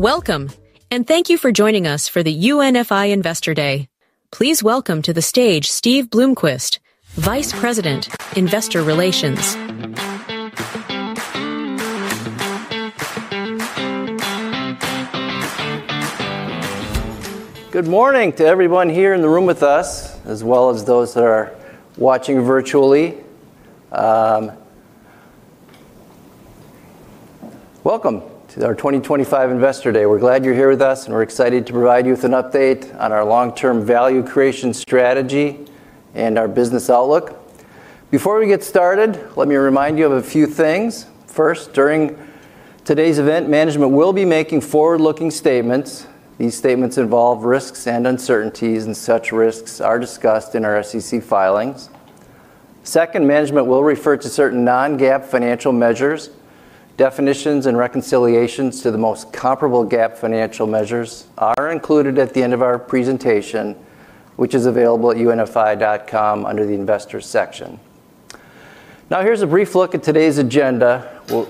Welcome, and thank you for joining us for the UNFI Investor Day. Please welcome to the stage Steve Bloomquist, Vice President, Investor Relations. Good morning to everyone here in the room with us, as well as those that are watching virtually. Welcome to our 2025 Investor Day. We're glad you're here with us, and we're excited to provide you with an update on our long-term value creation strategy and our business outlook. Before we get started, let me remind you of a few things. First, during today's event, management will be making forward-looking statements. These statements involve risks and uncertainties, and such risks are discussed in our SEC filings. Second, management will refer to certain Non-GAAP financial measures. Definitions and reconciliations to the most comparable GAAP financial measures are included at the end of our presentation, which is available at unfi.com under the Investors section. Now, here's a brief look at today's agenda,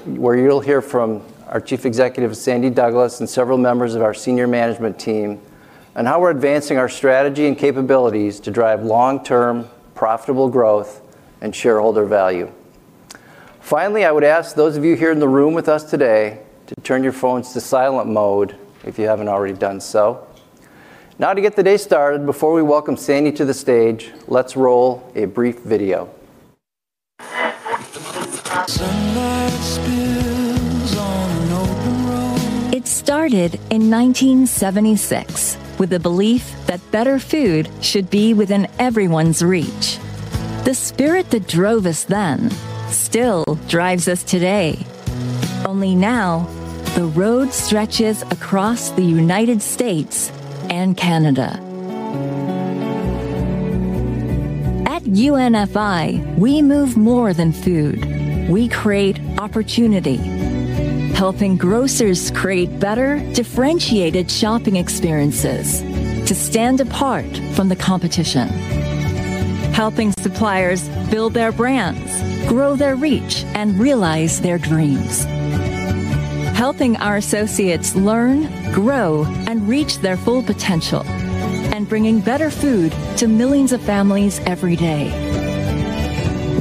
where you'll hear from our Chief Executive, Sandy Douglas, and several members of our senior management team on how we're advancing our strategy and capabilities to drive long-term profitable growth and shareholder value. Finally, I would ask those of you here in the room with us today to turn your phones to silent mode if you haven't already done so. Now, to get the day started, before we welcome Sandy to the stage, let's roll a brief video. It started in 1976 with the belief that better food should be within everyone's reach. The spirit that drove us then still drives us today. Only now, the road stretches across the United States and Canada. At UNFI, we move more than food. We create opportunity, helping grocers create better differentiated shopping experiences to stand apart from the competition, helping suppliers build their brands, grow their reach, and realize their dreams, helping our associates learn, grow, and reach their full potential, and bringing better food to millions of families every day.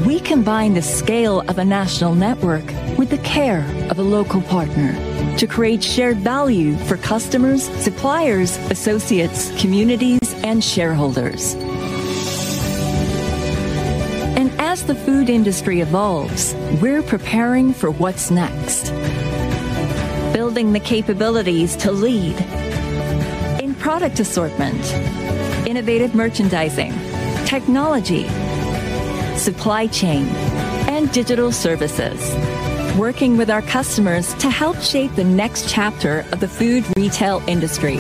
We combine the scale of a national network with the care of a local partner to create shared value for customers, suppliers, associates, communities, and shareholders. And as the food industry evolves, we're preparing for what's next, building the capabilities to lead in product assortment, innovative merchandising, technology, supply chain, and digital services, working with our customers to help shape the next chapter of the food retail industry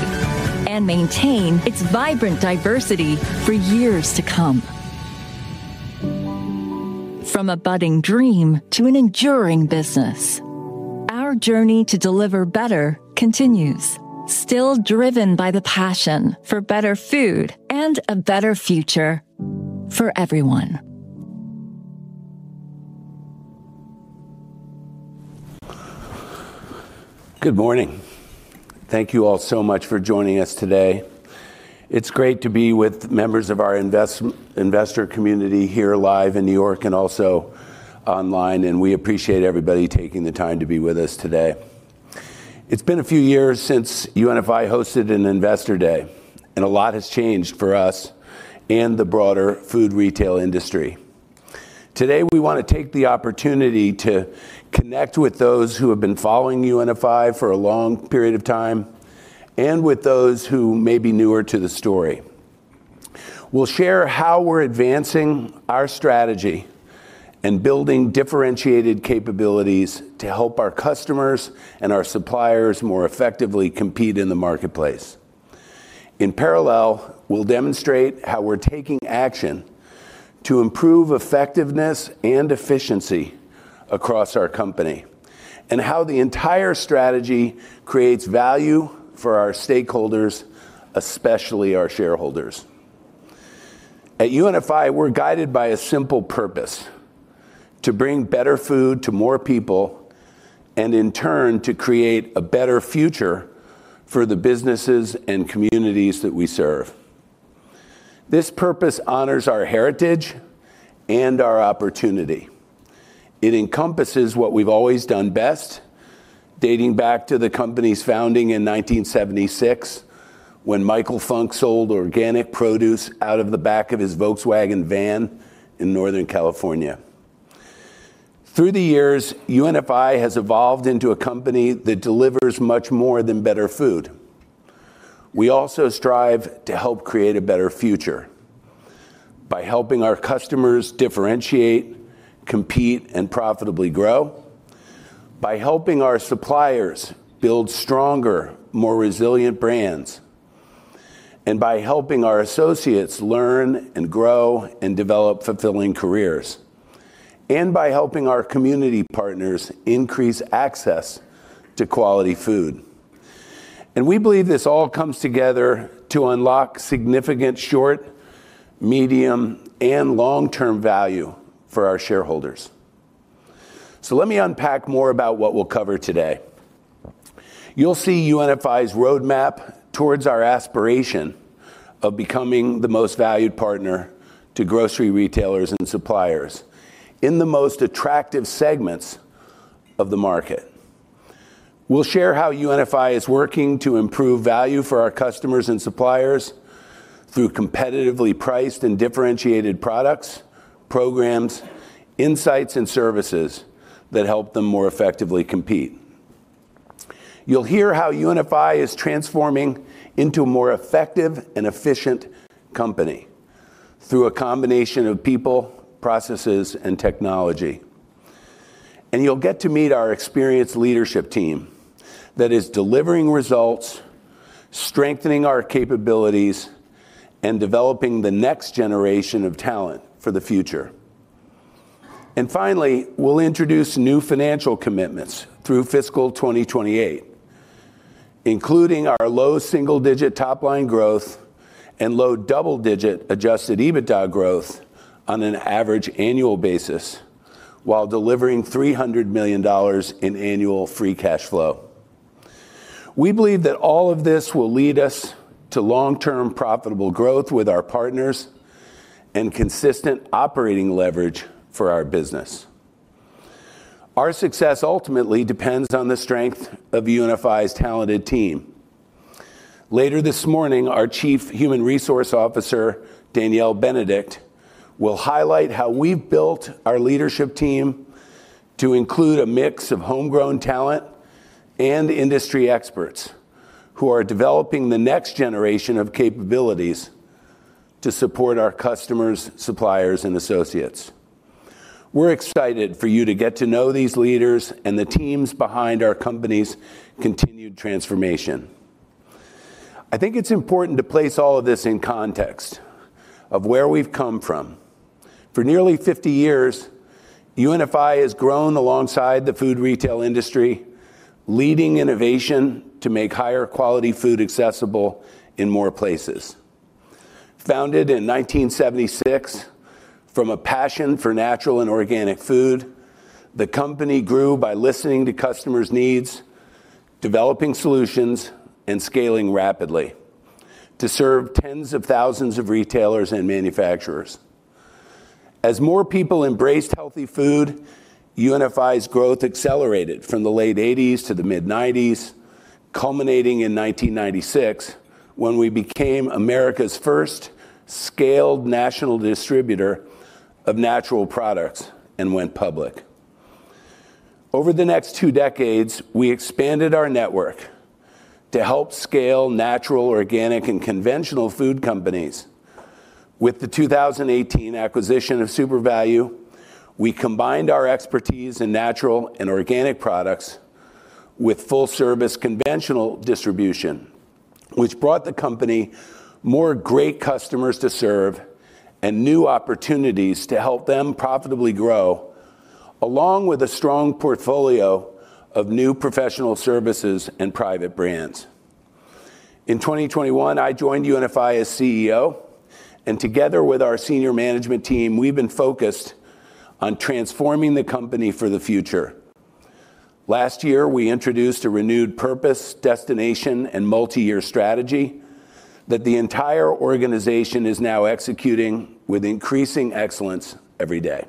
and maintain its vibrant diversity for years to come. From a budding dream to an enduring business, our journey to deliver better continues, still driven by the passion for better food and a better future for everyone. Good morning. Thank you all so much for joining us today. It's great to be with members of our investor community here live in New York and also online, and we appreciate everybody taking the time to be with us today. It's been a few years since UNFI hosted an Investor Day, and a lot has changed for us and the broader food retail industry. Today, we want to take the opportunity to connect with those who have been following UNFI for a long period of time and with those who may be newer to the story. We'll share how we're advancing our strategy and building differentiated capabilities to help our customers and our suppliers more effectively compete in the marketplace. In parallel, we'll demonstrate how we're taking action to improve effectiveness and efficiency across our company and how the entire strategy creates value for our stakeholders, especially our shareholders. At UNFI, we're guided by a simple purpose: to bring better food to more people and, in turn, to create a better future for the businesses and communities that we serve. This purpose honors our heritage and our opportunity. It encompasses what we've always done best, dating back to the company's founding in 1976 when Michael Funk sold organic produce out of the back of his Volkswagen van in Northern California. Through the years, UNFI has evolved into a company that delivers much more than better food. We also strive to help create a better future by helping our customers differentiate, compete, and profitably grow, by helping our suppliers build stronger, more resilient brands, and by helping our associates learn and grow and develop fulfilling careers, and by helping our community partners increase access to quality food. We believe this all comes together to unlock significant short, medium, and long-term value for our shareholders. Let me unpack more about what we'll cover today. You'll see UNFI's roadmap towards our aspiration of becoming the most valued partner to grocery retailers and suppliers in the most attractive segments of the market. We'll share how UNFI is working to improve value for our customers and suppliers through competitively priced and differentiated products, programs, insights, and services that help them more effectively compete. You'll hear how UNFI is transforming into a more effective and efficient company through a combination of people, processes, and technology. You'll get to meet our experienced leadership team that is delivering results, strengthening our capabilities, and developing the next generation of talent for the future. And finally, we'll introduce new financial commitments through fiscal 2028, including our low single-digit top-line growth and low double-digit Adjusted EBITDA growth on an average annual basis while delivering $300 million in annual free cash flow. We believe that all of this will lead us to long-term profitable growth with our partners and consistent operating leverage for our business. Our success ultimately depends on the strength of UNFI's talented team. Later this morning, our Chief Human Resources Officer, Danielle Benedict, will highlight how we've built our leadership team to include a mix of homegrown talent and industry experts who are developing the next generation of capabilities to support our customers, suppliers, and associates. We're excited for you to get to know these leaders and the teams behind our company's continued transformation. I think it's important to place all of this in context of where we've come from. For nearly 50 years, UNFI has grown alongside the food retail industry, leading innovation to make higher-quality food accessible in more places. Founded in 1976 from a passion for natural and organic food, the company grew by listening to customers' needs, developing solutions, and scaling rapidly to serve tens of thousands of retailers and manufacturers. As more people embraced healthy food, UNFI's growth accelerated from the late 1980s to the mid-1990s, culminating in 1996 when we became America's first scaled national distributor of natural products and went public. Over the next two decades, we expanded our network to help scale natural, organic, and conventional food companies. With the 2018 acquisition of Supervalu, we combined our expertise in natural and organic products with full-service conventional distribution, which brought the company more great customers to serve and new opportunities to help them profitably grow, along with a strong portfolio of new professional services and private brands. In 2021, I joined UNFI as CEO, and together with our senior management team, we've been focused on transforming the company for the future. Last year, we introduced a renewed purpose, destination, and multi-year strategy that the entire organization is now executing with increasing excellence every day.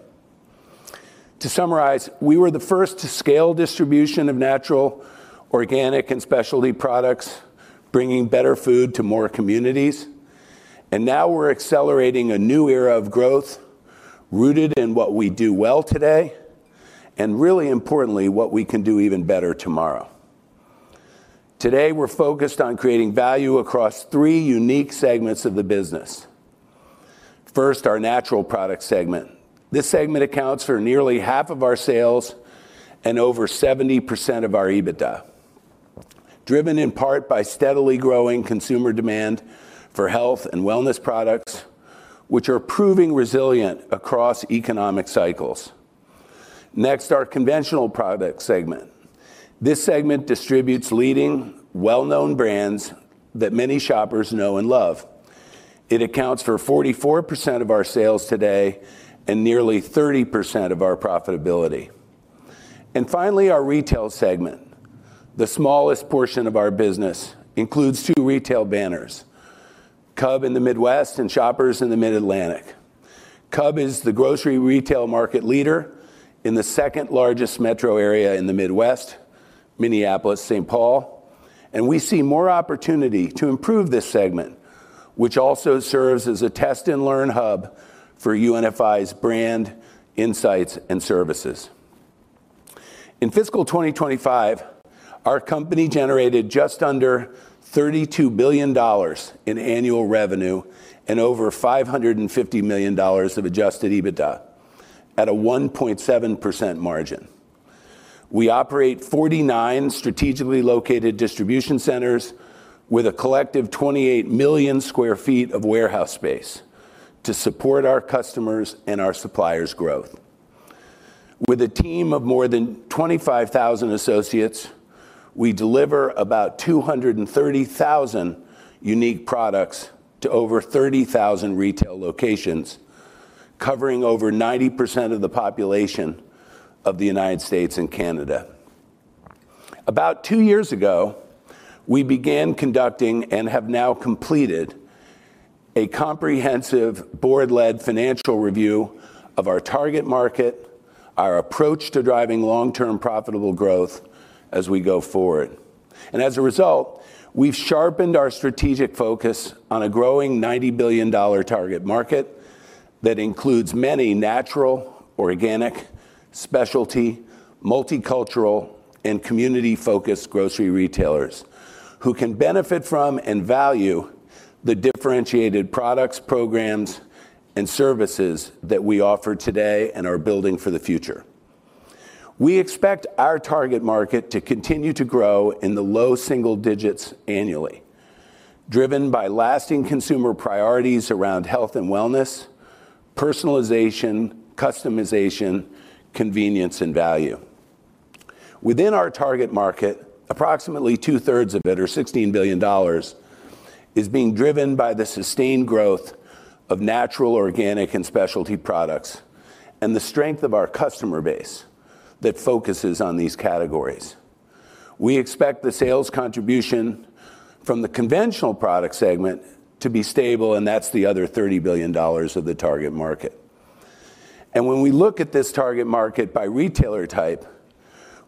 To summarize, we were the first to scale distribution of natural, organic, and specialty products, bringing better food to more communities, and now we're accelerating a new era of growth rooted in what we do well today and, really importantly, what we can do even better tomorrow. Today, we're focused on creating value across three unique segments of the business. First, our natural product segment. This segment accounts for nearly half of our sales and over 70% of our EBITDA, driven in part by steadily growing consumer demand for health and wellness products, which are proving resilient across economic cycles. Next, our conventional product segment. This segment distributes leading, well-known brands that many shoppers know and love. It accounts for 44% of our sales today and nearly 30% of our profitability, and finally, our retail segment. The smallest portion of our business includes two retail banners: Cub in the Midwest and Shoppers in the Mid-Atlantic. Cub is the grocery retail market leader in the second-largest metro area in the Midwest, Minneapolis-St. Paul, and we see more opportunity to improve this segment, which also serves as a test-and-learn hub for UNFI's brand, insights, and services. In fiscal 2025, our company generated just under $32 billion in annual revenue and over $550 million of Adjusted EBITDA at a 1.7% margin. We operate 49 strategically located distribution centers with a collective 28 million sq ft of warehouse space to support our customers and our suppliers' growth. With a team of more than 25,000 associates, we deliver about 230,000 unique products to over 30,000 retail locations, covering over 90% of the population of the United States and Canada. About two years ago, we began conducting and have now completed a comprehensive board-led financial review of our target market, our approach to driving long-term profitable growth as we go forward. And as a result, we've sharpened our strategic focus on a growing $90 billion target market that includes many natural, organic, specialty, multicultural, and community-focused grocery retailers who can benefit from and value the differentiated products, programs, and services that we offer today and are building for the future. We expect our target market to continue to grow in the low single digits annually, driven by lasting consumer priorities around health and wellness, personalization, customization, convenience, and value. Within our target market, approximately two-thirds of it, or $16 billion, is being driven by the sustained growth of natural, organic, and specialty products and the strength of our customer base that focuses on these categories. We expect the sales contribution from the conventional product segment to be stable, and that's the other $30 billion of the target market. And when we look at this target market by retailer type,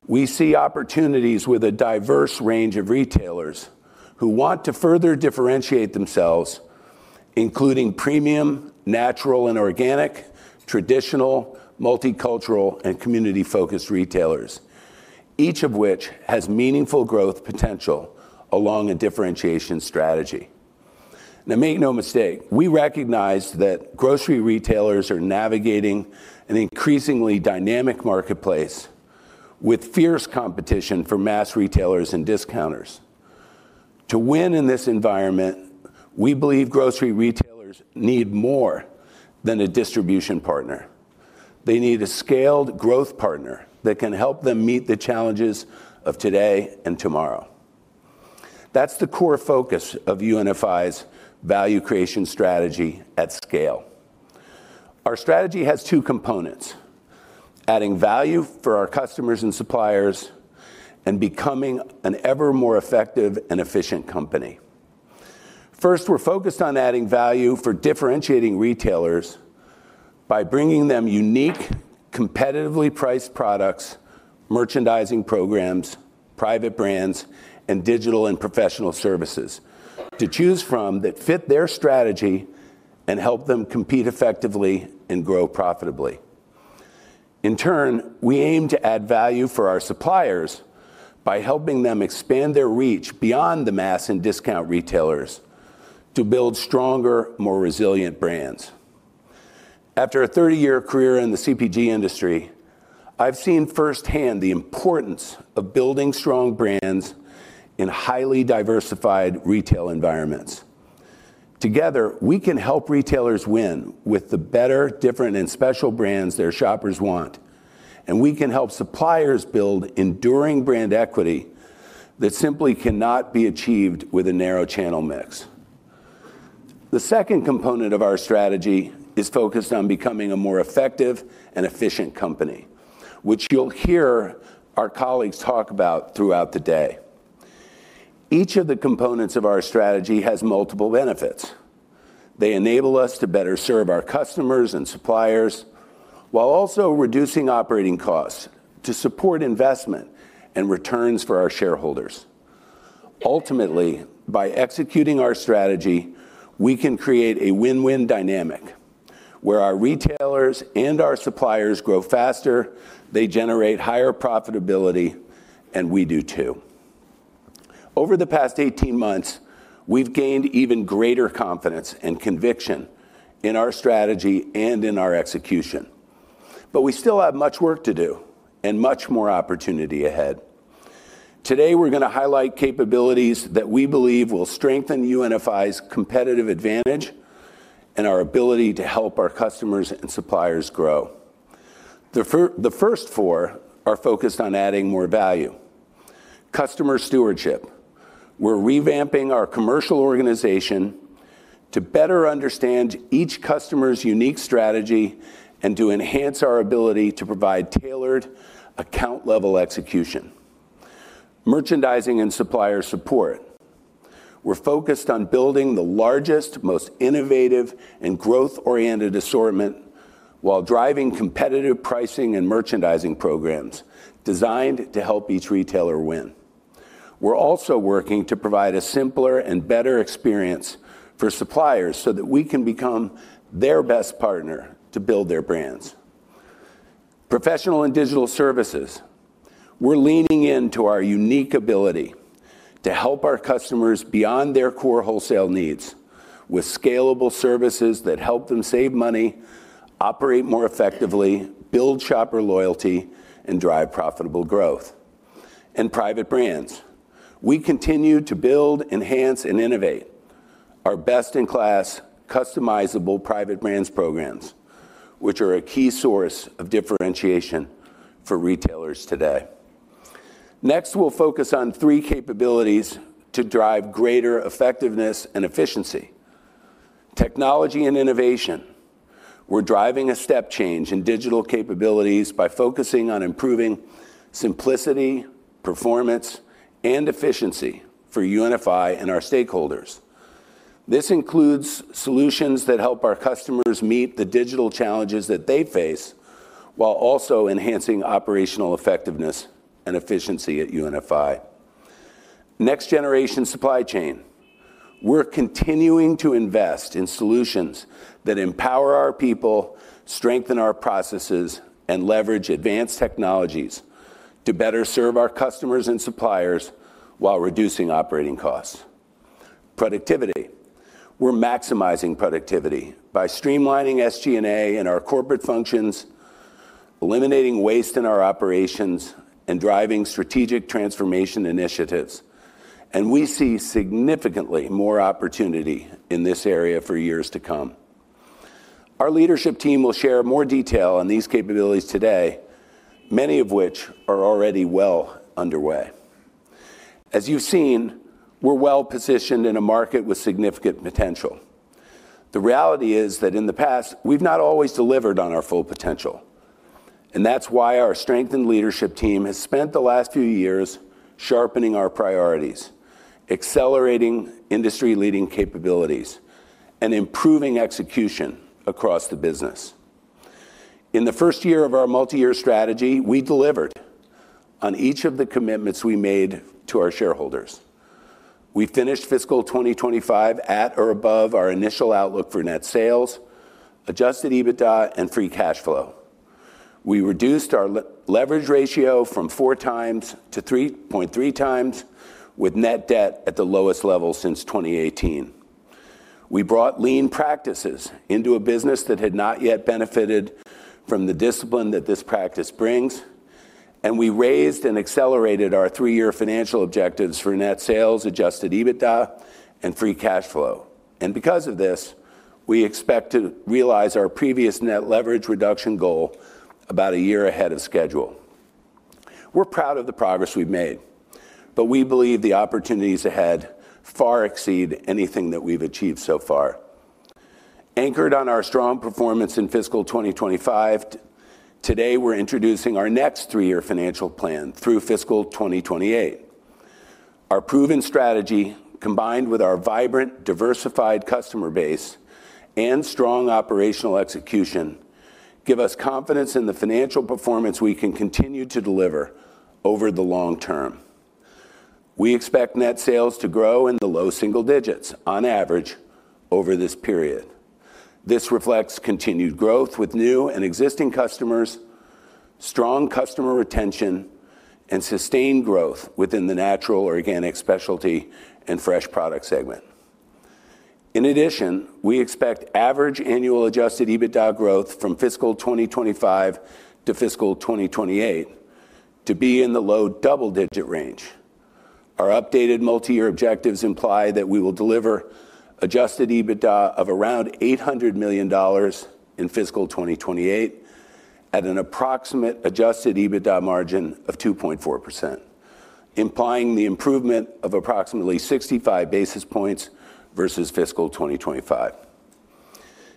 we see opportunities with a diverse range of retailers who want to further differentiate themselves, including premium, natural, and organic, traditional, multicultural, and community-focused retailers, each of which has meaningful growth potential along a differentiation strategy. Now, make no mistake, we recognize that grocery retailers are navigating an increasingly dynamic marketplace with fierce competition for mass retailers and discounters. To win in this environment, we believe grocery retailers need more than a distribution partner. They need a scaled growth partner that can help them meet the challenges of today and tomorrow. That's the core focus of UNFI's value creation strategy at scale. Our strategy has two components: adding value for our customers and suppliers and becoming an ever more effective and efficient company. First, we're focused on adding value for differentiating retailers by bringing them unique, competitively priced products, merchandising programs, private brands, and digital and professional services to choose from that fit their strategy and help them compete effectively and grow profitably. In turn, we aim to add value for our suppliers by helping them expand their reach beyond the mass and discount retailers to build stronger, more resilient brands. After a 30-year career in the CPG industry, I've seen firsthand the importance of building strong brands in highly diversified retail environments. Together, we can help retailers win with the better, different, and special brands their shoppers want, and we can help suppliers build enduring brand equity that simply cannot be achieved with a narrow-channel mix. The second component of our strategy is focused on becoming a more effective and efficient company, which you'll hear our colleagues talk about throughout the day. Each of the components of our strategy has multiple benefits. They enable us to better serve our customers and suppliers while also reducing operating costs to support investment and returns for our shareholders. Ultimately, by executing our strategy, we can create a win-win dynamic where our retailers and our suppliers grow faster, they generate higher profitability, and we do too. Over the past 18 months, we've gained even greater confidence and conviction in our strategy and in our execution, but we still have much work to do and much more opportunity ahead. Today, we're going to highlight capabilities that we believe will strengthen UNFI's competitive advantage and our ability to help our customers and suppliers grow. The first four are focused on adding more value: customer stewardship. We're revamping our commercial organization to better understand each customer's unique strategy and to enhance our ability to provide tailored, account-level execution. Merchandising and supplier support. We're focused on building the largest, most innovative, and growth-oriented assortment while driving competitive pricing and merchandising programs designed to help each retailer win. We're also working to provide a simpler and better experience for suppliers so that we can become their best partner to build their brands. Professional and digital services. We're leaning into our unique ability to help our customers beyond their core wholesale needs with scalable services that help them save money, operate more effectively, build shopper loyalty, and drive profitable growth. And private brands. We continue to build, enhance, and innovate our best-in-class, customizable private brands programs, which are a key source of differentiation for retailers today. Next, we'll focus on three capabilities to drive greater effectiveness and efficiency: technology and innovation. We're driving a step change in digital capabilities by focusing on improving simplicity, performance, and efficiency for UNFI and our stakeholders. This includes solutions that help our customers meet the digital challenges that they face while also enhancing operational effectiveness and efficiency at UNFI. Next-generation supply chain. We're continuing to invest in solutions that empower our people, strengthen our processes, and leverage advanced technologies to better serve our customers and suppliers while reducing operating costs. Productivity. We're maximizing productivity by streamlining SG&A and our corporate functions, eliminating waste in our operations, and driving strategic transformation initiatives, and we see significantly more opportunity in this area for years to come. Our leadership team will share more detail on these capabilities today, many of which are already well underway. As you've seen, we're well positioned in a market with significant potential. The reality is that in the past, we've not always delivered on our full potential, and that's why our strengthened leadership team has spent the last few years sharpening our priorities, accelerating industry-leading capabilities, and improving execution across the business. In the first year of our multi-year strategy, we delivered on each of the commitments we made to our shareholders. We finished fiscal 2025 at or above our initial outlook for net sales, Adjusted EBITDA, and free cash flow. We reduced our leverage ratio from four times to 3.3 times, with net debt at the lowest level since 2018. We brought lean practices into a business that had not yet benefited from the discipline that this practice brings, and we raised and accelerated our three-year financial objectives for net sales, Adjusted EBITDA, and free cash flow. And because of this, we expect to realize our previous Net Leverage reduction goal about a year ahead of schedule. We're proud of the progress we've made, but we believe the opportunities ahead far exceed anything that we've achieved so far. Anchored on our strong performance in fiscal 2025, today we're introducing our next three-year financial plan through fiscal 2028. Our proven strategy, combined with our vibrant, diversified customer base and strong operational execution, gives us confidence in the financial performance we can continue to deliver over the long term. We expect net sales to grow in the low single digits on average over this period. This reflects continued growth with new and existing customers, strong customer retention, and sustained growth within the natural, organic, specialty, and fresh product segment. In addition, we expect average annual Adjusted EBITDA growth from fiscal 2025 to fiscal 2028 to be in the low double-digit range. Our updated multi-year objectives imply that we will deliver Adjusted EBITDA of around $800 million in fiscal 2028 at an approximate Adjusted EBITDA margin of 2.4%, implying the improvement of approximately 65 basis points versus fiscal 2025.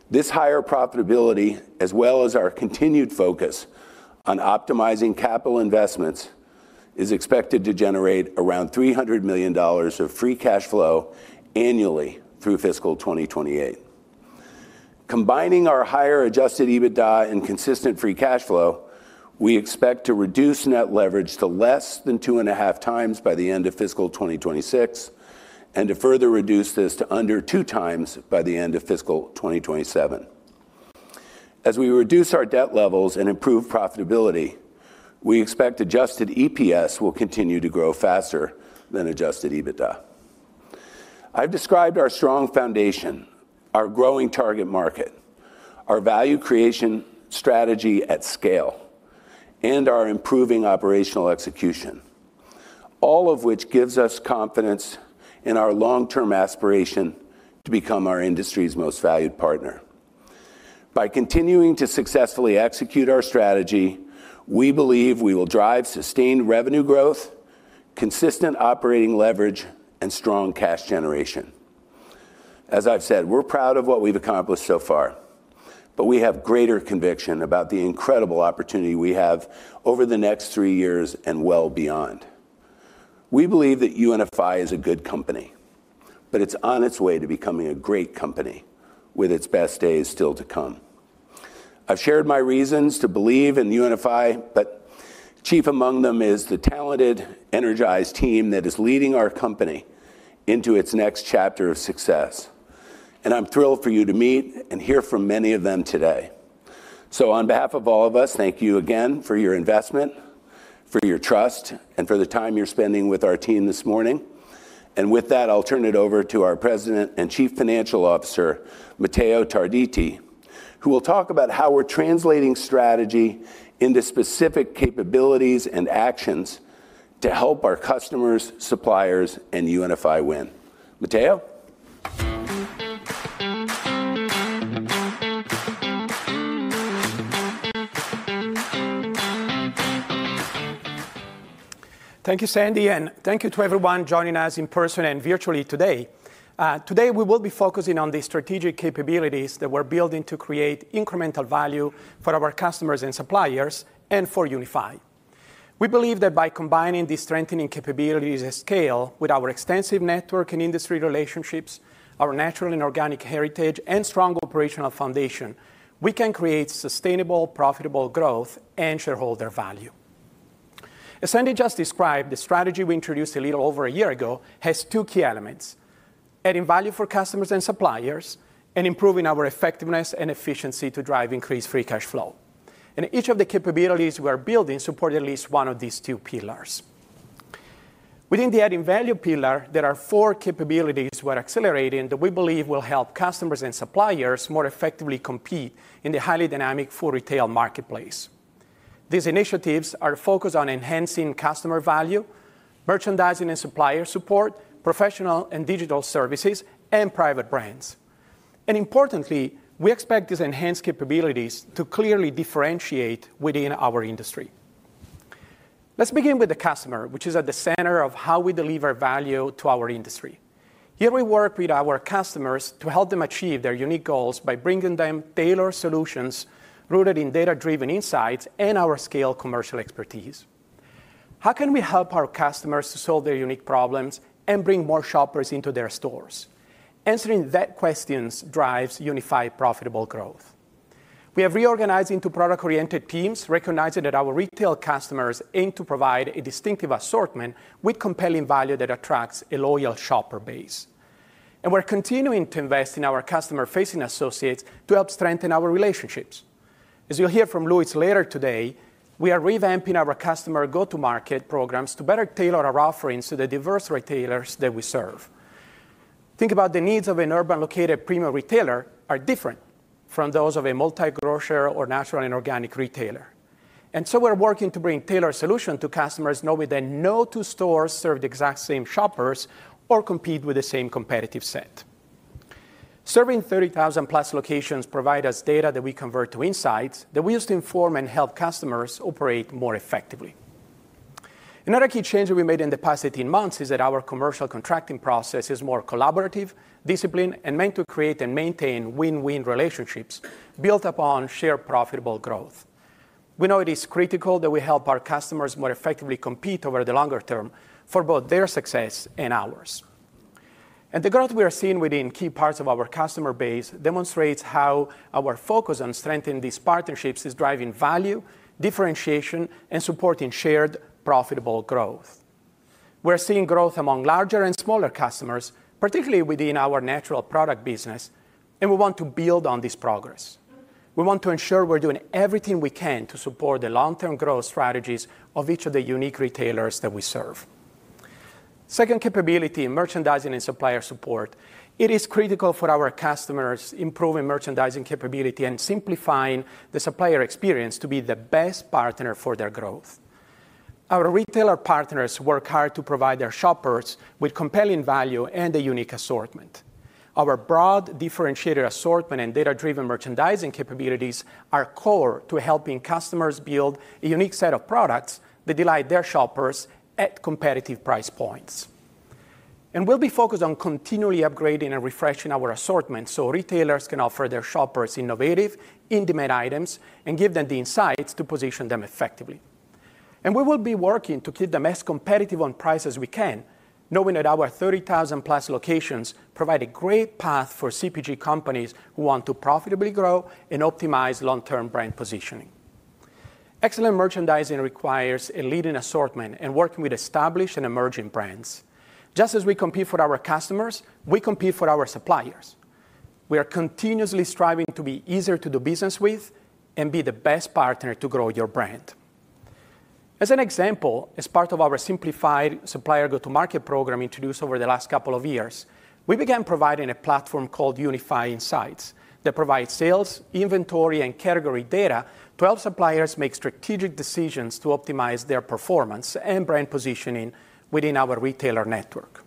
This higher profitability, as well as our continued focus on optimizing capital investments, is expected to generate around $300 million of free cash flow annually through fiscal 2028. Combining our higher Adjusted EBITDA and consistent free cash flow, we expect to reduce Net Leverage to less than two and a half times by the end of fiscal 2026 and to further reduce this to under two times by the end of fiscal 2027. As we reduce our debt levels and improve profitability, we expect Adjusted EPS will continue to grow faster than Adjusted EBITDA. I've described our strong foundation, our growing target market, our value creation strategy at scale, and our improving operational execution, all of which gives us confidence in our long-term aspiration to become our industry's most valued partner. By continuing to successfully execute our strategy, we believe we will drive sustained revenue growth, consistent operating leverage, and strong cash generation. As I've said, we're proud of what we've accomplished so far, but we have greater conviction about the incredible opportunity we have over the next three years and well beyond. We believe that UNFI is a good company, but it's on its way to becoming a great company with its best days still to come. I've shared my reasons to believe in UNFI, but chief among them is the talented, energized team that is leading our company into its next chapter of success, and I'm thrilled for you to meet and hear from many of them today. So on behalf of all of us, thank you again for your investment, for your trust, and for the time you're spending with our team this morning. And with that, I'll turn it over to our President and Chief Financial Officer, Matteo Tarditi, who will talk about how we're translating strategy into specific capabilities and actions to help our customers, suppliers, and UNFI win. Matteo. Thank you, Sandy, and thank you to everyone joining us in person and virtually today. Today, we will be focusing on the strategic capabilities that we're building to create incremental value for our customers and suppliers and for UNFI. We believe that by combining these strengthening capabilities at scale with our extensive network and industry relationships, our natural and organic heritage, and strong operational foundation, we can create sustainable, profitable growth and shareholder value. As Sandy just described, the strategy we introduced a little over a year ago has two key elements: adding value for customers and suppliers and improving our effectiveness and efficiency to drive increased free cash flow. And each of the capabilities we are building supports at least one of these two pillars. Within the adding value pillar, there are four capabilities we're accelerating that we believe will help customers and suppliers more effectively compete in the highly dynamic full retail marketplace. These initiatives are focused on enhancing customer value, merchandising and supplier support, professional and digital services, and private brands. And importantly, we expect these enhanced capabilities to clearly differentiate within our industry. Let's begin with the customer, which is at the center of how we deliver value to our industry. Here we work with our customers to help them achieve their unique goals by bringing them tailored solutions rooted in data-driven insights and our scaled commercial expertise. How can we help our customers to solve their unique problems and bring more shoppers into their stores? Answering that question drives UNFI profitable growth. We have reorganized into product-oriented teams, recognizing that our retail customers aim to provide a distinctive assortment with compelling value that attracts a loyal shopper base. And we're continuing to invest in our customer-facing associates to help strengthen our relationships. As you'll hear from Louis later today, we are revamping our customer go-to-market programs to better tailor our offerings to the diverse retailers that we serve. Think about the needs of an urban-located premium retailer that are different from those of a multi-grocer or natural and organic retailer, and so we're working to bring tailored solutions to customers now within no two stores serve the exact same shoppers or compete with the same competitive set. Serving 30,000+ locations provides us data that we convert to insights that we use to inform and help customers operate more effectively. Another key change that we made in the past 18 months is that our commercial contracting process is more collaborative, disciplined, and meant to create and maintain win-win relationships built upon shared profitable growth. We know it is critical that we help our customers more effectively compete over the longer term for both their success and ours. And the growth we are seeing within key parts of our customer base demonstrates how our focus on strengthening these partnerships is driving value, differentiation, and supporting shared profitable growth. We're seeing growth among larger and smaller customers, particularly within our natural product business, and we want to build on this progress. We want to ensure we're doing everything we can to support the long-term growth strategies of each of the unique retailers that we serve. Second capability, merchandising and supplier support. It is critical for our customers to improve merchandising capability and simplify the supplier experience to be the best partner for their growth. Our retailer partners work hard to provide their shoppers with compelling value and a unique assortment. Our broad differentiated assortment and data-driven merchandising capabilities are core to helping customers build a unique set of products that delight their shoppers at competitive price points. We'll be focused on continually upgrading and refreshing our assortment so retailers can offer their shoppers innovative, in-demand items and give them the insights to position them effectively. We will be working to keep them as competitive on price as we can, knowing that our 30,000+ locations provide a great path for CPG companies who want to profitably grow and optimize long-term brand positioning. Excellent merchandising requires a leading assortment and working with established and emerging brands. Just as we compete for our customers, we compete for our suppliers. We are continuously striving to be easier to do business with and be the best partner to grow your brand. As an example, as part of our simplified supplier go-to-market program introduced over the last couple of years, we began providing a platform called UNFI Insights that provides sales, inventory, and category data to help suppliers make strategic decisions to optimize their performance and brand positioning within our retailer network.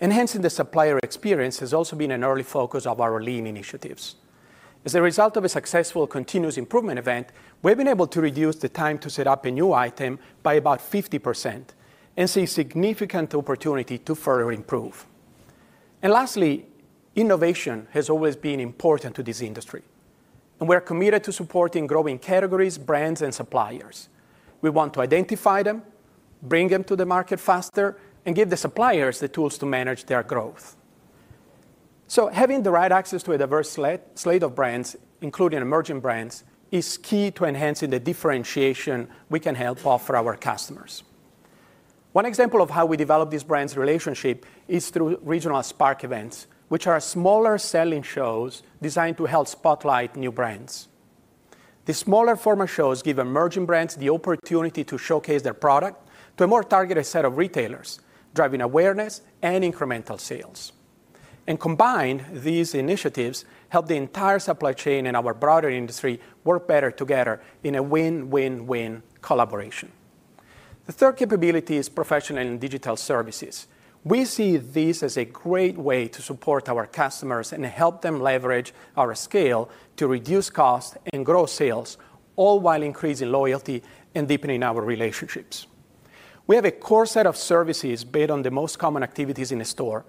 Enhancing the supplier experience has also been an early focus of our lean initiatives. As a result of a successful continuous improvement event, we've been able to reduce the time to set up a new item by about 50% and see significant opportunity to further improve. And lastly, innovation has always been important to this industry, and we are committed to supporting growing categories, brands, and suppliers. We want to identify them, bring them to the market faster, and give the suppliers the tools to manage their growth. So having the right access to a diverse slate of brands, including emerging brands, is key to enhancing the differentiation we can help offer our customers. One example of how we develop these brands' relationships is through regional Spark events, which are smaller selling shows designed to help spotlight new brands. The smaller format shows give emerging brands the opportunity to showcase their product to a more targeted set of retailers, driving awareness and incremental sales. And combined, these initiatives help the entire supply chain and our broader industry work better together in a win-win-win collaboration. The third capability is professional and digital services. We see this as a great way to support our customers and help them leverage our scale to reduce costs and grow sales, all while increasing loyalty and deepening our relationships. We have a core set of services based on the most common activities in a store.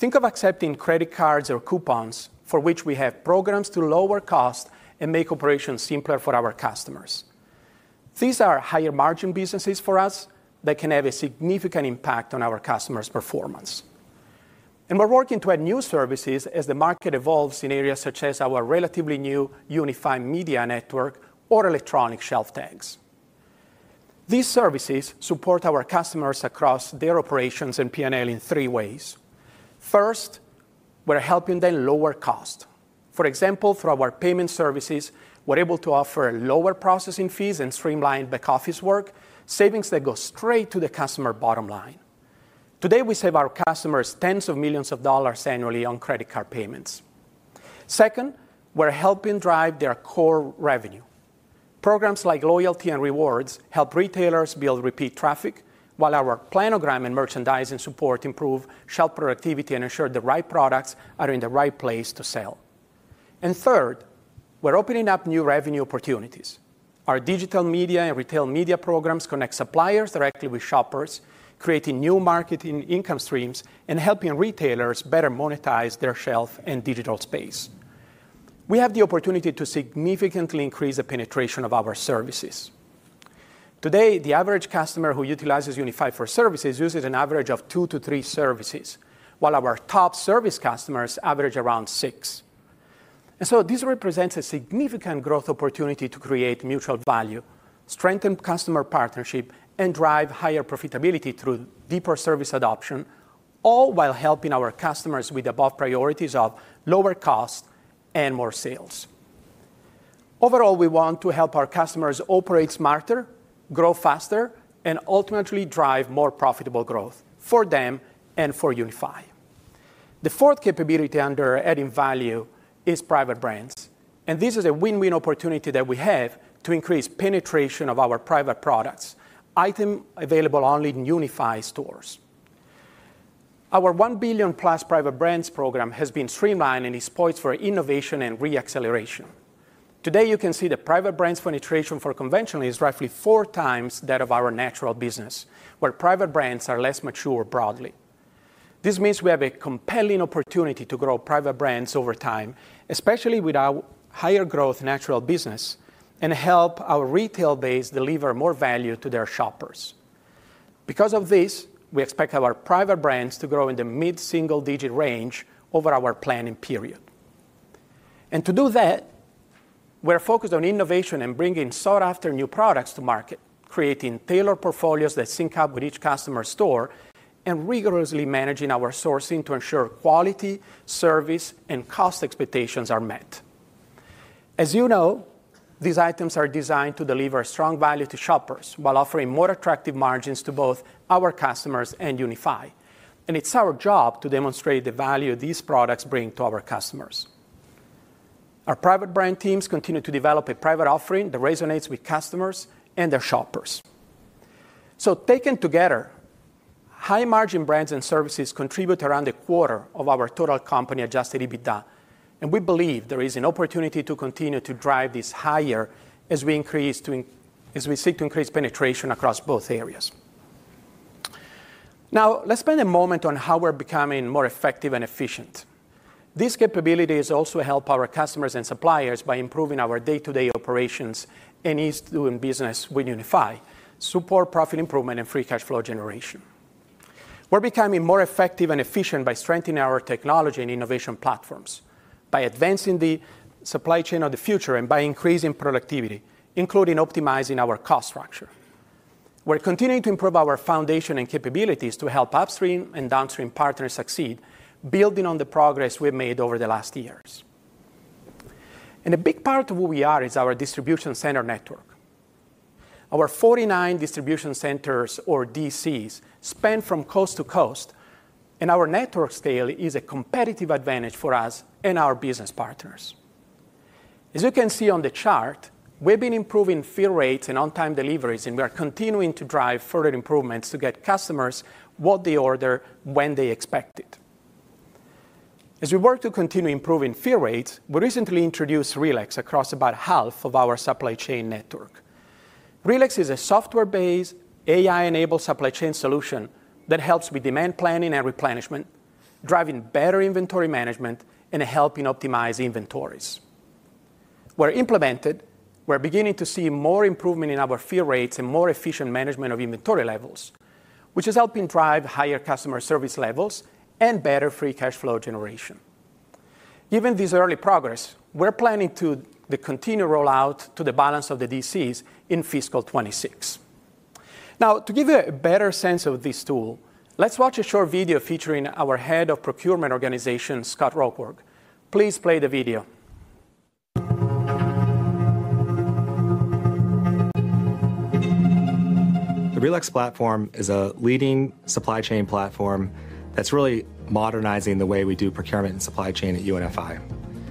Think of accepting credit cards or coupons for which we have programs to lower costs and make operations simpler for our customers. These are higher-margin businesses for us that can have a significant impact on our customers' performance, and we're working to add new services as the market evolves in areas such as our relatively new UNFI Media Network or electronic shelf tags. These services support our customers across their operations and P&L in three ways. First, we're helping them lower costs. For example, through our payment services, we're able to offer lower processing fees and streamlined back office work, savings that go straight to the customer bottom line. Today, we save our customers tens of millions of dollars annually on credit card payments. Second, we're helping drive their core revenue. Programs like loyalty and rewards help retailers build repeat traffic, while our planogram and merchandising support improve shelf productivity and ensure the right products are in the right place to sell, and third, we're opening up new revenue opportunities. Our digital media and retail media programs connect suppliers directly with shoppers, creating new marketing income streams and helping retailers better monetize their shelf and digital space. We have the opportunity to significantly increase the penetration of our services. Today, the average customer who utilizes UNFI for services uses an average of two to three services, while our top service customers average around six, and so this represents a significant growth opportunity to create mutual value, strengthen customer partnership, and drive higher profitability through deeper service adoption, all while helping our customers with the above priorities of lower costs and more sales. Overall, we want to help our customers operate smarter, grow faster, and ultimately drive more profitable growth for them and for UNFI. The fourth capability under adding value is private brands, and this is a win-win opportunity that we have to increase penetration of our private products, items available only in UNFI stores. Our $1 billion+ private brands program has been streamlined and is poised for innovation and reacceleration. Today, you can see the private brands penetration for conventional is roughly four times that of our natural business, where private brands are less mature broadly. This means we have a compelling opportunity to grow private brands over time, especially with our higher-growth natural business and help our retail base deliver more value to their shoppers. Because of this, we expect our private brands to grow in the mid-single-digit range over our planning period. And to do that, we're focused on innovation and bringing sought-after new products to market, creating tailored portfolios that sync up with each customer store and rigorously managing our sourcing to ensure quality, service, and cost expectations are met. As you know, these items are designed to deliver strong value to shoppers while offering more attractive margins to both our customers and UNFI. And it's our job to demonstrate the value these products bring to our customers. Our private brand teams continue to develop a private offering that resonates with customers and their shoppers. So taken together, high-margin brands and services contribute around a quarter of our total company Adjusted EBITDA, and we believe there is an opportunity to continue to drive this higher as we seek to increase penetration across both areas. Now, let's spend a moment on how we're becoming more effective and efficient. This capability is also to help our customers and suppliers by improving our day-to-day operations and ease of doing business with UNFI, support profit improvement, and free cash flow generation. We're becoming more effective and efficient by strengthening our technology and innovation platforms, by advancing the supply chain of the future, and by increasing productivity, including optimizing our cost structure. We're continuing to improve our foundation and capabilities to help upstream and downstream partners succeed, building on the progress we've made over the last years, and a big part of who we are is our distribution center network. Our 49 distribution centers, or DCs, span from coast to coast, and our network scale is a competitive advantage for us and our business partners. As you can see on the chart, we've been improving fill rates and on-time deliveries, and we are continuing to drive further improvements to get customers what they order when they expect it. As we work to continue improving fill rates, we recently introduced RELEX across about half of our supply chain network. RELEX is a software-based, AI-enabled supply chain solution that helps with demand planning and replenishment, driving better inventory management and helping optimize inventories. We've implemented. We're beginning to see more improvement in our fill rates and more efficient management of inventory levels, which is helping drive higher customer service levels and better free cash flow generation. Given this early progress, we're planning to continue rollout to the balance of the DCs in fiscal 2026. Now, to give you a better sense of this tool, let's watch a short video featuring our head of procurement organization, Scott Rockwer. Please play the video. The RELEX platform is a leading supply chain platform that's really modernizing the way we do procurement and supply chain at UNFI.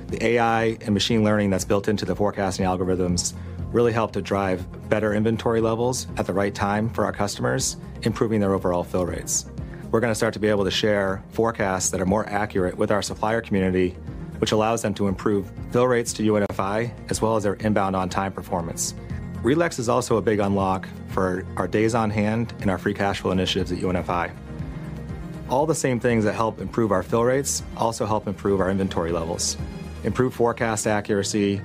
The AI and machine learning that's built into the forecasting algorithms really help to drive better inventory levels at the right time for our customers, improving their overall fill rates. We're going to start to be able to share forecasts that are more accurate with our supplier community, which allows them to improve fill rates to UNFI as well as their inbound on-time performance. RELEX is also a big unlock for our days on hand and our free cash flow initiatives at UNFI. All the same things that help improve our fill rates also help improve our inventory levels. Improved forecast accuracy,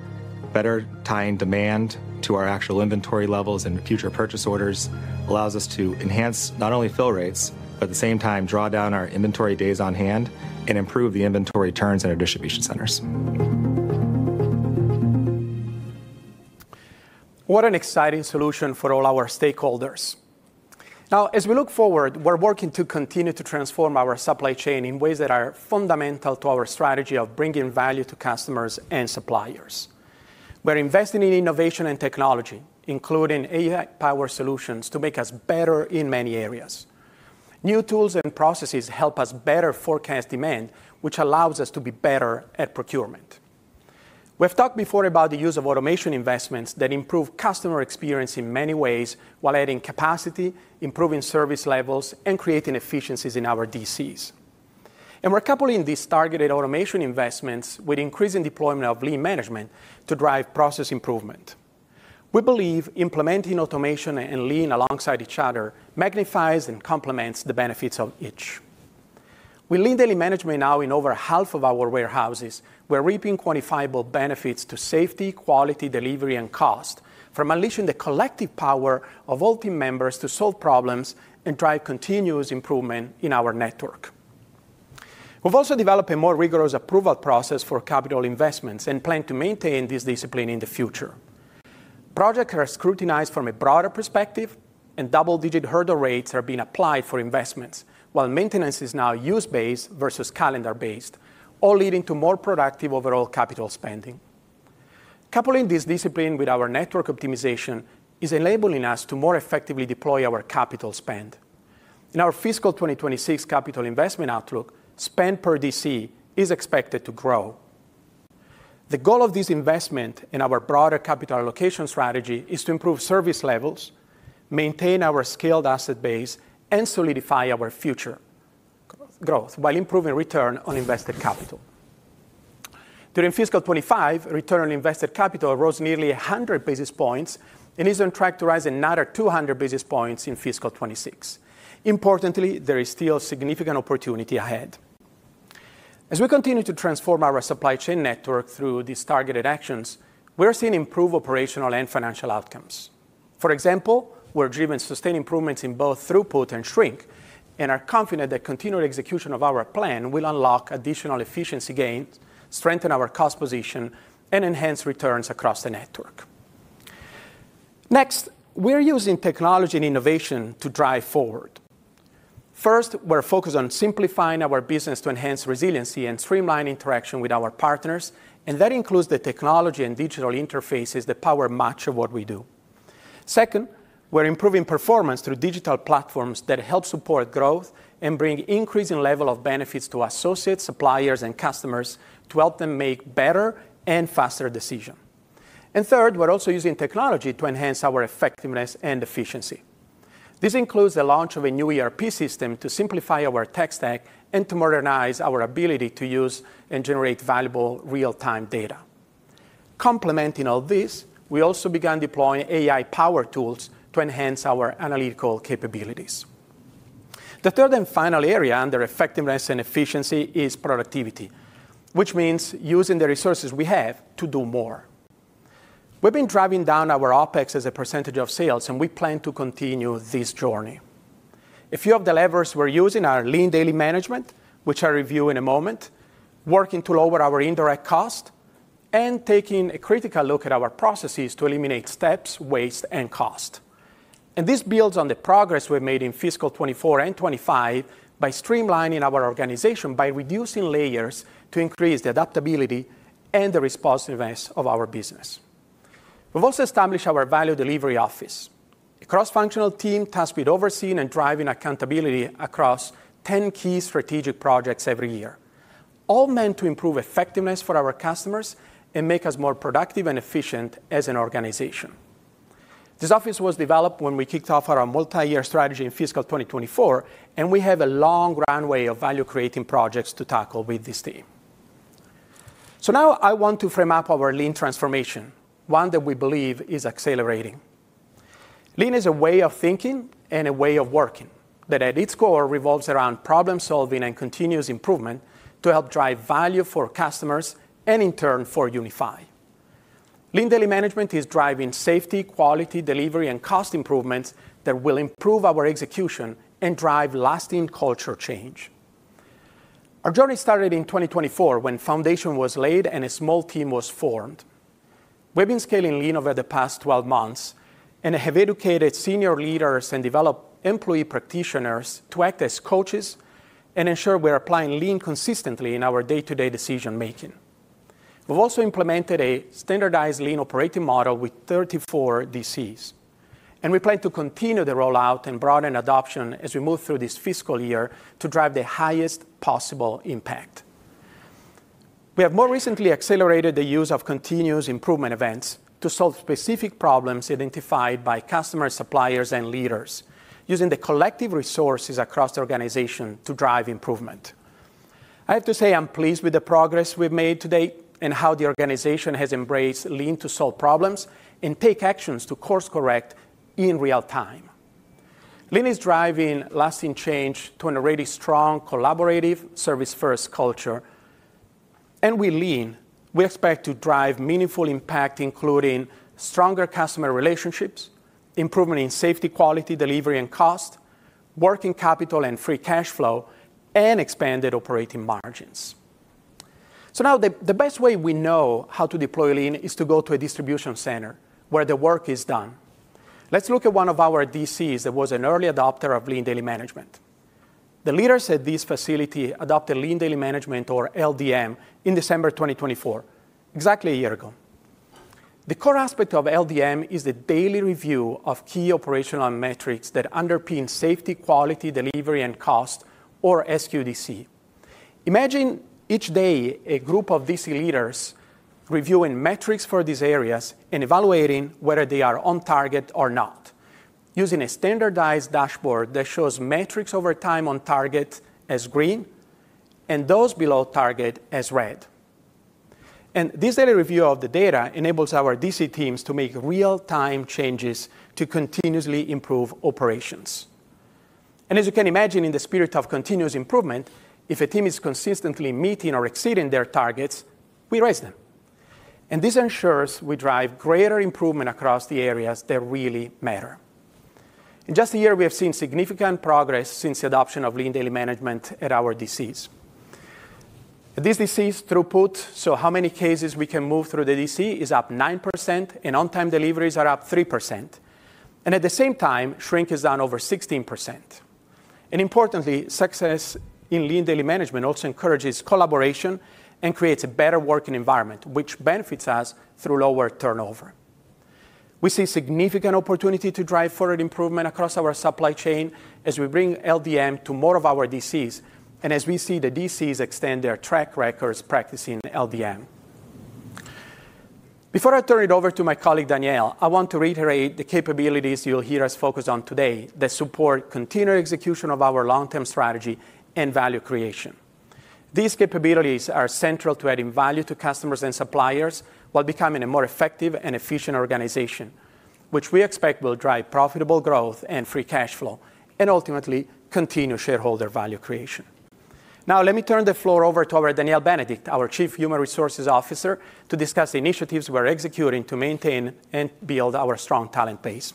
better tying demand to our actual inventory levels and future purchase orders allows us to enhance not only fill rates, but at the same time draw down our inventory days on hand and improve the inventory turns in our distribution centers. What an exciting solution for all our stakeholders. Now, as we look forward, we're working to continue to transform our supply chain in ways that are fundamental to our strategy of bringing value to customers and suppliers. We're investing in innovation and technology, including AI-powered solutions to make us better in many areas. New tools and processes help us better forecast demand, which allows us to be better at procurement. We've talked before about the use of automation investments that improve customer experience in many ways while adding capacity, improving service levels, and creating efficiencies in our DCs. We're coupling these targeted automation investments with increasing deployment of Lean management to drive process improvement. We believe implementing automation and Lean alongside each other magnifies and complements the benefits of Lean Daily Management now in over half of our warehouses, we're reaping quantifiable benefits to safety, quality, delivery, and cost from unleashing the collective power of all team members to solve problems and drive continuous improvement in our network. We've also developed a more rigorous approval process for capital investments and plan to maintain this discipline in the future. Projects are scrutinized from a broader perspective, and double-digit hurdle rates are being applied for investments, while maintenance is now use-based versus calendar-based, all leading to more productive overall capital spending. Coupling this discipline with our network optimization is enabling us to more effectively deploy our capital spend. In our fiscal 2026 capital investment outlook, spend per DC is expected to grow. The goal of this investment and our broader capital allocation strategy is to improve service levels, maintain our scaled asset base, and solidify our future growth while improving return on invested capital. During fiscal 2025, return on invested capital rose nearly 100 basis points and is on track to rise another 200 basis points in fiscal 2026. Importantly, there is still significant opportunity ahead. As we continue to transform our supply chain network through these targeted actions, we're seeing improved operational and financial outcomes. For example, we're driven to sustain improvements in both throughput and shrink, and are confident that continued execution of our plan will unlock additional efficiency gains, strengthen our cost position, and enhance returns across the network. Next, we're using technology and innovation to drive forward. First, we're focused on simplifying our business to enhance resiliency and streamline interaction with our partners, and that includes the technology and digital interfaces that power much of what we do. Second, we're improving performance through digital platforms that help support growth and bring increasing levels of benefits to associates, suppliers, and customers to help them make better and faster decisions. And third, we're also using technology to enhance our effectiveness and efficiency. This includes the launch of a new ERP system to simplify our tech stack and to modernize our ability to use and generate valuable real-time data. Complementing all this, we also began deploying AI-powered tools to enhance our analytical capabilities. The third and final area under effectiveness and efficiency is productivity, which means using the resources we have to do more. We've been driving down our OpEx as a percentage of sales, and we plan to continue this journey. A few of the levers we're Lean Daily Management, which i'll review in a moment, working to lower our indirect cost and taking a critical look at our processes to eliminate steps, waste, and cost. And this builds on the progress we've made in fiscal 2024 and 2025 by streamlining our organization by reducing layers to increase the adaptability and the responsiveness of our business. We've also established our Value Delivery Office, a cross-functional team tasked with overseeing and driving accountability across 10 key strategic projects every year, all meant to improve effectiveness for our customers and make us more productive and efficient as an organization. This office was developed when we kicked off our multi-year strategy in fiscal 2024, and we have a long runway of value-creating projects to tackle with this team, so now I want to frame up our Lean transformation, one that we believe is accelerating. Lean is a way of thinking and a way of working that, at its core, revolves around problem-solving and continuous improvement to help drive value for customers and, in turn, Lean Daily Management is driving safety, quality, delivery, and cost improvements that will improve our execution and drive lasting culture change. Our journey started in 2024 when the foundation was laid and a small team was formed. We've been scaling Lean over the past 12 months and have educated senior leaders and developed employee practitioners to act as coaches and ensure we're applying Lean consistently in our day-to-day decision-making. We've also implemented a standardized Lean operating model with 34 DCs, and we plan to continue the rollout and broaden adoption as we move through this fiscal year to drive the highest possible impact. We have more recently accelerated the use of continuous improvement events to solve specific problems identified by customers, suppliers, and leaders, using the collective resources across the organization to drive improvement. I have to say I'm pleased with the progress we've made today and how the organization has embraced Lean to solve problems and take actions to course-correct in real time. Lean is driving lasting change to an already strong collaborative, service-first culture, and with Lean, we expect to drive meaningful impact, including stronger customer relationships, improvement in safety, quality, delivery, and cost, working capital and free cash flow, and expanded operating margins. So now the best way we know how to deploy Lean is to go to a distribution center where the work is done. Let's look at one of our DCs that was an early Lean Daily Management. the leaders at this Lean Daily Management, or ldm, in December 2024, exactly a year ago. The core aspect of LDM is the daily review of key operational metrics that underpin safety, quality, delivery, and cost, or SQDC. Imagine each day a group of DC leaders reviewing metrics for these areas and evaluating whether they are on target or not, using a standardized dashboard that shows metrics over time on target as green and those below target as red. And this daily review of the data enables our DC teams to make real-time changes to continuously improve operations. As you can imagine, in the spirit of continuous improvement, if a team is consistently meeting or exceeding their targets, we raise them. This ensures we drive greater improvement across the areas that really matter. In just a year, we have seen significant progress since the Lean Daily Management at our DCs. This DC's throughput, so how many cases we can move through the DC, is up 9%, and on-time deliveries are up 3%. At the same time, shrink is down over 16%. Importantly, Lean Daily Management also encourages collaboration and creates a better working environment, which benefits us through lower turnover. We see significant opportunity to drive forward improvement across our supply chain as we bring LDM to more of our DCs and as we see the DCs extend their track records practicing LDM. Before I turn it over to my colleague, Danielle, I want to reiterate the capabilities you'll hear us focus on today that support continual execution of our long-term strategy and value creation. These capabilities are central to adding value to customers and suppliers while becoming a more effective and efficient organization, which we expect will drive profitable growth and free cash flow, and ultimately continue shareholder value creation. Now, let me turn the floor over to our Danielle Benedict, our Chief Human Resources Officer, to discuss the initiatives we're executing to maintain and build our strong talent base.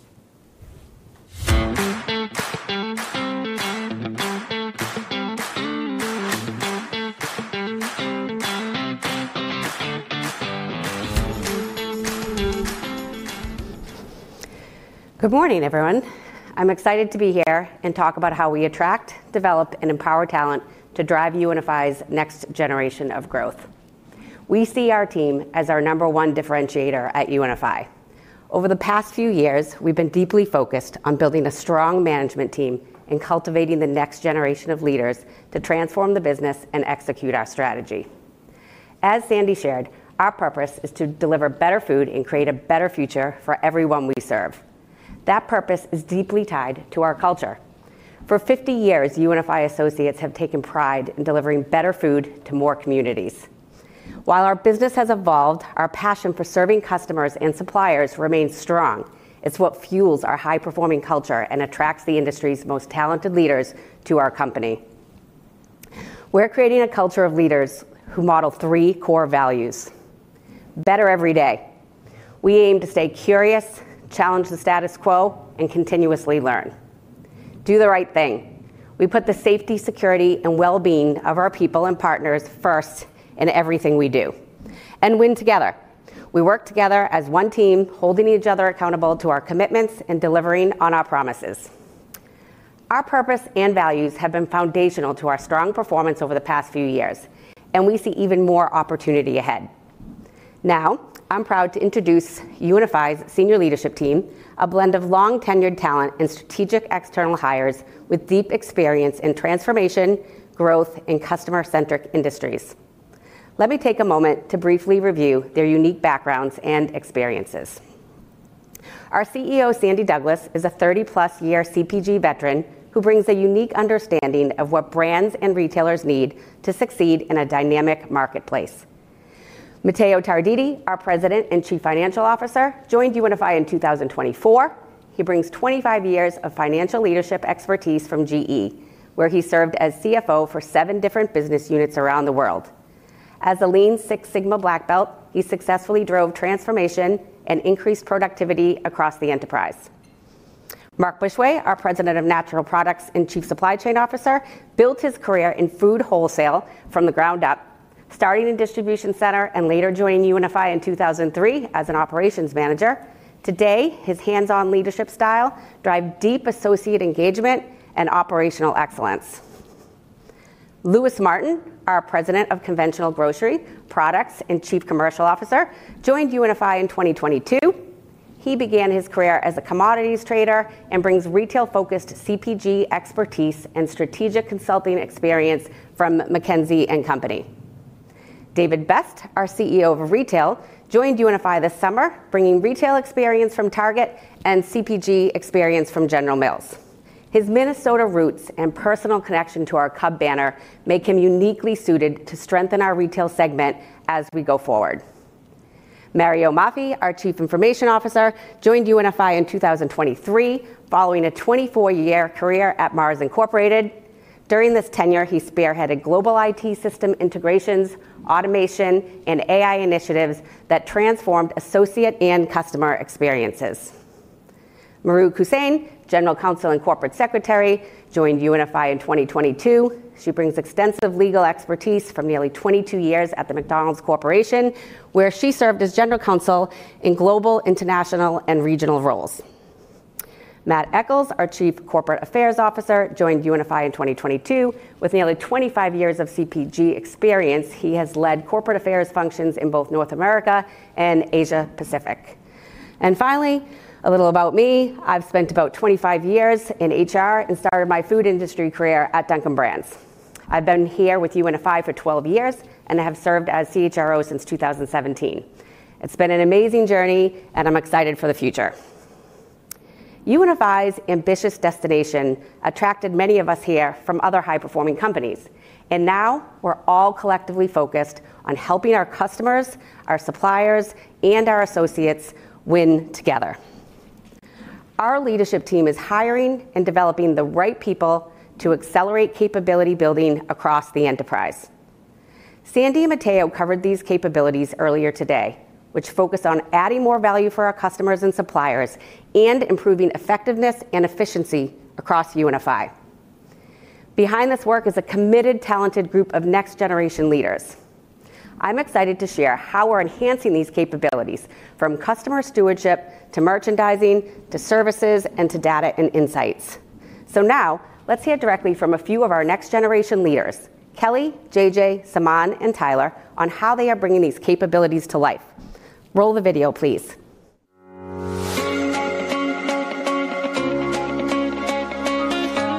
Good morning, everyone. I'm excited to be here and talk about how we attract, develop, and empower talent to drive UNFI's next generation of growth. We see our team as our number one differentiator at UNFI. Over the past few years, we've been deeply focused on building a strong management team and cultivating the next generation of leaders to transform the business and execute our strategy. As Sandy shared, our purpose is to deliver better food and create a better future for everyone we serve. That purpose is deeply tied to our culture. For 50 years, UNFI associates have taken pride in delivering better food to more communities. While our business has evolved, our passion for serving customers and suppliers remains strong. It's what fuels our high-performing culture and attracts the industry's most talented leaders to our company. We're creating a culture of leaders who model three core values: Better Every Day. We aim to stay curious, challenge the status quo, and continuously learn. Do the right thing. We put the safety, security, and well-being of our people and partners first in everything we do and win together. We work together as one team, holding each other accountable to our commitments and delivering on our promises. Our purpose and values have been foundational to our strong performance over the past few years, and we see even more opportunity ahead. Now, I'm proud to introduce UNFI's senior leadership team, a blend of long-tenured talent and strategic external hires with deep experience in transformation, growth, and customer-centric industries. Let me take a moment to briefly review their unique backgrounds and experiences. Our CEO, Sandy Douglas, is a 30+ year CPG veteran who brings a unique understanding of what brands and retailers need to succeed in a dynamic marketplace. Matteo Tarditi, our President and Chief Financial Officer, joined UNFI in 2024. He brings 25 years of financial leadership expertise from GE, where he served as CFO for seven different business units around the world. As a Lean Six Sigma Black Belt, he successfully drove transformation and increased productivity across the enterprise. Mark Bushway, our President of Natural Products and Chief Supply Chain Officer, built his career in food wholesale from the ground up, starting in distribution center and later joining UNFI in 2003 as an operations manager. Today, his hands-on leadership style drives deep associate engagement and operational excellence. Louis Martin, our President of Conventional Grocery Products and Chief Commercial Officer, joined UNFI in 2022. He began his career as a commodities trader and brings retail-focused CPG expertise and strategic consulting experience from McKinsey & Company. David Best, our CEO of Retail, joined UNFI this summer, bringing retail experience from Target and CPG experience from General Mills. His Minnesota roots and personal connection to our Cub banner make him uniquely suited to strengthen our retail segment as we go forward. Mario Maffie, our Chief Information Officer, joined UNFI in 2023 following a 24-year career at Mars, Incorporated. During this tenure, he spearheaded global IT system integrations, automation, and AI initiatives that transformed associate and customer experiences. Mahrukh Hussain, General Counsel and Corporate Secretary, joined UNFI in 2022. She brings extensive legal expertise from nearly 22 years at the McDonald's Corporation, where she served as General Counsel in global, international, and regional roles. Matt Echols, our Chief Corporate Affairs Officer, joined UNFI in 2022. With nearly 25 years of CPG experience, he has led corporate affairs functions in both North America and Asia-Pacific. And finally, a little about me. I've spent about 25 years in HR and started my food industry career at Dunkin' Brands. I've been here with UNFI for 12 years and have served as CHRO since 2017. It's been an amazing journey, and I'm excited for the future. UNFI's ambitious destination attracted many of us here from other high-performing companies, and now we're all collectively focused on helping our customers, our suppliers, and our associates win together. Our leadership team is hiring and developing the right people to accelerate capability building across the enterprise. Sandy and Matteo covered these capabilities earlier today, which focus on adding more value for our customers and suppliers and improving effectiveness and efficiency across UNFI. Behind this work is a committed, talented group of next-generation leaders. I'm excited to share how we're enhancing these capabilities from customer stewardship to merchandising to services and to data and insights. So now let's hear directly from a few of our next-generation leaders, Kelly, J.J., Saman, and Tyler, on how they are bringing these capabilities to life. Roll the video, please.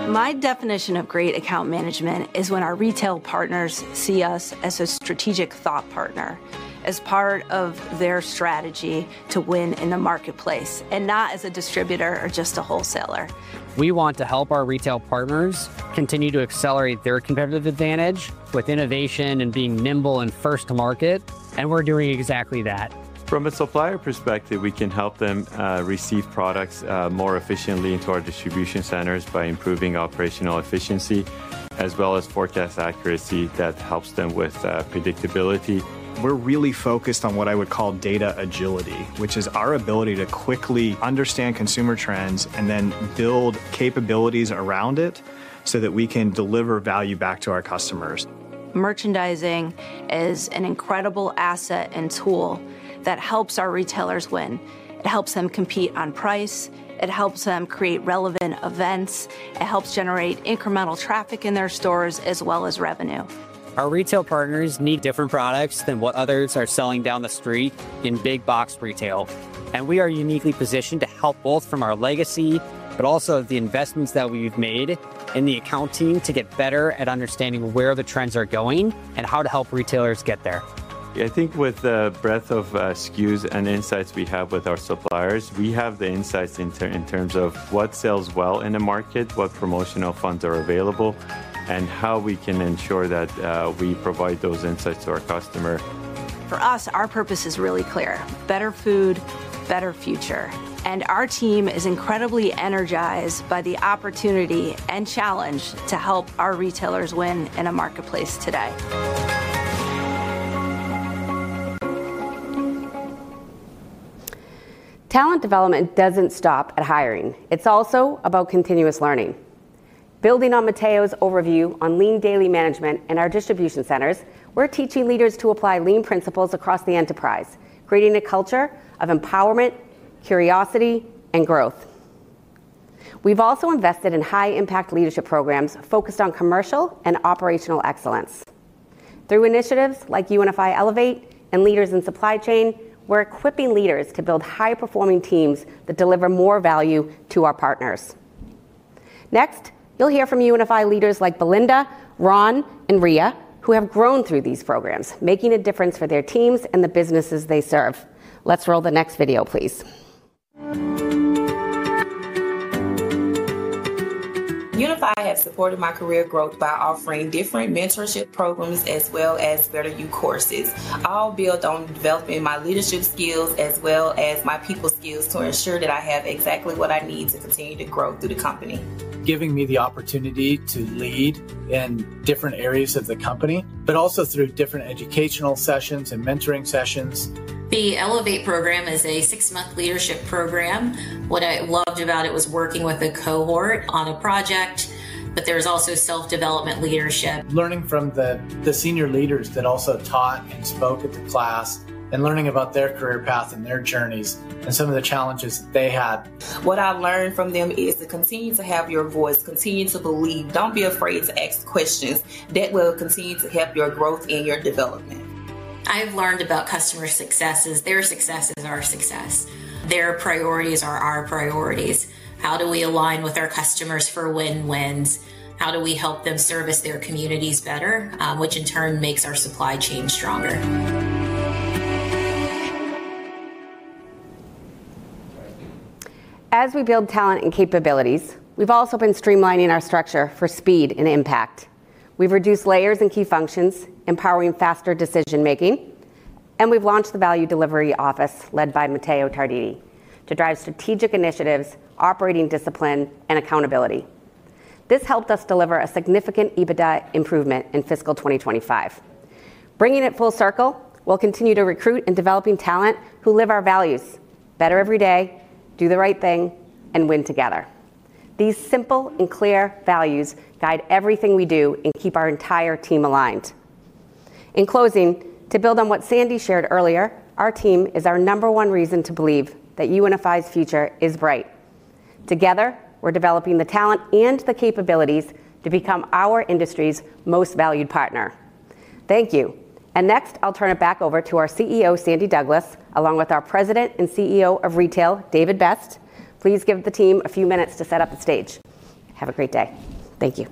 My definition of great account management is when our retail partners see us as a strategic thought partner, as part of their strategy to win in the marketplace, and not as a distributor or just a wholesaler. We want to help our retail partners continue to accelerate their competitive advantage with innovation and being nimble and first to market, and we're doing exactly that. From a supplier perspective, we can help them receive products more efficiently into our distribution centers by improving operational efficiency as well as forecast accuracy that helps them with predictability. We're really focused on what I would call data agility, which is our ability to quickly understand consumer trends and then build capabilities around it so that we can deliver value back to our customers. Merchandising is an incredible asset and tool that helps our retailers win. It helps them compete on price. It helps them create relevant events. It helps generate incremental traffic in their stores as well as revenue. Our retail partners need different products than what others are selling down the street in big box retail, and we are uniquely positioned to help both from our legacy, but also the investments that we've made in the account team to get better at understanding where the trends are going and how to help retailers get there. I think with the breadth of SKUs and insights we have with our suppliers, we have the insights in terms of what sells well in the market, what promotional funds are available, and how we can ensure that we provide those insights to our customer. For us, our purpose is really clear: better food, better future, and our team is incredibly energized by the opportunity and challenge to help our retailers win in a marketplace today. Talent development doesn't stop at hiring. It's also about continuous learning. Building on Matteo's Lean Daily Management and our distribution centers, we're teaching leaders to apply Lean principles across the enterprise, creating a culture of empowerment, curiosity, and growth. We've also invested in high-impact leadership programs focused on commercial and operational excellence. Through initiatives like UNFI Elevate and Leaders in Supply Chain, we're equipping leaders to build high-performing teams that deliver more value to our partners. Next, you'll hear from UNFI leaders like Belinda, Ron, and Rhea, who have grown through these programs, making a difference for their teams and the businesses they serve. Let's roll the next video, please. UNFI has supported my career growth by offering different mentorship programs as well as Better U courses, all built on developing my leadership skills as well as my people skills to ensure that I have exactly what I need to continue to grow through the company. Giving me the opportunity to lead in different areas of the company, but also through different educational sessions and mentoring sessions. The Elevate program is a six-month leadership program. What I loved about it was working with a cohort on a project, but there was also self-development leadership. Learning from the senior leaders that also taught and spoke at the class and learning about their career path and their journeys and some of the challenges that they had. What I learned from them is to continue to have your voice, continue to believe, don't be afraid to ask questions. That will continue to help your growth and your development. I've learned about customer successes. Their success is our success. Their priorities are our priorities. How do we align with our customers for win-wins? How do we help them service their communities better, which in turn makes our supply chain stronger? As we build talent and capabilities, we've also been streamlining our structure for speed and impact. We've reduced layers and key functions, empowering faster decision-making, and we've launched the Value Delivery Office led by Matteo Tarditi to drive strategic initiatives, operating discipline, and accountability. This helped us deliver a significant EBITDA improvement in fiscal 2025. Bringing it full circle, we'll continue to recruit and develop talent who live our values: Better Every Day, do the right thing, and win together. These simple and clear values guide everything we do and keep our entire team aligned. In closing, to build on what Sandy shared earlier, our team is our number one reason to believe that UNFI's future is bright. Together, we're developing the talent and the capabilities to become our industry's most valued partner. Thank you. And next, I'll turn it back over to our CEO, Sandy Douglas, along with our President and CEO of Retail, David Best. Please give the team a few minutes to set up the stage. Have a great day. Thank you,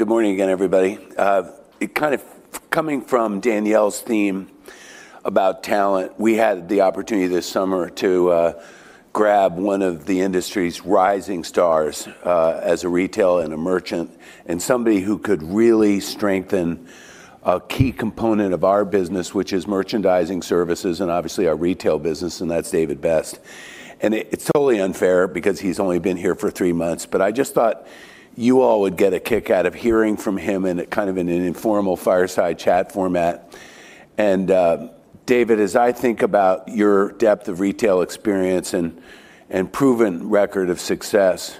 So good morning again, everybody. Coming from Danielle's theme about talent, we had the opportunity this summer to grab one of the industry's rising stars as a retailer and a merchant and somebody who could really strengthen a key component of our business, which is merchandising services and obviously our retail business, and that's David Best, and it's totally unfair because he's only been here for three months, but I just thought you all would get a kick out of hearing from him in kind of an informal fireside chat format, and David, as I think about your depth of retail experience and proven record of success,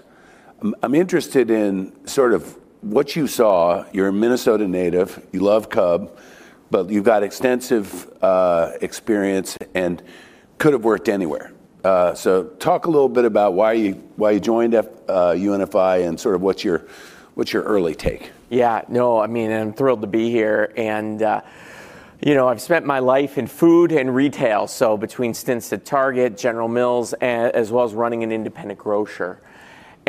I'm interested in sort of what you saw. You're a Minnesota native. You love Cub, but you've got extensive experience and could have worked anywhere. So talk a little bit about why you joined UNFI and sort of what's your early take? Yeah. No, I mean, I'm thrilled to be here. And I've spent my life in food and retail, so between stints at Target, General Mills, as well as running an independent grocer.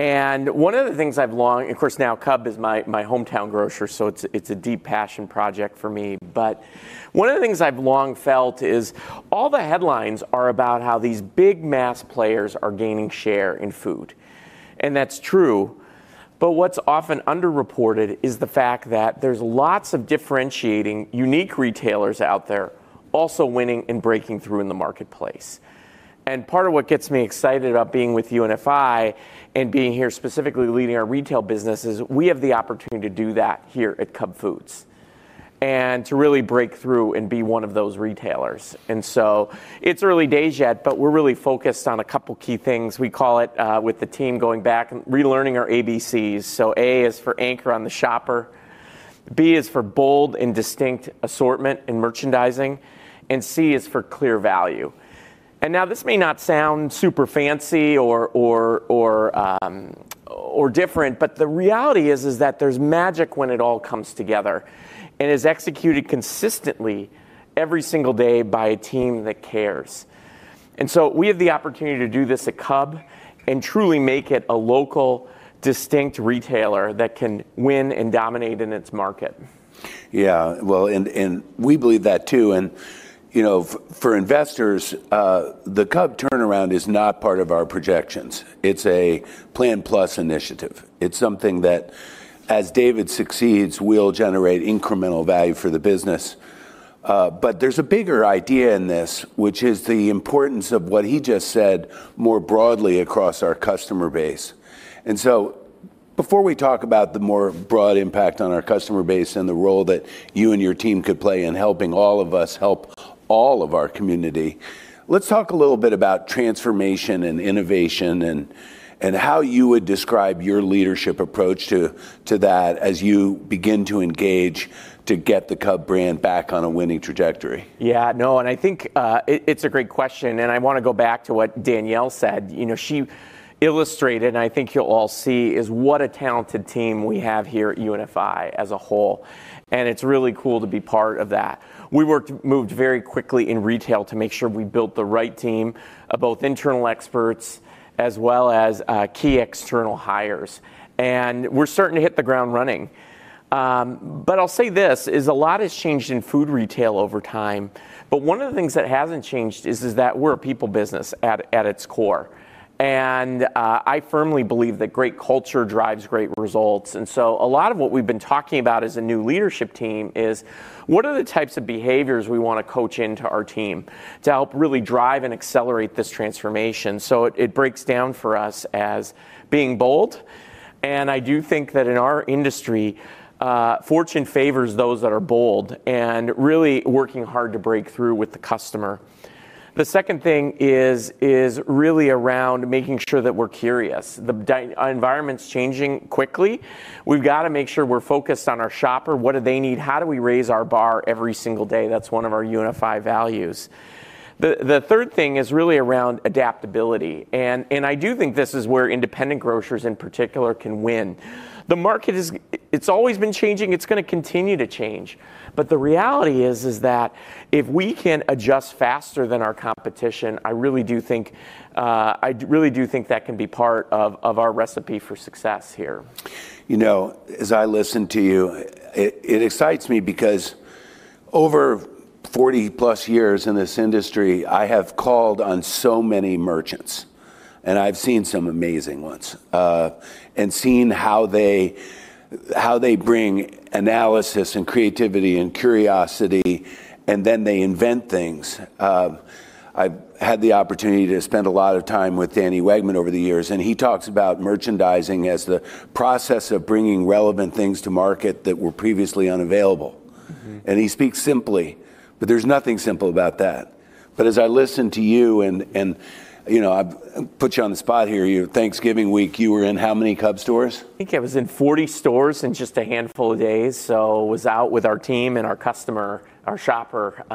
And one of the things I've long, of course, now Cub is my hometown grocer, so it's a deep passion project for me. But one of the things I've long felt is all the headlines are about how these big mass players are gaining share in food. And that's true, but what's often underreported is the fact that there's lots of differentiating unique retailers out there also winning and breaking through in the marketplace. And part of what gets me excited about being with UNFI and being here specifically leading our retail business is we have the opportunity to do that here at Cub Foods and to really break through and be one of those retailers. And so it's early days yet, but we're really focused on a couple of key things. We call it with the team going back and relearning our ABCs. So A is for anchor on the shopper. B is for bold and distinct assortment and merchandising. And C is for clear value. And now this may not sound super fancy or different, but the reality is that there's magic when it all comes together and is executed consistently every single day by a team that cares. And so we have the opportunity to do this at Cub and truly make it a local, distinct retailer that can win and dominate in its market. Yeah. Well, and we believe that too. And for investors, the Cub turnaround is not part of our projections. It's a plan plus initiative. It's something that, as David succeeds, will generate incremental value for the business. But there's a bigger idea in this, which is the importance of what he just said more broadly across our customer base. And so before we talk about the more broad impact on our customer base and the role that you and your team could play in helping all of us help all of our community, let's talk a little bit about transformation and innovation and how you would describe your leadership approach to that as you begin to engage to get the Cub brand back on a winning trajectory. Yeah. No, and I think it's a great question. And I want to go back to what Danielle said. She illustrated, and I think you'll all see, is what a talented team we have here at UNFI as a whole. And it's really cool to be part of that. We moved very quickly in retail to make sure we built the right team, both internal experts as well as key external hires. And we're starting to hit the ground running. But I'll say this: a lot has changed in food retail over time. But one of the things that hasn't changed is that we're a people business at its core. And I firmly believe that great culture drives great results. And so a lot of what we've been talking about as a new leadership team is what are the types of behaviors we want to coach into our team to help really drive and accelerate this transformation. So it breaks down for us as being bold. And I do think that in our industry, fortune favors those that are bold and really working hard to break through with the customer. The second thing is really around making sure that we're curious. The environment's changing quickly. We've got to make sure we're focused on our shopper. What do they need? How do we raise our bar every single day? That's one of our UNFI values. The third thing is really around adaptability, and I do think this is where independent grocers in particular can win. The market, it's always been changing. It's going to continue to change, but the reality is that if we can adjust faster than our competition, I really do think that can be part of our recipe for success here. You know, as I listen to you, it excites me because over 40+ years in this industry, I have called on so many merchants, and I've seen some amazing ones and seen how they bring analysis and creativity and curiosity, and then they invent things. I've had the opportunity to spend a lot of time with Danny Wegman over the years, and he talks about merchandising as the process of bringing relevant things to market that were previously unavailable. And he speaks simply, but there's nothing simple about that. But as I listen to you, and I'll put you on the spot here. Thanksgiving week, you were in how many Cub stores? I think I was in 40 stores in just a handful of days. So I was out with our team and our customer, our shopper,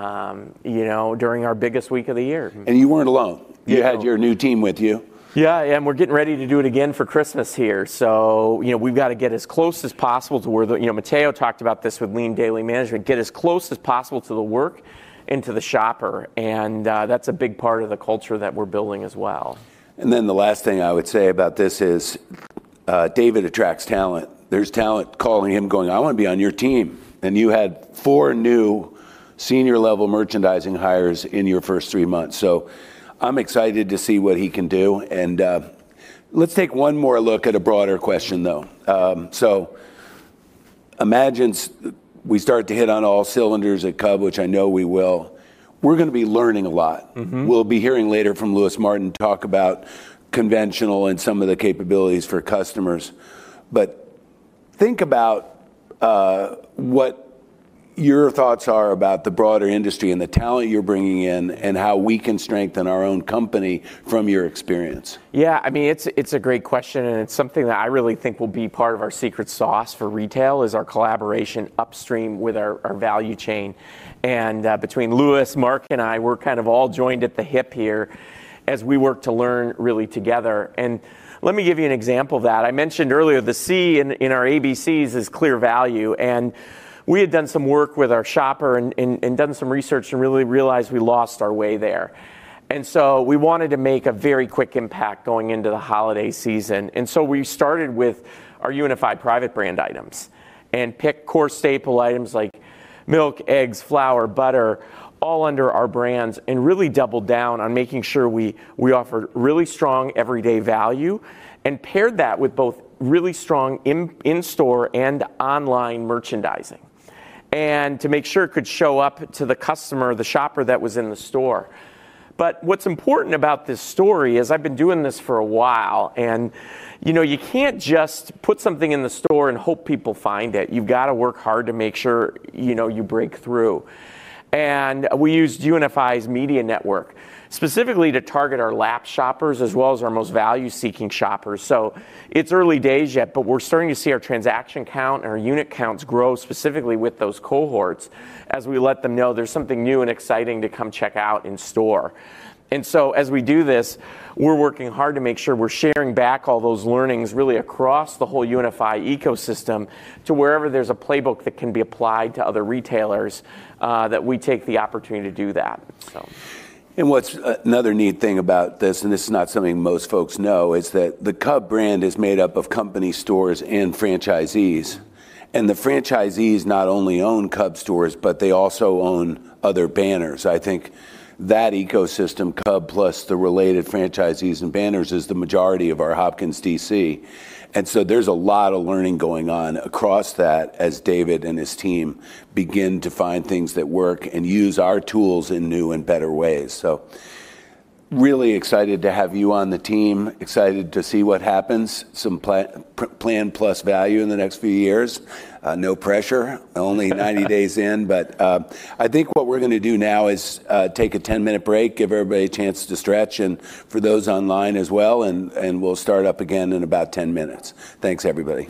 during our biggest week of the year. And you weren't alone. You had your new team with you. Yeah. And we're getting ready to do it again for Christmas here. So we've got to get as close as possible to where Matteo talked about Lean Daily Management, get as close as possible to the work and to the shopper. And that's a big part of the culture that we're building as well. And then the last thing I would say about this is David attracts talent. There's talent calling him, going, "I want to be on your team." And you had four new senior-level merchandising hires in your first three months. So I'm excited to see what he can do. And let's take one more look at a broader question, though. So imagine we start to hit on all cylinders at Cub, which I know we will. We're going to be learning a lot. We'll be hearing later from Louis Martin talk about conventional and some of the capabilities for customers. But think about what your thoughts are about the broader industry and the talent you're bringing in and how we can strengthen our own company from your experience. Yeah. I mean, it's a great question, and it's something that I really think will be part of our secret sauce for retail is our collaboration upstream with our value chain. Between Louis, Mark, and I, we're kind of all joined at the hip here as we work to learn really together. Let me give you an example of that. I mentioned earlier the C in our ABCs is clear value. We had done some work with our shopper and done some research and really realized we lost our way there. We wanted to make a very quick impact going into the holiday season. We started with our UNFI private brand items and picked core staple items like milk, eggs, flour, butter, all under our brands and really doubled down on making sure we offer really strong everyday value and paired that with both really strong in-store and online merchandising to make sure it could show up to the customer, the shopper that was in the store. But what's important about this story is I've been doing this for a while. And you can't just put something in the store and hope people find it. You've got to work hard to make sure you break through. And we used UNFI's media network specifically to target our loyal shoppers as well as our most value-seeking shoppers. So it's early days yet, but we're starting to see our transaction count and our unit counts grow specifically with those cohorts as we let them know there's something new and exciting to come check out in store. And so as we do this, we're working hard to make sure we're sharing back all those learnings really across the whole UNFI ecosystem to wherever there's a playbook that can be applied to other retailers that we take the opportunity to do that. And what's another neat thing about this, and this is not something most folks know, is that the Cub brand is made up of company stores and franchisees. And the franchisees not only own Cub stores, but they also own other banners. I think that ecosystem, Cub plus the related franchisees and banners, is the majority of our Hopkins DC. And so there's a lot of learning going on across that as David and his team begin to find things that work and use our tools in new and better ways. So really excited to have you on the team, excited to see what happens, some plan plus value in the next few years. No pressure, only 90 days in. But I think what we're going to do now is take a 10-minute break, give everybody a chance to stretch, and for those online as well. And we'll start up again in about 10 minutes. Thanks, everybody.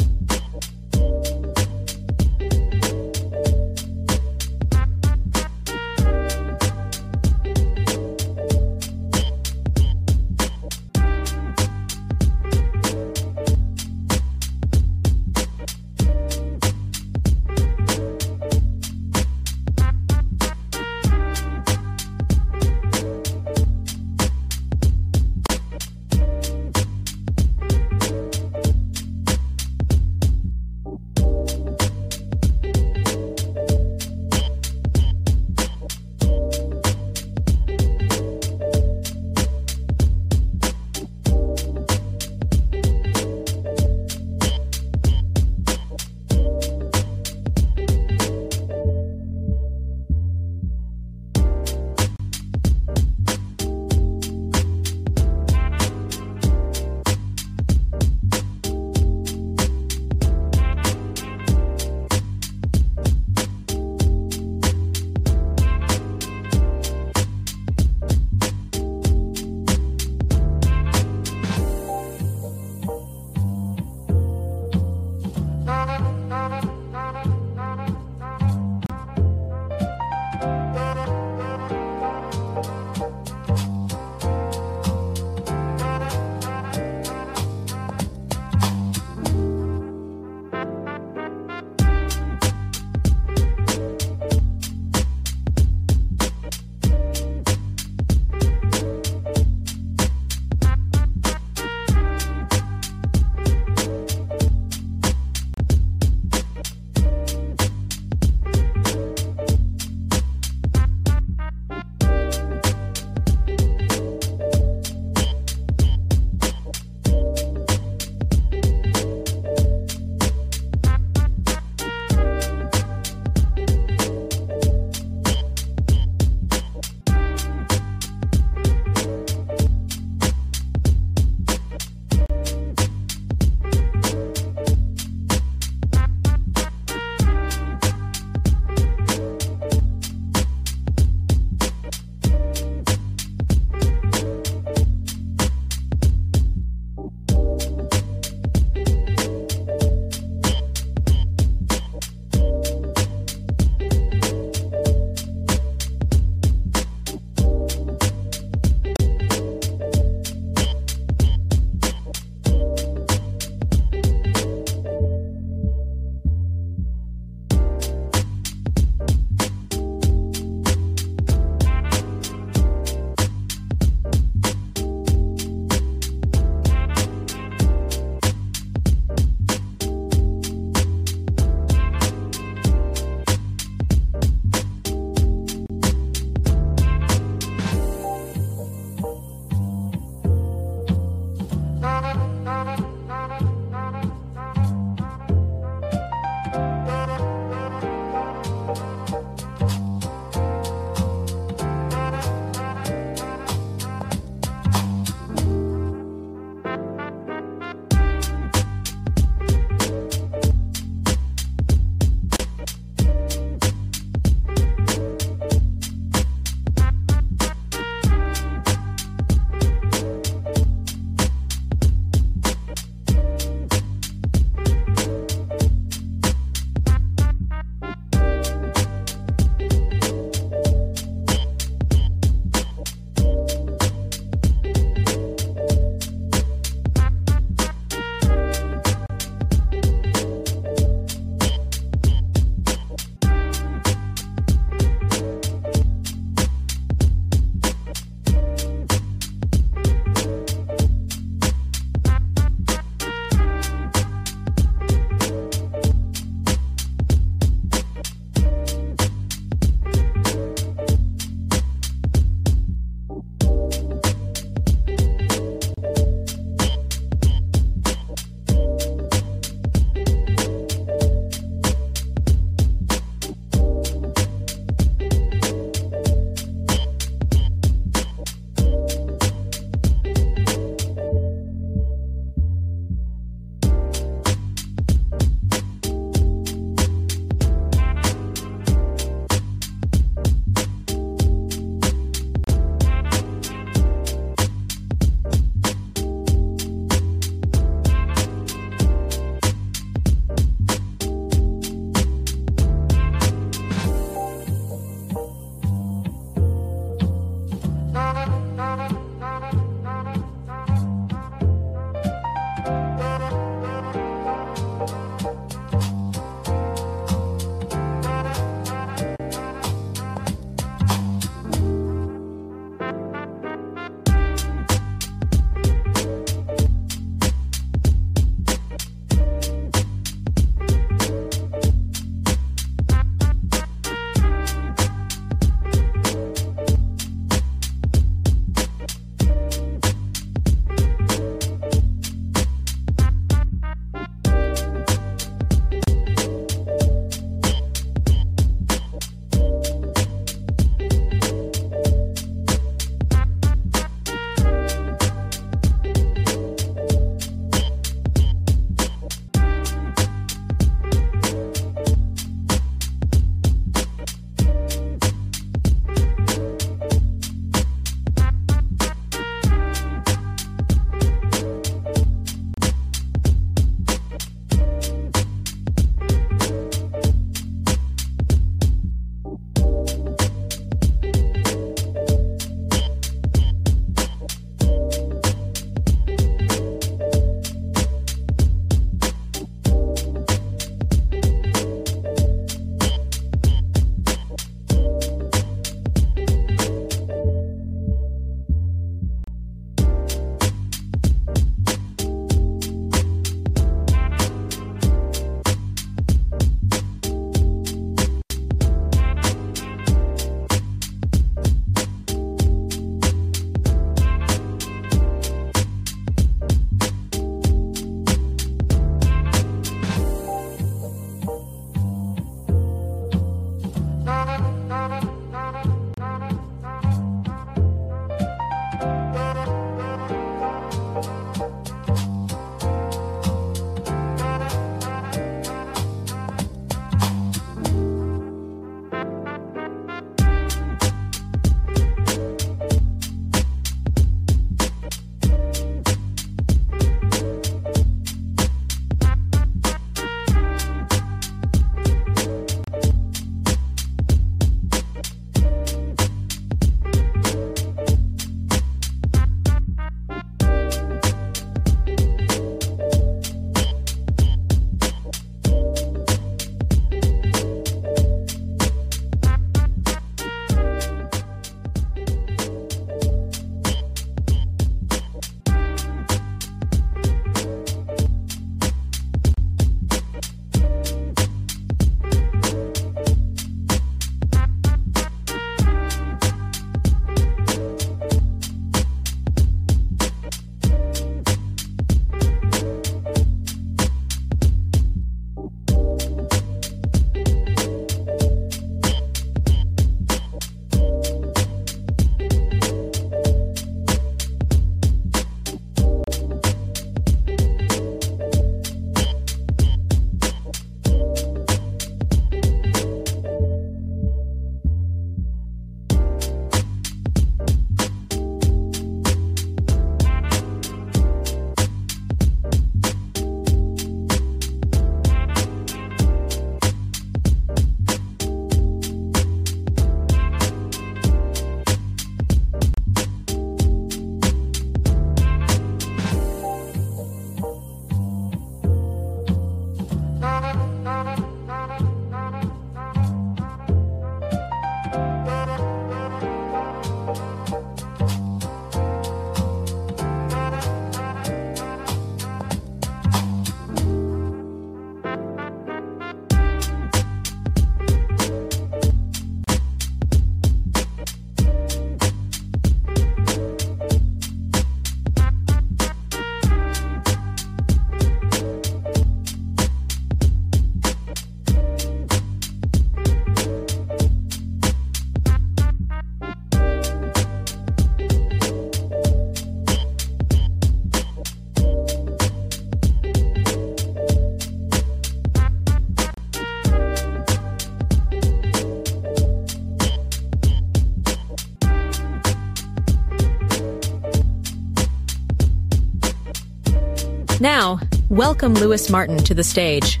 Now, welcome Louis Martin to the stage.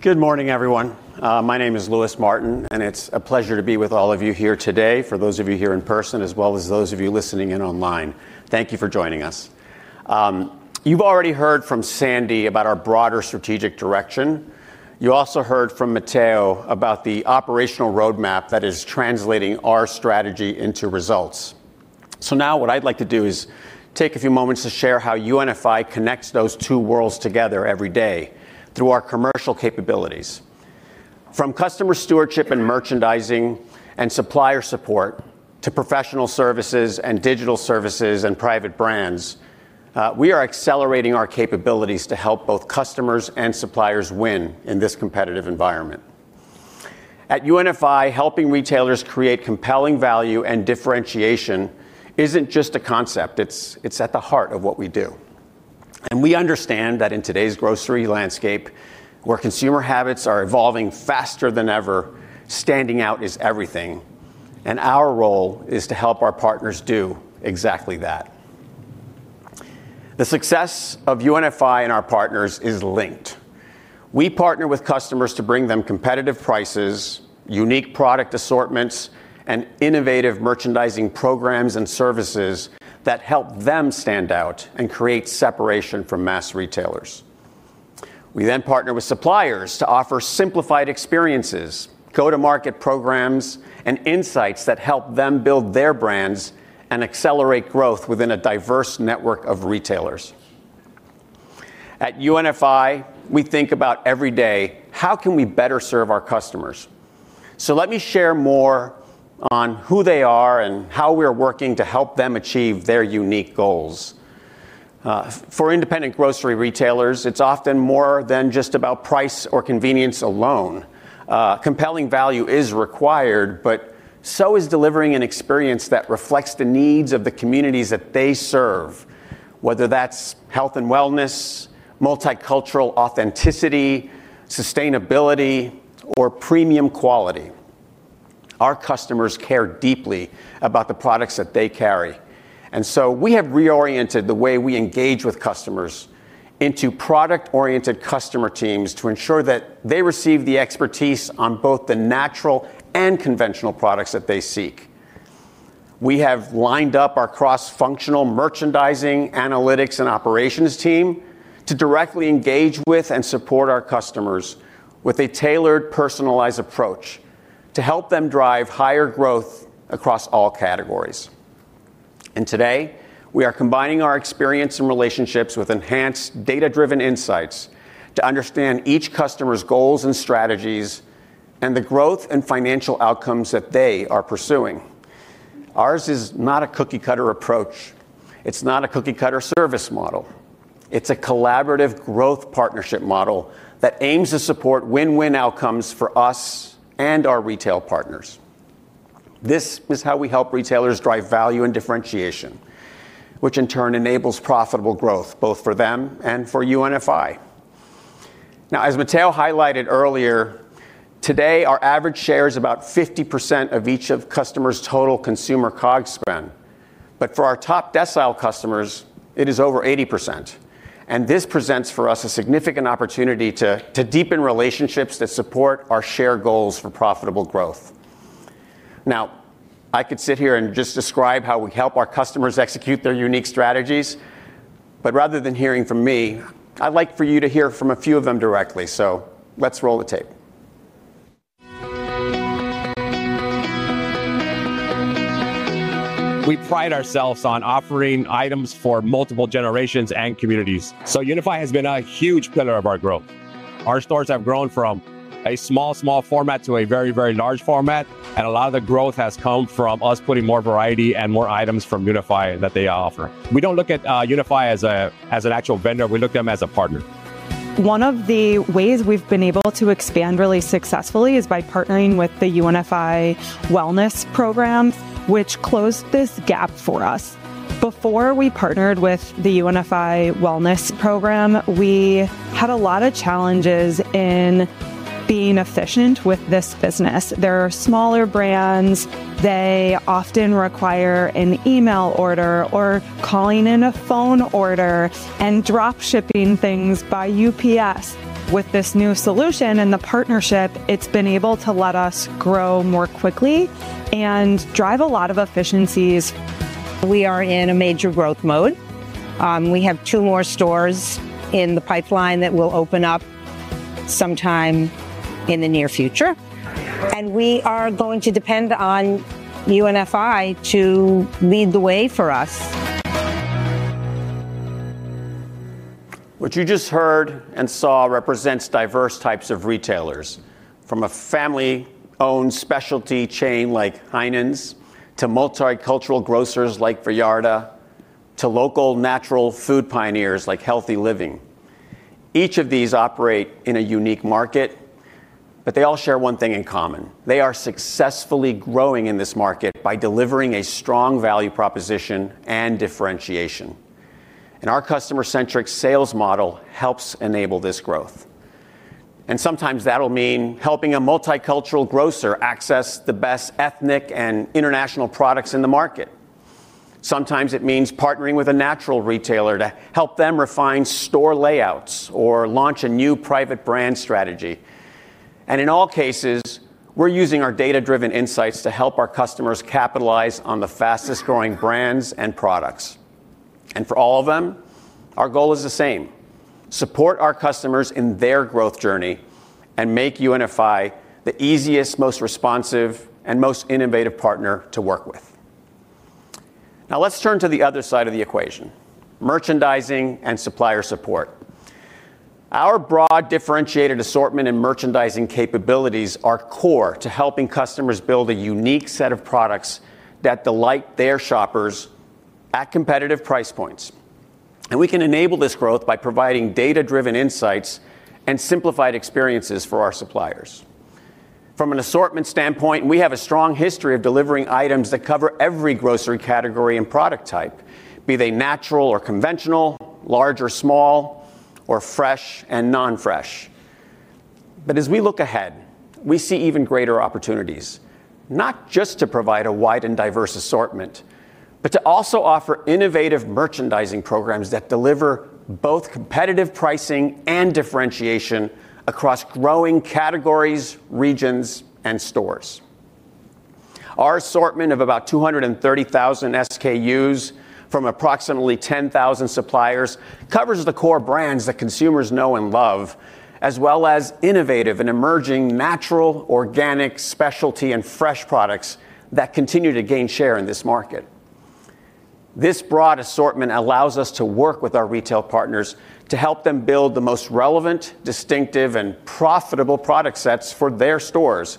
Good morning, everyone. My name is Louis Martin, and it's a pleasure to be with all of you here today, for those of you here in person, as well as those of you listening in online. Thank you for joining us. You've already heard from Sandy about our broader strategic direction. You also heard from Matteo about the operational roadmap that is translating our strategy into results. So now what I'd like to do is take a few moments to share how UNFI connects those two worlds together every day through our commercial capabilities. From customer stewardship and merchandising and supplier support to professional services and digital services and private brands, we are accelerating our capabilities to help both customers and suppliers win in this competitive environment. At UNFI, helping retailers create compelling value and differentiation isn't just a concept. It's at the heart of what we do. And we understand that in today's grocery landscape, where consumer habits are evolving faster than ever, standing out is everything. And our role is to help our partners do exactly that. The success of UNFI and our partners is linked. We partner with customers to bring them competitive prices, unique product assortments, and innovative merchandising programs and services that help them stand out and create separation from mass retailers. We then partner with suppliers to offer simplified experiences, go-to-market programs, and insights that help them build their brands and accelerate growth within a diverse network of retailers. At UNFI, we think about every day: how can we better serve our customers? Let me share more on who they are and how we're working to help them achieve their unique goals. For independent grocery retailers, it's often more than just about price or convenience alone. Compelling value is required, but so is delivering an experience that reflects the needs of the communities that they serve, whether that's health and wellness, multicultural authenticity, sustainability, or premium quality. Our customers care deeply about the products that they carry. And so we have reoriented the way we engage with customers into product-oriented customer teams to ensure that they receive the expertise on both the natural and conventional products that they seek. We have lined up our cross-functional merchandising, analytics, and operations team to directly engage with and support our customers with a tailored, personalized approach to help them drive higher growth across all categories. Today, we are combining our experience and relationships with enhanced data-driven insights to understand each customer's goals and strategies and the growth and financial outcomes that they are pursuing. Ours is not a cookie-cutter approach. It's not a cookie-cutter service model. It's a collaborative growth partnership model that aims to support win-win outcomes for us and our retail partners. This is how we help retailers drive value and differentiation, which in turn enables profitable growth both for them and for UNFI. Now, as Matteo highlighted earlier, today our average share is about 50% of each customer's total consumer COGS spend. But for our top decile customers, it is over 80%. This presents for us a significant opportunity to deepen relationships that support our shared goals for profitable growth. Now, I could sit here and just describe how we help our customers execute their unique strategies. But rather than hearing from me, I'd like for you to hear from a few of them directly. So let's roll the tape. We pride ourselves on offering items for multiple generations and communities. So UNFI has been a huge pillar of our growth. Our stores have grown from a small, small format to a very, very large format. And a lot of the growth has come from us putting more variety and more items from UNFI that they offer. We don't look at UNFI as an actual vendor. We look at them as a partner. One of the ways we've been able to expand really successfully is by partnering with the UNFI Wellness Program, which closed this gap for us. Before we partnered with the UNFI Wellness Program, we had a lot of challenges in being efficient with this business. There are smaller brands. They often require an email order or calling in a phone order and dropshipping things by UPS. With this new solution and the partnership, it's been able to let us grow more quickly and drive a lot of efficiencies. We are in a major growth mode. We have two more stores in the pipeline that will open up sometime in the near future. And we are going to depend on UNFI to lead the way for us. What you just heard and saw represents diverse types of retailers, from a family-owned specialty chain like Heinen's to multicultural grocers like Vallarta to local natural food pioneers like Healthy Living. Each of these operates in a unique market, but they all share one thing in common. They are successfully growing in this market by delivering a strong value proposition and differentiation. And our customer-centric sales model helps enable this growth. And sometimes that'll mean helping a multicultural grocer access the best ethnic and international products in the market. Sometimes it means partnering with a natural retailer to help them refine store layouts or launch a new private brand strategy. And in all cases, we're using our data-driven insights to help our customers capitalize on the fastest-growing brands and products. And for all of them, our goal is the same: support our customers in their growth journey and make UNFI the easiest, most responsive, and most innovative partner to work with. Now, let's turn to the other side of the equation: merchandising and supplier support. Our broad differentiated assortment and merchandising capabilities are core to helping customers build a unique set of products that delight their shoppers at competitive price points. And we can enable this growth by providing data-driven insights and simplified experiences for our suppliers. From an assortment standpoint, we have a strong history of delivering items that cover every grocery category and product type, be they natural or conventional, large or small, or fresh and non-fresh. But as we look ahead, we see even greater opportunities, not just to provide a wide and diverse assortment, but to also offer innovative merchandising programs that deliver both competitive pricing and differentiation across growing categories, regions, and stores. Our assortment of about 230,000 SKUs from approximately 10,000 suppliers covers the core brands that consumers know and love, as well as innovative and emerging natural, organic, specialty, and fresh products that continue to gain share in this market. This broad assortment allows us to work with our retail partners to help them build the most relevant, distinctive, and profitable product sets for their stores,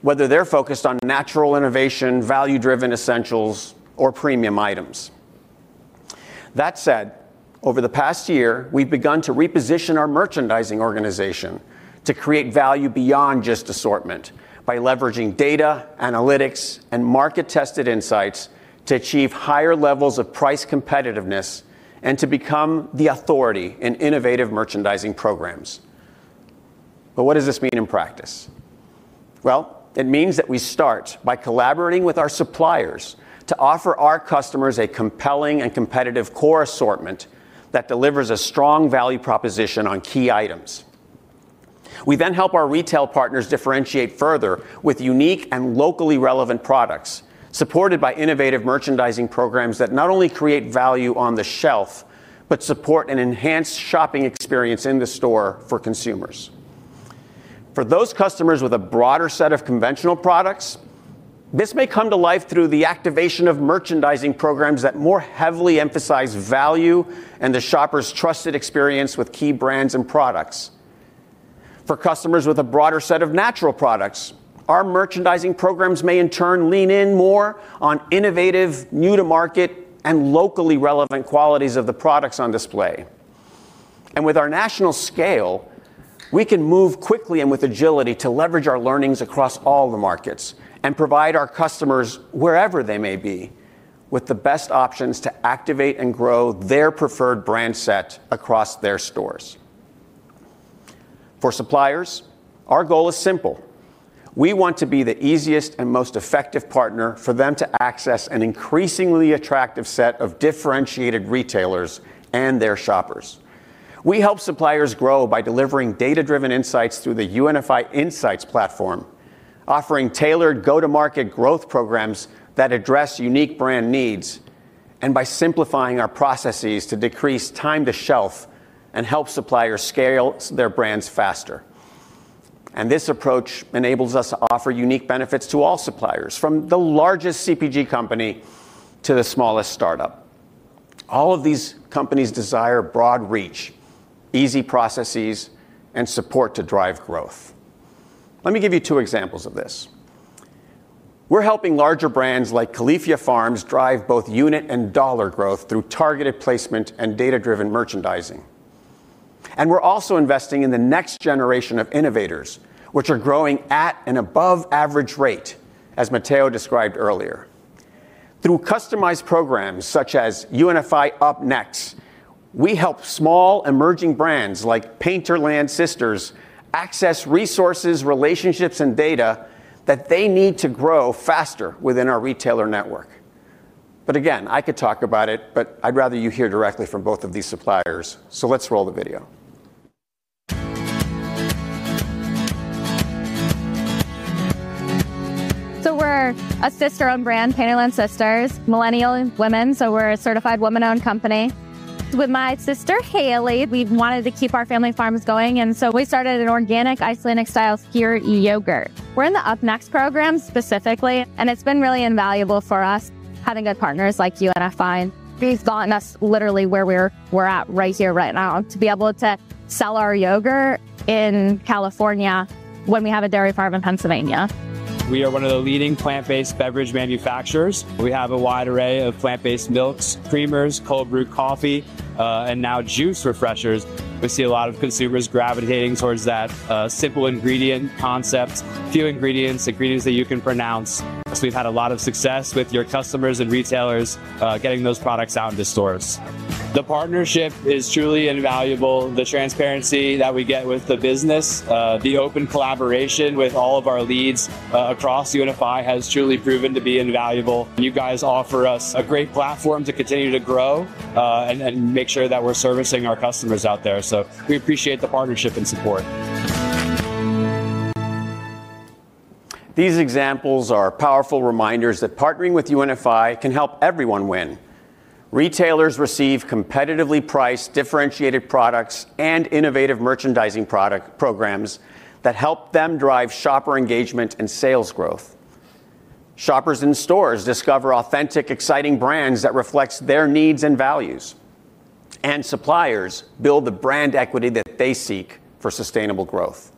whether they're focused on natural innovation, value-driven essentials, or premium items. That said, over the past year, we've begun to reposition our merchandising organization to create value beyond just assortment by leveraging data, analytics, and market-tested insights to achieve higher levels of price competitiveness and to become the authority in innovative merchandising programs. But what does this mean in practice? Well, it means that we start by collaborating with our suppliers to offer our customers a compelling and competitive core assortment that delivers a strong value proposition on key items. We then help our retail partners differentiate further with unique and locally relevant products supported by innovative merchandising programs that not only create value on the shelf, but support an enhanced shopping experience in the store for consumers. For those customers with a broader set of conventional products, this may come to life through the activation of merchandising programs that more heavily emphasize value and the shopper's trusted experience with key brands and products. For customers with a broader set of natural products, our merchandising programs may in turn lean in more on innovative, new-to-market, and locally relevant qualities of the products on display. And with our national scale, we can move quickly and with agility to leverage our learnings across all the markets and provide our customers, wherever they may be, with the best options to activate and grow their preferred brand set across their stores. For suppliers, our goal is simple. We want to be the easiest and most effective partner for them to access an increasingly attractive set of differentiated retailers and their shoppers. We help suppliers grow by delivering data-driven insights through the UNFI Insights platform, offering tailored go-to-market growth programs that address unique brand needs, and by simplifying our processes to decrease time to shelf and help suppliers scale their brands faster. And this approach enables us to offer unique benefits to all suppliers, from the largest CPG company to the smallest startup. All of these companies desire broad reach, easy processes, and support to drive growth. Let me give you two examples of this. We're helping larger brands like Califia Farms drive both unit and dollar growth through targeted placement and data-driven merchandising. And we're also investing in the next generation of innovators, which are growing at an above-average rate, as Matteo described earlier. Through customized programs such as UNFI UpNext, we help small emerging brands like Painterland Sisters access resources, relationships, and data that they need to grow faster within our retailer network. But again, I could talk about it, but I'd rather you hear directly from both of these suppliers. So let's roll the video. So we're a sister-owned brand, Painterland Sisters, millennial women. So we're a certified woman-owned company. With my sister Hayley, we've wanted to keep our family farms going. And so we started an organic Icelandic-style skyr yogurt. We're in the UpNext program specifically, and it's been really invaluable for us having good partners like UNFI. They've gotten us literally where we're at right here, right now, to be able to sell our yogurt in California when we have a dairy farm in Pennsylvania. We are one of the leading plant-based beverage manufacturers. We have a wide array of plant-based milks, creamers, cold-brewed coffee, and now juice refreshers. We see a lot of consumers gravitating toward that simple ingredient concept, few ingredients, ingredients that you can pronounce. We've had a lot of success with your customers and retailers getting those products out into stores. The partnership is truly invaluable. The transparency that we get with the business, the open collaboration with all of our leads across UNFI has truly proven to be invaluable. You guys offer us a great platform to continue to grow and make sure that we're servicing our customers out there. So we appreciate the partnership and support. These examples are powerful reminders that partnering with UNFI can help everyone win. Retailers receive competitively priced, differentiated products and innovative merchandising programs that help them drive shopper engagement and sales growth. Shoppers in stores discover authentic, exciting brands that reflect their needs and values, and suppliers build the brand equity that they seek for sustainable growth.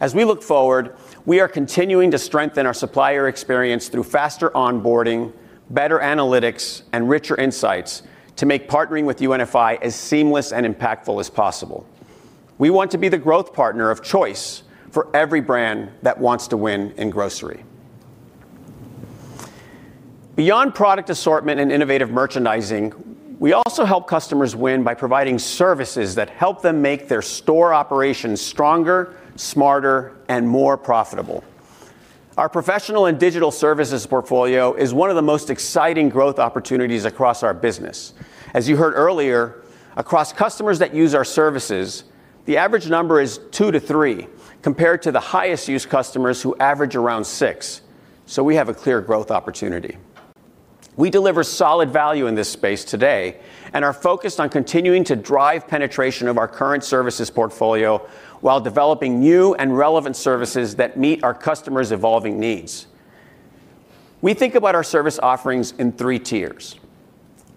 As we look forward, we are continuing to strengthen our supplier experience through faster onboarding, better analytics, and richer insights to make partnering with UNFI as seamless and impactful as possible. We want to be the growth partner of choice for every brand that wants to win in grocery. Beyond product assortment and innovative merchandising, we also help customers win by providing services that help them make their store operations stronger, smarter, and more profitable. Our professional and digital services portfolio is one of the most exciting growth opportunities across our business. As you heard earlier, across customers that use our services, the average number is two to three compared to the highest-used customers who average around six. So we have a clear growth opportunity. We deliver solid value in this space today and are focused on continuing to drive penetration of our current services portfolio while developing new and relevant services that meet our customers' evolving needs. We think about our service offerings in three tiers.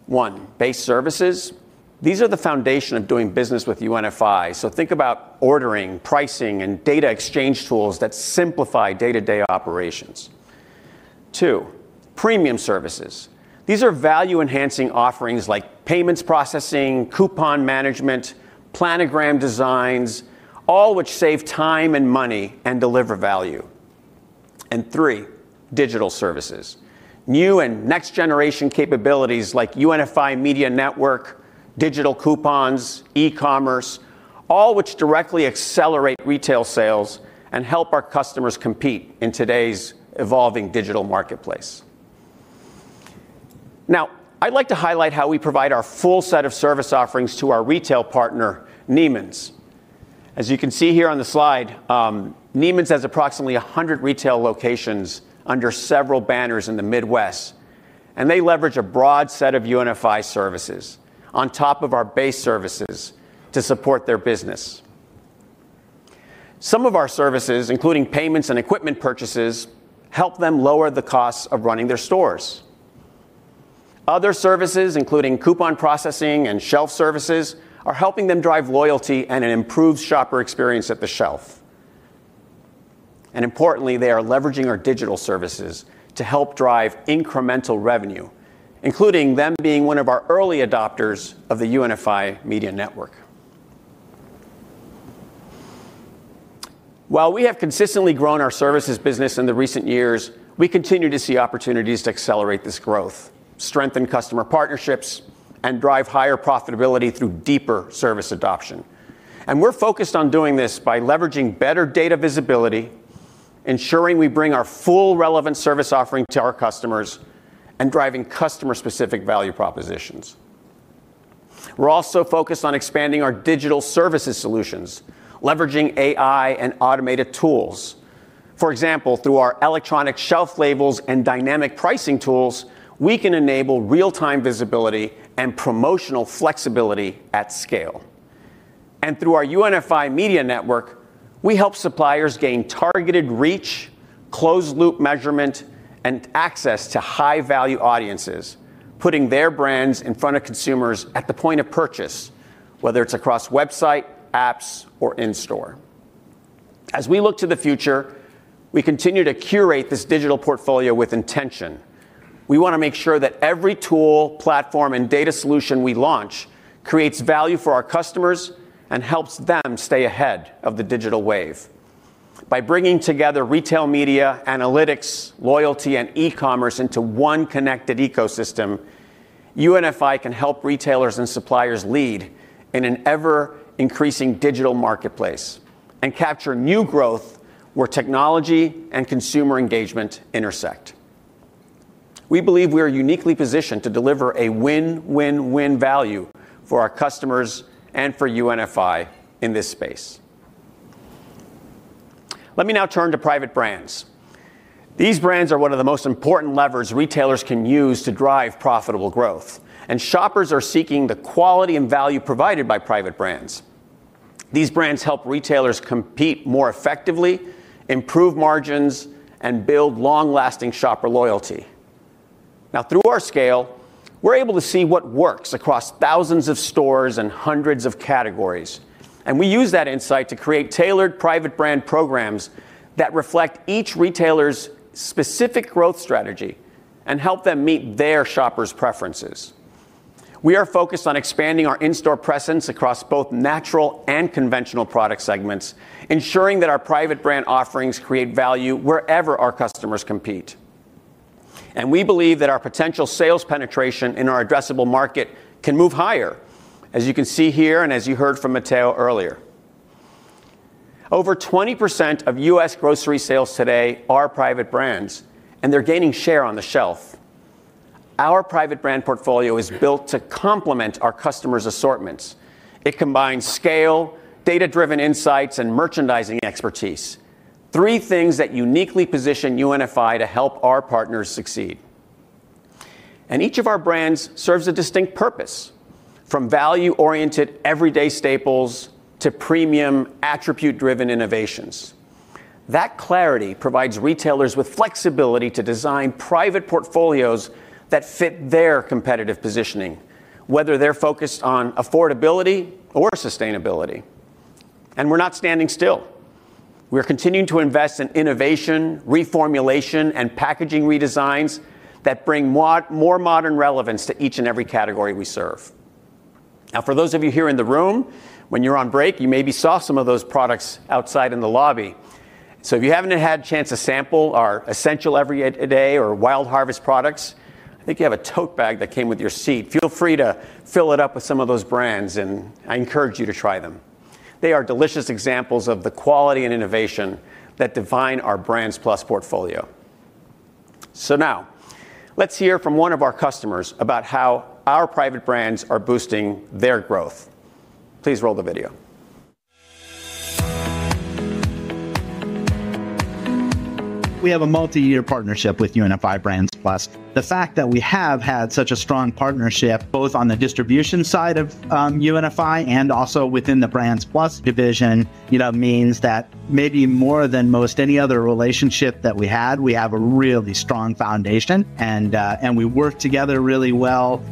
One, base services. These are the foundation of doing business with UNFI. So think about ordering, pricing, and data exchange tools that simplify day-to-day operations. Two, premium services. These are value-enhancing offerings like payments processing, coupon management, planogram designs, all which save time and money and deliver value. And three, digital services. New and next-generation capabilities like UNFI Media Network, digital coupons, e-commerce, all which directly accelerate retail sales and help our customers compete in today's evolving digital marketplace. Now, I'd like to highlight how we provide our full set of service offerings to our retail partner, Niemann's. As you can see here on the slide, Niemann has approximately 100 retail locations under several banners in the Midwest, and they leverage a broad set of UNFI services on top of our base services to support their business. Some of our services, including payments and equipment purchases, help them lower the costs of running their stores. Other services, including coupon processing and shelf services, are helping them drive loyalty and an improved shopper experience at the shelf, and importantly, they are leveraging our digital services to help drive incremental revenue, including them being one of our early adopters of the UNFI Media Network. While we have consistently grown our services business in the recent years, we continue to see opportunities to accelerate this growth, strengthen customer partnerships, and drive higher profitability through deeper service adoption. And we're focused on doing this by leveraging better data visibility, ensuring we bring our full relevant service offering to our customers, and driving customer-specific value propositions. We're also focused on expanding our digital services solutions, leveraging AI and automated tools. For example, through our electronic shelf labels and dynamic pricing tools, we can enable real-time visibility and promotional flexibility at scale. And through our UNFI Media Network, we help suppliers gain targeted reach, closed-loop measurement, and access to high-value audiences, putting their brands in front of consumers at the point of purchase, whether it's across website, apps, or in-store. As we look to the future, we continue to curate this digital portfolio with intention. We want to make sure that every tool, platform, and data solution we launch creates value for our customers and helps them stay ahead of the digital wave. By bringing together retail media, analytics, loyalty, and e-commerce into one connected ecosystem, UNFI can help retailers and suppliers lead in an ever-increasing digital marketplace and capture new growth where technology and consumer engagement intersect. We believe we are uniquely positioned to deliver a win-win-win value for our customers and for UNFI in this space. Let me now turn to private brands. These brands are one of the most important levers retailers can use to drive profitable growth, and shoppers are seeking the quality and value provided by private brands. These brands help retailers compete more effectively, improve margins, and build long-lasting shopper loyalty. Now, through our scale, we're able to see what works across thousands of stores and hundreds of categories. And we use that insight to create tailored private brand programs that reflect each retailer's specific growth strategy and help them meet their shopper's preferences. We are focused on expanding our in-store presence across both natural and conventional product segments, ensuring that our private brand offerings create value wherever our customers compete, and we believe that our potential sales penetration in our addressable market can move higher, as you can see here and as you heard from Matteo earlier. Over 20% of U.S. grocery sales today are private brands, and they're gaining share on the shelf. Our private brand portfolio is built to complement our customers' assortments. It combines scale, data-driven insights, and merchandising expertise, three things that uniquely position UNFI to help our partners succeed, and each of our brands serves a distinct purpose, from value-oriented everyday staples to premium attribute-driven innovations. That clarity provides retailers with flexibility to design private portfolios that fit their competitive positioning, whether they're focused on affordability or sustainability, and we're not standing still. We're continuing to invest in innovation, reformulation, and packaging redesigns that bring more modern relevance to each and every category we serve. Now, for those of you here in the room, when you're on break, you maybe saw some of those products outside in the lobby. So if you haven't had a chance to sample our Essential Everyday or Wild Harvest products, I think you have a tote bag that came with your seat. Feel free to fill it up with some of those brands, and I encourage you to try them. They are delicious examples of the quality and innovation that define our Brands+ portfolio. So now, let's hear from one of our customers about how our private brands are boosting their growth. Please roll the video. We have a multi-year partnership with UNFI Brands+. The fact that we have had such a strong partnership both on the distribution side of UNFI and also within the Brands+ division means that maybe more than most any other relationship that we had, we have a really strong foundation, and we work together really well.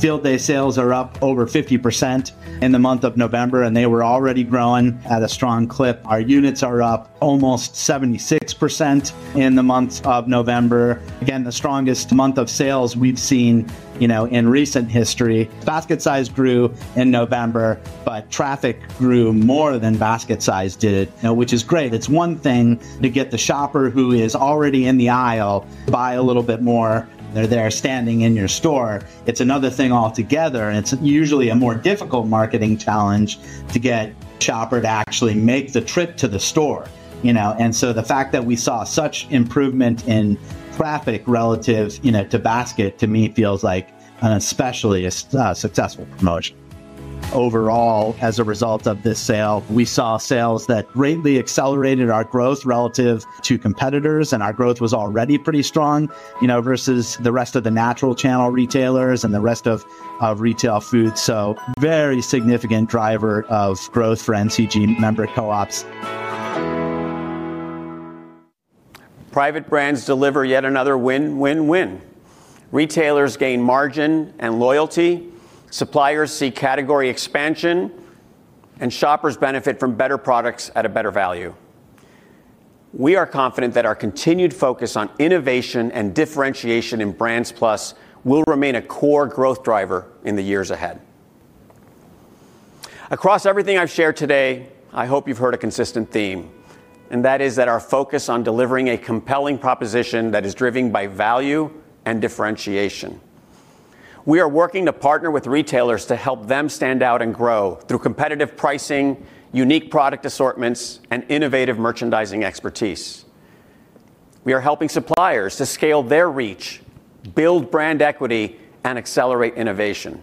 Field Day sales are up over 50% in the month of November, and they were already growing at a strong clip. Our units are up almost 76% in the month of November. Again, the strongest month of sales we've seen in recent history. Basket size grew in November, but traffic grew more than basket size did, which is great. It's one thing to get the shopper who is already in the aisle to buy a little bit more, they're there standing in your store. It's another thing altogether. It's usually a more difficult marketing challenge to get shopper to actually make the trip to the store, and so the fact that we saw such improvement in traffic relative to basket, to me, feels like an especially successful promotion. Overall, as a result of this sale, we saw sales that greatly accelerated our growth relative to competitors, and our growth was already pretty strong versus the rest of the natural channel retailers and the rest of retail food, so very significant driver of growth for NCG member co-ops. Private brands deliver yet another win-win-win. Retailers gain margin and loyalty. Suppliers see category expansion, and shoppers benefit from better products at a better value. We are confident that our continued focus on innovation and differentiation in Brands+ will remain a core growth driver in the years ahead. Across everything I've shared today, I hope you've heard a consistent theme, and that is that our focus on delivering a compelling proposition that is driven by value and differentiation. We are working to partner with retailers to help them stand out and grow through competitive pricing, unique product assortments, and innovative merchandising expertise. We are helping suppliers to scale their reach, build brand equity, and accelerate innovation.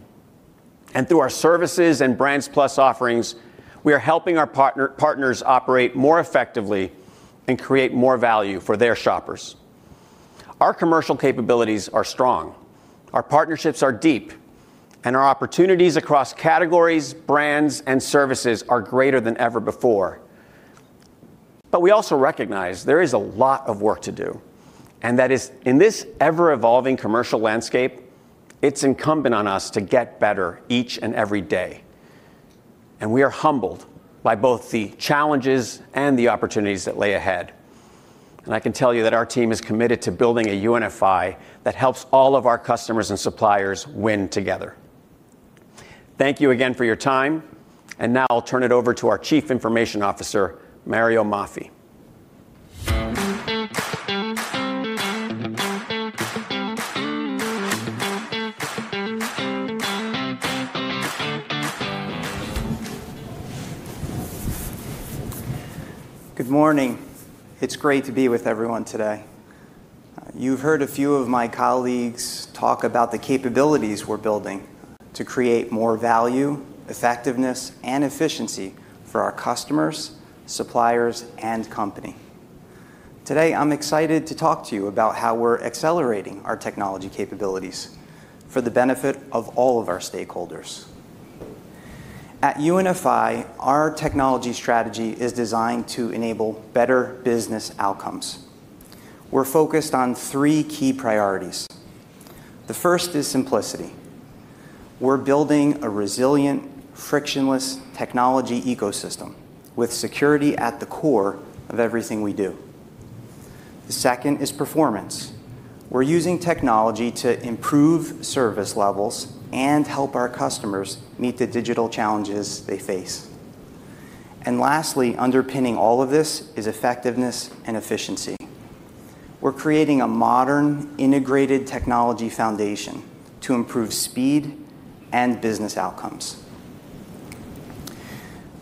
And through our services and Brands+ offerings, we are helping our partners operate more effectively and create more value for their shoppers. Our commercial capabilities are strong, our partnerships are deep, and our opportunities across categories, brands, and services are greater than ever before. But we also recognize there is a lot of work to do, and that is, in this ever-evolving commercial landscape, it's incumbent on us to get better each and every day. We are humbled by both the challenges and the opportunities that lay ahead. I can tell you that our team is committed to building a UNFI that helps all of our customers and suppliers win together. Thank you again for your time. Now I'll turn it over to our Chief Information Officer, Mario Maffie. Good morning. It's great to be with everyone today. You've heard a few of my colleagues talk about the capabilities we're building to create more value, effectiveness, and efficiency for our customers, suppliers, and company. Today, I'm excited to talk to you about how we're accelerating our technology capabilities for the benefit of all of our stakeholders. At UNFI, our technology strategy is designed to enable better business outcomes. We're focused on three key priorities. The first is simplicity. We're building a resilient, frictionless technology ecosystem with security at the core of everything we do. The second is performance. We're using technology to improve service levels and help our customers meet the digital challenges they face. And lastly, underpinning all of this is effectiveness and efficiency. We're creating a modern, integrated technology foundation to improve speed and business outcomes.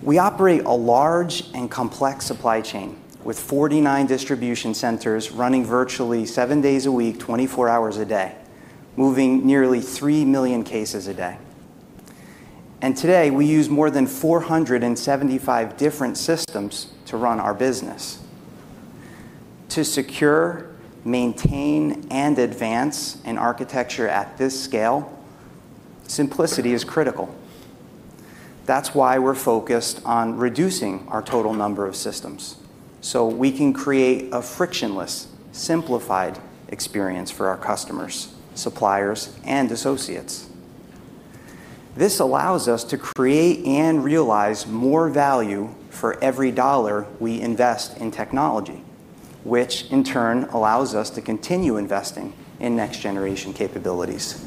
We operate a large and complex supply chain with 49 distribution centers running virtually seven days a week, 24 hours a day, moving nearly 3 million cases a day. And today, we use more than 475 different systems to run our business. To secure, maintain, and advance an architecture at this scale, simplicity is critical. That's why we're focused on reducing our total number of systems so we can create a frictionless, simplified experience for our customers, suppliers, and associates. This allows us to create and realize more value for every dollar we invest in technology, which in turn allows us to continue investing in next-generation capabilities.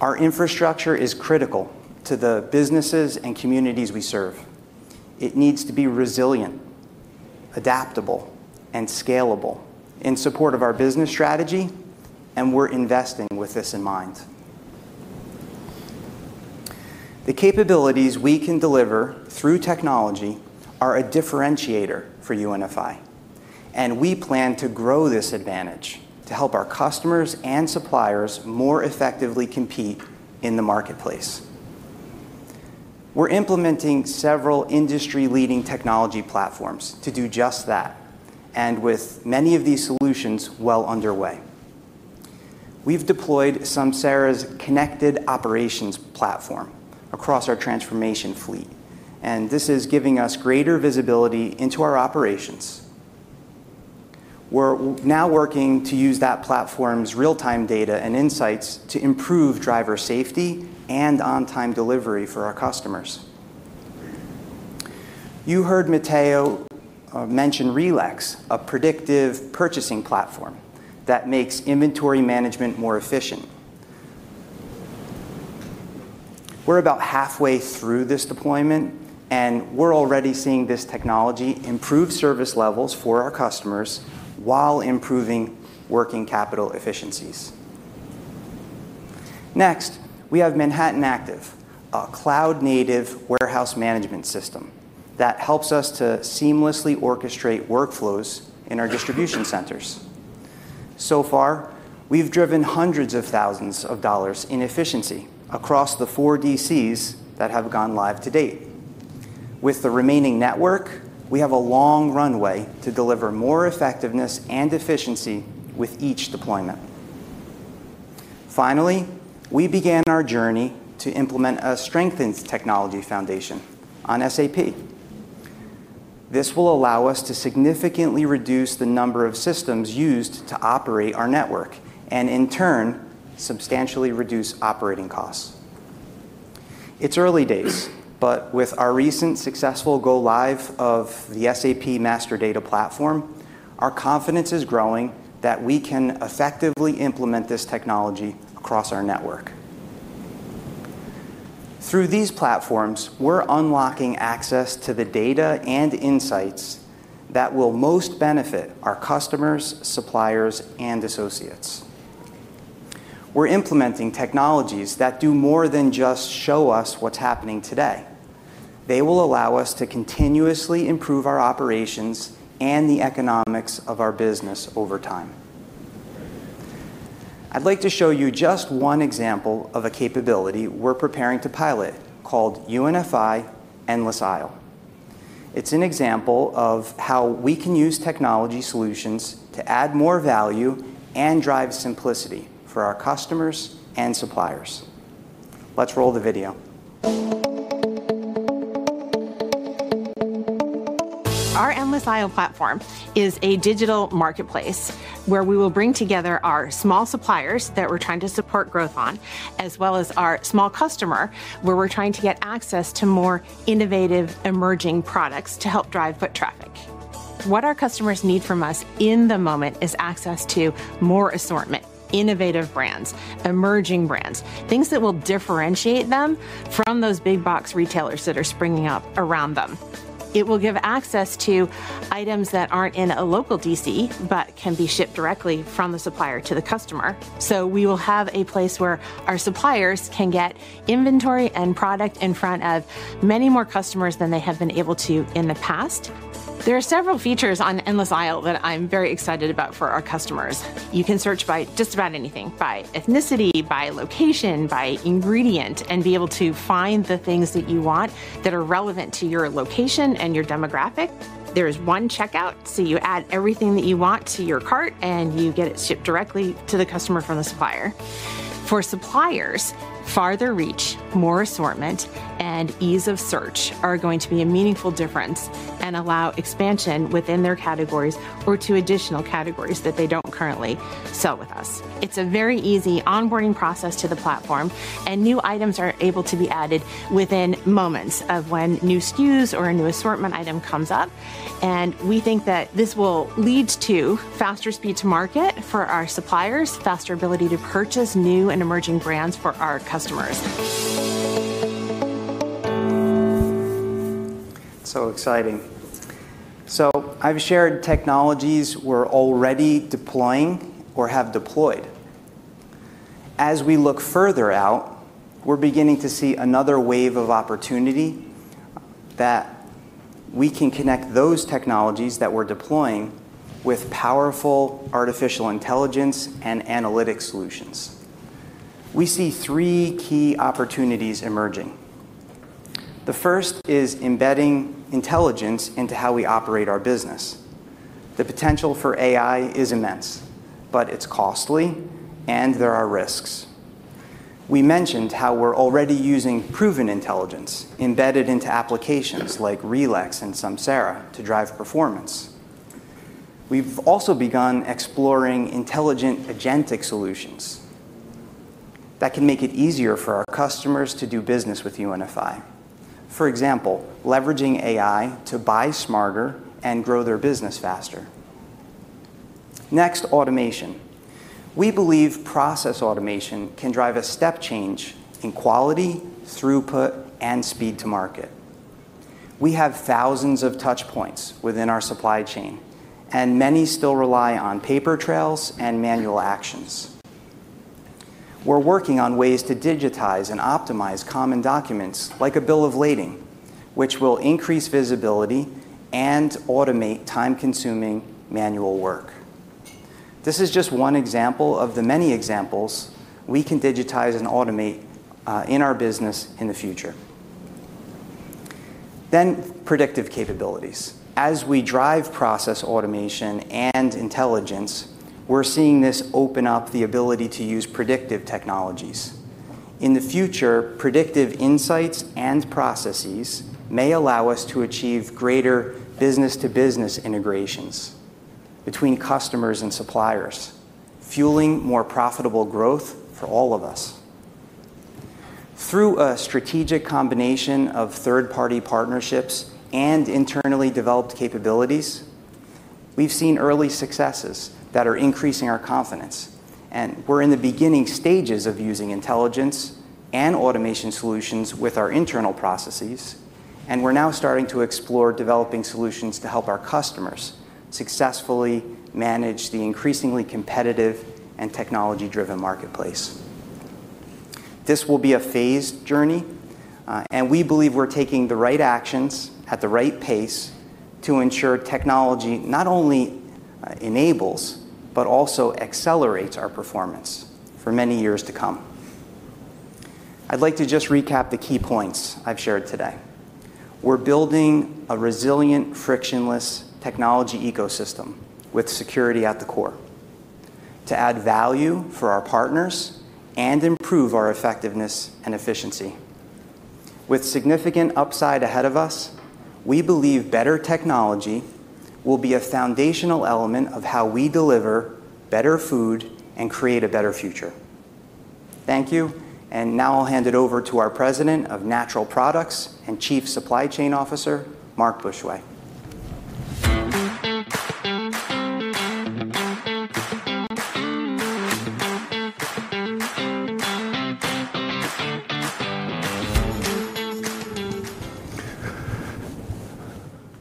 Our infrastructure is critical to the businesses and communities we serve. It needs to be resilient, adaptable, and scalable in support of our business strategy, and we're investing with this in mind. The capabilities we can deliver through technology are a differentiator for UNFI, and we plan to grow this advantage to help our customers and suppliers more effectively compete in the marketplace. We're implementing several industry-leading technology platforms to do just that, and with many of these solutions well underway. We've deployed Samsara's connected operations platform across our transportation fleet, and this is giving us greater visibility into our operations. We're now working to use that platform's real-time data and insights to improve driver safety and on-time delivery for our customers. You heard Matteo mention RELEX, a predictive purchasing platform that makes inventory management more efficient. We're about halfway through this deployment, and we're already seeing this technology improve service levels for our customers while improving working capital efficiencies. Next, we have Manhattan Active, a cloud-native warehouse management system that helps us to seamlessly orchestrate workflows in our distribution centers. So far, we've driven hundreds of thousands of dollars in efficiency across the four DCs that have gone live to date. With the remaining network, we have a long runway to deliver more effectiveness and efficiency with each deployment. Finally, we began our journey to implement a strengthened technology foundation on SAP. This will allow us to significantly reduce the number of systems used to operate our network and, in turn, substantially reduce operating costs. It's early days, but with our recent successful go-live of the SAP Master Data Platform, our confidence is growing that we can effectively implement this technology across our network. Through these platforms, we're unlocking access to the data and insights that will most benefit our customers, suppliers, and associates. We're implementing technologies that do more than just show us what's happening today. They will allow us to continuously improve our operations and the economics of our business over time. I'd like to show you just one example of a capability we're preparing to pilot called UNFI Endless Aisle. It's an example of how we can use technology solutions to add more value and drive simplicity for our customers and suppliers. Let's roll the video. Our Endless Aisle platform is a digital marketplace where we will bring together our small suppliers that we're trying to support growth on, as well as our small customer where we're trying to get access to more innovative emerging products to help drive foot traffic. What our customers need from us in the moment is access to more assortment, innovative brands, emerging brands, things that will differentiate them from those big box retailers that are springing up around them. It will give access to items that aren't in a local DC but can be shipped directly from the supplier to the customer. So we will have a place where our suppliers can get inventory and product in front of many more customers than they have been able to in the past. There are several features on Endless Aisle that I'm very excited about for our customers. You can search by just about anything: by ethnicity, by location, by ingredient, and be able to find the things that you want that are relevant to your location and your demographic. There is one checkout, so you add everything that you want to your cart, and you get it shipped directly to the customer from the supplier. For suppliers, farther reach, more assortment, and ease of search are going to be a meaningful difference and allow expansion within their categories or to additional categories that they don't currently sell with us. It's a very easy onboarding process to the platform, and new items are able to be added within moments of when new SKUs or a new assortment item comes up. And we think that this will lead to faster speed to market for our suppliers, faster ability to purchase new and emerging brands for our customers. So exciting. So I've shared technologies we're already deploying or have deployed. As we look further out, we're beginning to see another wave of opportunity that we can connect those technologies that we're deploying with powerful artificial intelligence and analytic solutions. We see three key opportunities emerging. The first is embedding intelligence into how we operate our business. The potential for AI is immense, but it's costly, and there are risks. We mentioned how we're already using proven intelligence embedded into applications like RELEX and Samsara to drive performance. We've also begun exploring intelligent agentic solutions that can make it easier for our customers to do business with UNFI. For example, leveraging AI to buy smarter and grow their business faster. Next, automation. We believe process automation can drive a step change in quality, throughput, and speed to market. We have thousands of touch points within our supply chain, and many still rely on paper trails and manual actions. We're working on ways to digitize and optimize common documents like a bill of lading, which will increase visibility and automate time-consuming manual work. This is just one example of the many examples we can digitize and automate in our business in the future. Then, predictive capabilities. As we drive process automation and intelligence, we're seeing this open up the ability to use predictive technologies. In the future, predictive insights and processes may allow us to achieve greater business-to-business integrations between customers and suppliers, fueling more profitable growth for all of us. Through a strategic combination of third-party partnerships and internally developed capabilities, we've seen early successes that are increasing our confidence. And we're in the beginning stages of using intelligence and automation solutions with our internal processes, and we're now starting to explore developing solutions to help our customers successfully manage the increasingly competitive and technology-driven marketplace. This will be a phased journey, and we believe we're taking the right actions at the right pace to ensure technology not only enables but also accelerates our performance for many years to come. I'd like to just recap the key points I've shared today. We're building a resilient, frictionless technology ecosystem with security at the core to add value for our partners and improve our effectiveness and efficiency. With significant upside ahead of us, we believe better technology will be a foundational element of how we deliver better food and create a better future. Thank you. And now I'll hand it over to our President of Natural Products and Chief Supply Chain Officer, Mark Bushway.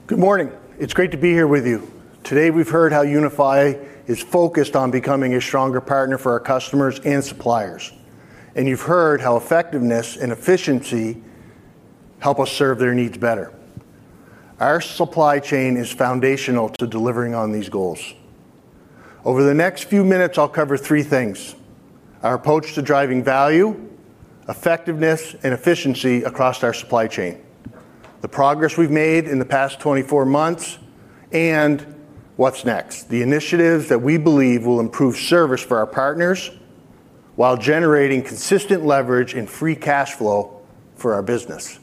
Good morning. It's great to be here with you. Today, we've heard how UNFI is focused on becoming a stronger partner for our customers and suppliers. And you've heard how effectiveness and efficiency help us serve their needs better. Our supply chain is foundational to delivering on these goals. Over the next few minutes, I'll cover three things: our approach to driving value, effectiveness, and efficiency across our supply chain, the progress we've made in the past 24 months, and what's next, the initiatives that we believe will improve service for our partners while generating consistent leverage and free cash flow for our business.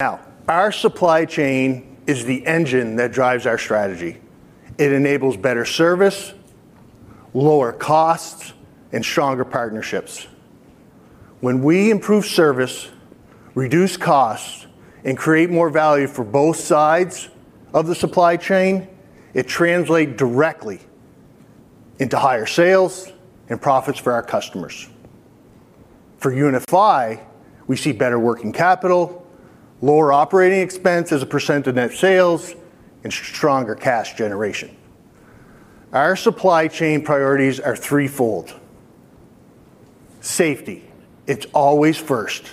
Now, our supply chain is the engine that drives our strategy. It enables better service, lower costs, and stronger partnerships. When we improve service, reduce costs, and create more value for both sides of the supply chain, it translates directly into higher sales and profits for our customers. For UNFI, we see better working capital, lower operating expenses as a percent of net sales, and stronger cash generation. Our supply chain priorities are threefold. Safety. It's always first.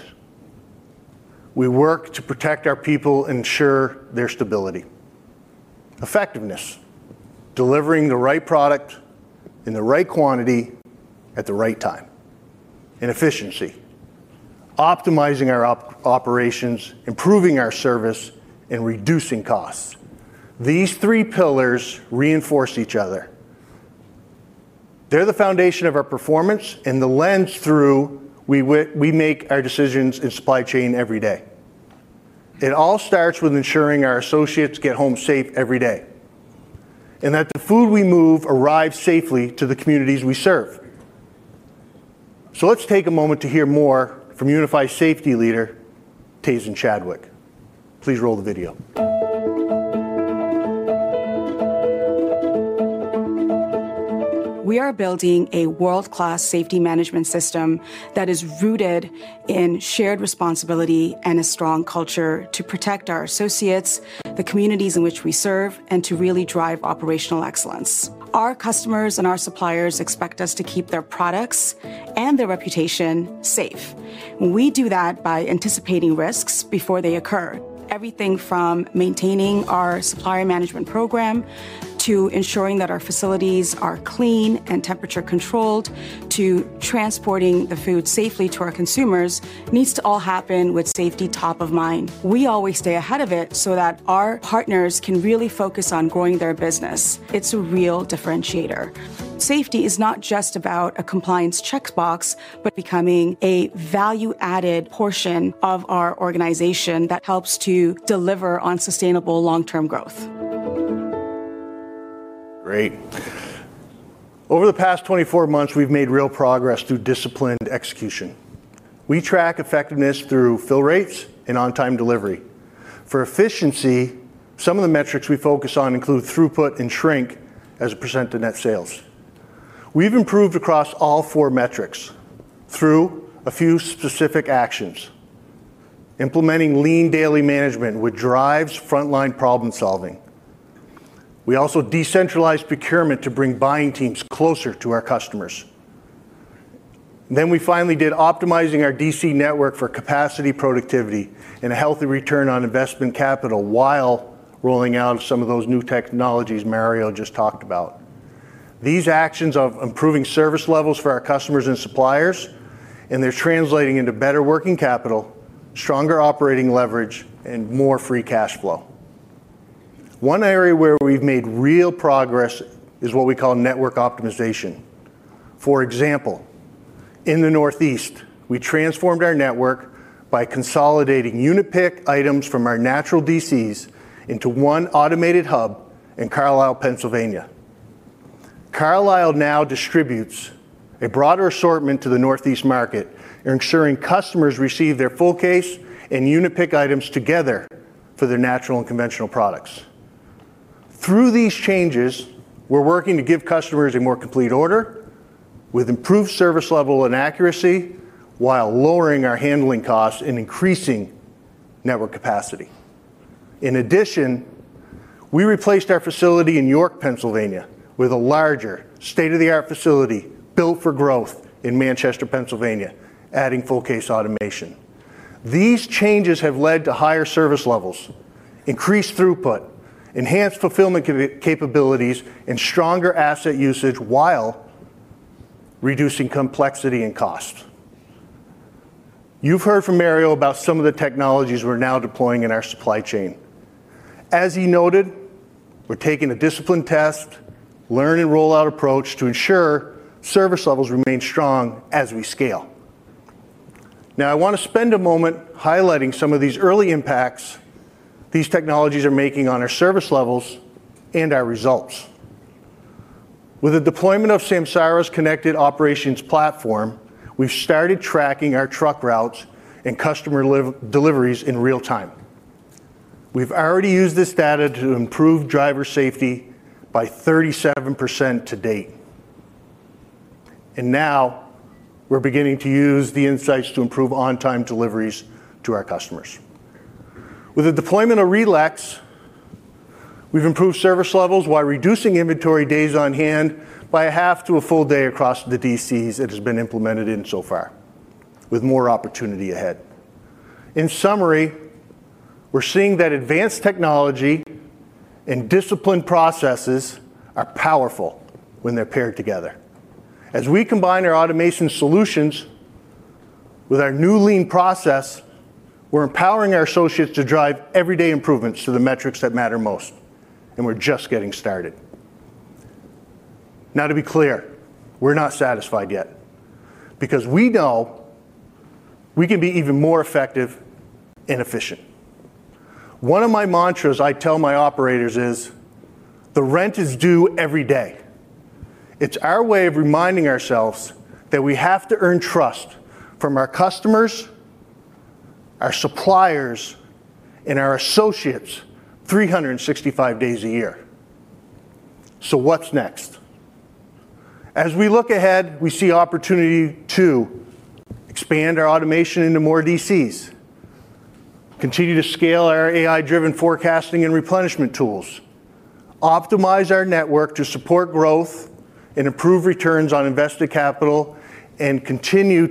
We work to protect our people and ensure their stability. Effectiveness. Delivering the right product in the right quantity at the right time. And efficiency. Optimizing our operations, improving our service, and reducing costs. These three pillars reinforce each other. They're the foundation of our performance, and the lens through which we make our decisions in supply chain every day. It all starts with ensuring our associates get home safe every day and that the food we move arrives safely to the communities we serve. So let's take a moment to hear more from UNFI's safety leader, Tehsin Chadwick. Please roll the video. We are building a world-class safety management system that is rooted in shared responsibility and a strong culture to protect our associates, the communities in which we serve, and to really drive operational excellence. Our customers and our suppliers expect us to keep their products and their reputation safe. We do that by anticipating risks before they occur. Everything from maintaining our supplier management program to ensuring that our facilities are clean and temperature-controlled to transporting the food safely to our consumers needs to all happen with safety top of mind. We always stay ahead of it so that our partners can really focus on growing their business. It's a real differentiator. Safety is not just about a compliance checkbox, but becoming a value-added portion of our organization that helps to deliver on sustainable long-term growth. Great. Over the past 24 months, we've made real progress through disciplined execution. We track effectiveness through fill rates and on-time delivery. For efficiency, some of the metrics we focus on include throughput and shrink as a percent of net sales. We've improved across all four metrics through a few specific Lean Daily Management which drives frontline problem-solving. We also decentralized procurement to bring buying teams closer to our customers, then we finally did optimizing our DC network for capacity productivity and a healthy return on invested capital while rolling out some of those new technologies Mario just talked about. These actions of improving service levels for our customers and suppliers, and they're translating into better working capital, stronger operating leverage, and more free cash flow. One area where we've made real progress is what we call network optimization. For example, in the Northeast, we transformed our network by consolidating unit pick items from our natural DCs into one automated hub in Carlisle, Pennsylvania. Carlisle now distributes a broader assortment to the Northeast market, ensuring customers receive their full case and unit pick items together for their natural and conventional products. Through these changes, we're working to give customers a more complete order with improved service level and accuracy while lowering our handling costs and increasing network capacity. In addition, we replaced our facility in York, Pennsylvania, with a larger state-of-the-art facility built for growth in Manchester, Pennsylvania, adding full case automation. These changes have led to higher service levels, increased throughput, enhanced fulfillment capabilities, and stronger asset usage while reducing complexity and cost. You've heard from Mario about some of the technologies we're now deploying in our supply chain. As he noted, we're taking a disciplined test, learn-and-roll-out approach to ensure service levels remain strong as we scale. Now, I want to spend a moment highlighting some of these early impacts these technologies are making on our service levels and our results. With the deployment of Samsara's connected operations platform, we've started tracking our truck routes and customer deliveries in real time. We've already used this data to improve driver safety by 37% to date, and now we're beginning to use the insights to improve on-time deliveries to our customers. With the deployment of RELEX, we've improved service levels while reducing inventory days on hand by a half to a full day across the DCs it has been implemented in so far, with more opportunity ahead. In summary, we're seeing that advanced technology and disciplined processes are powerful when they're paired together. As we combine our automation solutions with our new lean process, we're empowering our associates to drive everyday improvements to the metrics that matter most. And we're just getting started. Now, to be clear, we're not satisfied yet because we know we can be even more effective and efficient. One of my mantras I tell my operators is, "The rent is due every day." It's our way of reminding ourselves that we have to earn trust from our customers, our suppliers, and our associates 365 days a year. So what's next? As we look ahead, we see opportunity to expand our automation into more DCs, continue to scale our AI-driven forecasting and replenishment tools, optimize our network to support growth and improve returns on invested capital, and continue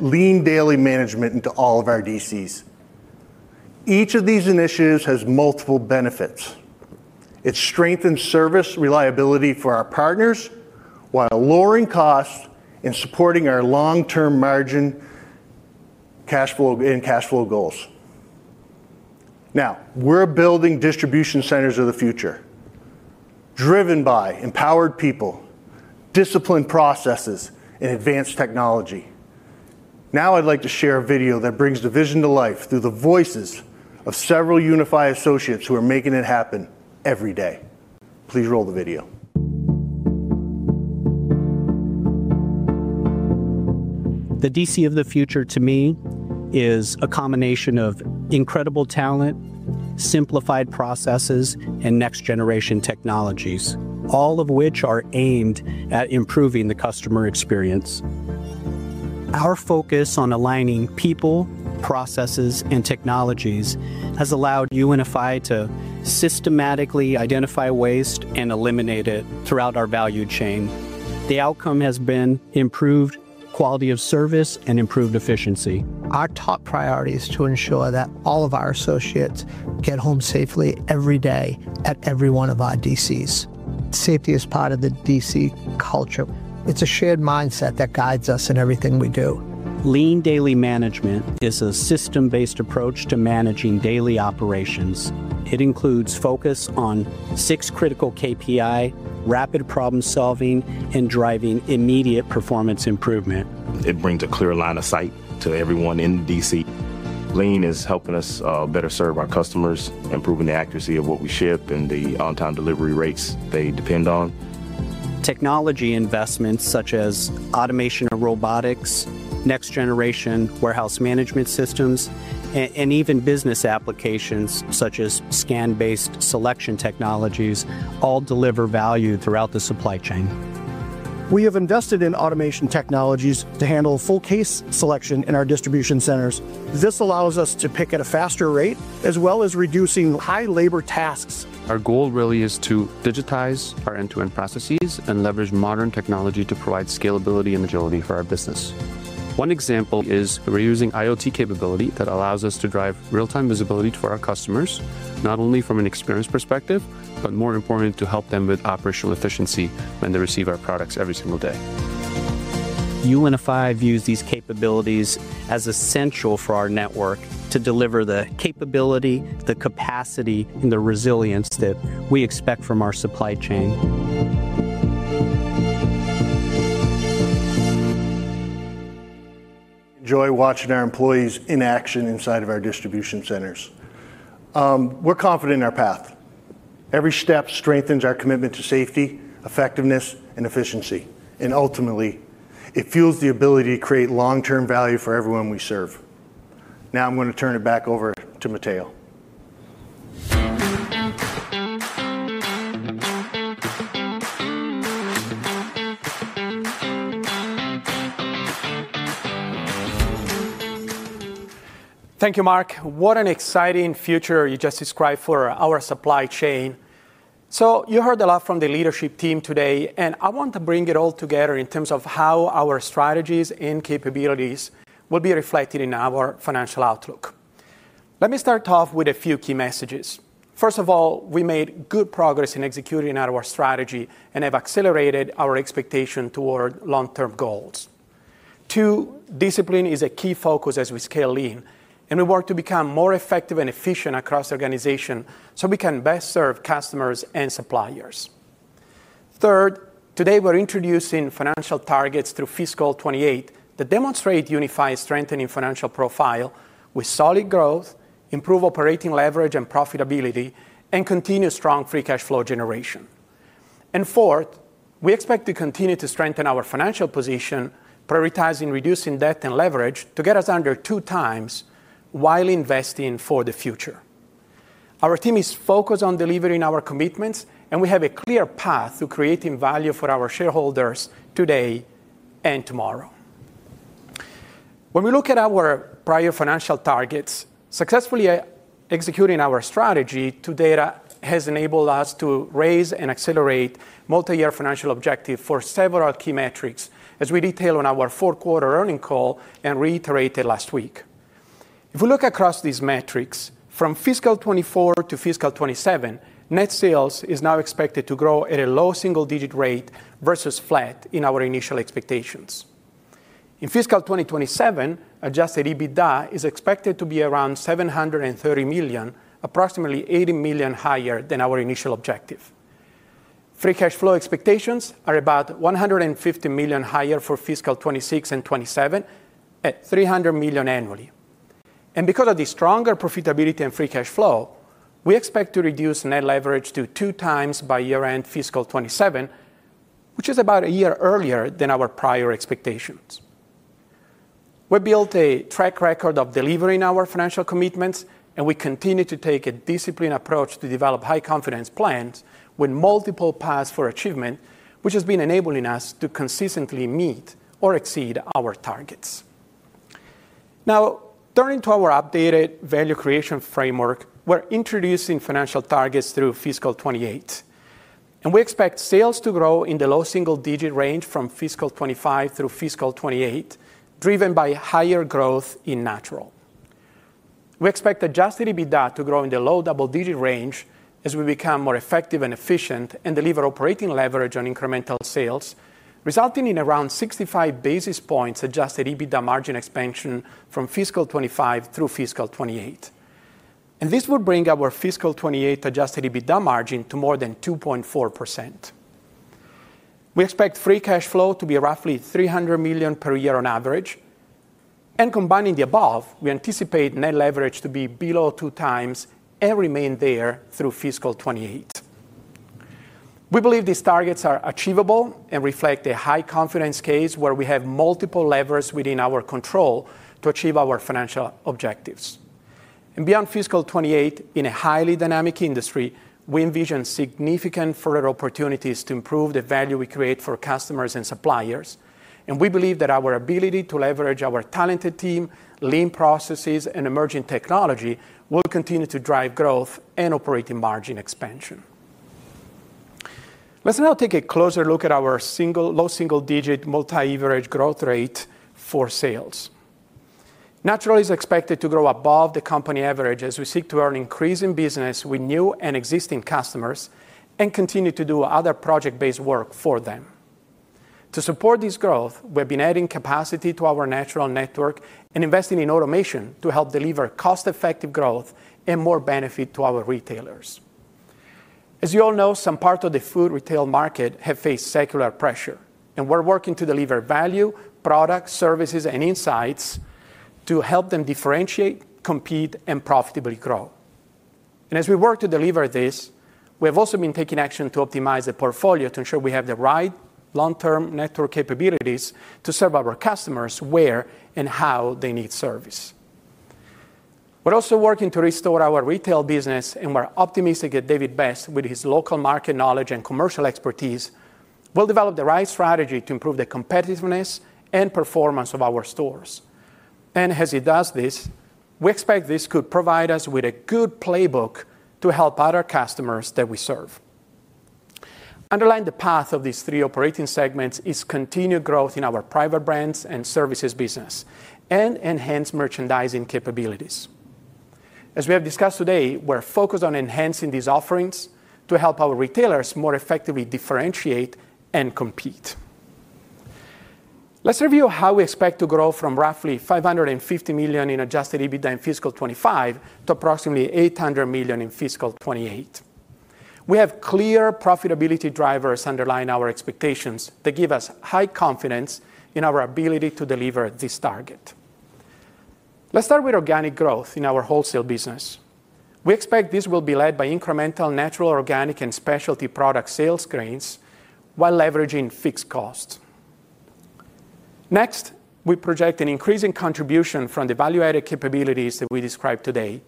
Lean Daily Management into all of our DCs. Each of these initiatives has multiple benefits. It strengthens service reliability for our partners while lowering costs and supporting our long-term margin cash flow and cash flow goals. Now, we're building distribution centers of the future, driven by empowered people, disciplined processes, and advanced technology. Now, I'd like to share a video that brings the vision to life through the voices of several UNFI associates who are making it happen every day. Please roll the video. The DC of the future, to me, is a combination of incredible talent, simplified processes, and next-generation technologies, all of which are aimed at improving the customer experience. Our focus on aligning people, processes, and technologies has allowed UNFI to systematically identify waste and eliminate it throughout our value chain. The outcome has been improved quality of service and improved efficiency. Our top priority is to ensure that all of our associates get home safely every day at every one of our DCs. Safety is part of the DC culture. It's a shared mindset that guides us in everything Lean Daily Management is a system-based approach to managing daily operations. It includes focus on six critical KPIs, rapid problem-solving, and driving immediate performance improvement. It brings a clear line of sight to everyone in the DC. Lean is helping us better serve our customers, improving the accuracy of what we ship and the on-time delivery rates they depend on. Technology investments such as automation or robotics, next-generation warehouse management systems, and even business applications such as scan-based selection technologies all deliver value throughout the supply chain. We have invested in automation technologies to handle full case selection in our distribution centers. This allows us to pick at a faster rate as well as reducing high-labor tasks. Our goal really is to digitize our end-to-end processes and leverage modern technology to provide scalability and agility for our business. One example is we're using IoT capability that allows us to drive real-time visibility to our customers, not only from an experience perspective, but more importantly, to help them with operational efficiency when they receive our products every single day. UNFI views these capabilities as essential for our network to deliver the capability, the capacity, and the resilience that we expect from our supply chain. Enjoy watching our employees in action inside of our distribution centers. We're confident in our path. Every step strengthens our commitment to safety, effectiveness, and efficiency, and ultimately, it fuels the ability to create long-term value for everyone we serve. Now, I'm going to turn it back over to Matteo. Thank you, Mark. What an exciting future you just described for our supply chain, so you heard a lot from the leadership team today, and I want to bring it all together in terms of how our strategies and capabilities will be reflected in our financial outlook. Let me start off with a few key messages. First of all, we made good progress in executing our strategy and have accelerated our expectation toward long-term goals. Two, discipline is a key focus as we scale lean, and we work to become more effective and efficient across the organization so we can best serve customers and suppliers. Third, today we're introducing financial targets through fiscal 2028 that demonstrate UNFI's strengthening financial profile with solid growth, improved operating leverage and profitability, and continued strong free cash flow generation, and fourth, we expect to continue to strengthen our financial position, prioritizing reducing debt and leverage to get us under two times while investing for the future. Our team is focused on delivering our commitments, and we have a clear path to creating value for our shareholders today and tomorrow. When we look at our prior financial targets, successfully executing our strategy today has enabled us to raise and accelerate multi-year financial objectives for several key metrics, as we detailed on our fourth quarter earnings call and reiterated last week. If we look across these metrics, from fiscal 2024 to fiscal 2027, net sales is now expected to grow at a low single-digit rate versus flat in our initial expectations. In fiscal 2027, Adjusted EBITDA is expected to be around $730 million, approximately $80 million higher than our initial objective. free cash flow expectations are about $150 million higher for fiscal 2026 and 2027 at $300 million annually, and because of the stronger profitability and free cash flow, we expect to reduce Net Leverage to two times by year-end fiscal 2027, which is about a year earlier than our prior expectations. We built a track record of delivering our financial commitments, and we continue to take a disciplined approach to develop high-confidence plans with multiple paths for achievement, which has been enabling us to consistently meet or exceed our targets. Now, turning to our updated value creation framework, we're introducing financial targets through fiscal 2028, and we expect sales to grow in the low single-digit range from fiscal 2025 through fiscal 2028, driven by higher growth in natural. We expect Adjusted EBITDA to grow in the low double-digit range as we become more effective and efficient and deliver operating leverage on incremental sales, resulting in around 65 basis points Adjusted EBITDA margin expansion from fiscal 2025 through fiscal 2028, and this will bring our fiscal 2028 Adjusted EBITDA margin to more than 2.4%. We expect free cash flow to be roughly $300 million per year on average, and combining the above, we anticipate Net Leverage to be below two times and remain there through fiscal 2028. We believe these targets are achievable and reflect a high-confidence case where we have multiple levers within our control to achieve our financial objectives. Beyond fiscal 2028, in a highly dynamic industry, we envision significant further opportunities to improve the value we create for customers and suppliers. We believe that our ability to leverage our talented team, lean processes, and emerging technology will continue to drive growth and operating margin expansion. Let's now take a closer look at our low single-digit multi-year average growth rate for sales. Natural is expected to grow above the company average as we seek to earn increasing business with new and existing customers and continue to do other project-based work for them. To support this growth, we have been adding capacity to our natural network and investing in automation to help deliver cost-effective growth and more benefit to our retailers. As you all know, some parts of the food retail market have faced secular pressure, and we're working to deliver value, products, services, and insights to help them differentiate, compete, and profitably grow. And as we work to deliver this, we have also been taking action to optimize the portfolio to ensure we have the right long-term network capabilities to serve our customers where and how they need service. We're also working to restore our retail business, and we're optimistic that David Best, with his local market knowledge and commercial expertise, will develop the right strategy to improve the competitiveness and performance of our stores. And as he does this, we expect this could provide us with a good playbook to help other customers that we serve. Underlying the path of these three operating segments is continued growth in our private brands and services business and enhanced merchandising capabilities. As we have discussed today, we're focused on enhancing these offerings to help our retailers more effectively differentiate and compete. Let's review how we expect to grow from roughly $550 million in Adjusted EBITDA in fiscal 2025 to approximately $800 million in fiscal 2028. We have clear profitability drivers underlying our expectations that give us high confidence in our ability to deliver this target. Let's start with organic growth in our wholesale business. We expect this will be led by incremental natural organic and specialty product sales gains while leveraging fixed costs. Next, we project an increasing contribution from the value-added capabilities that we described today,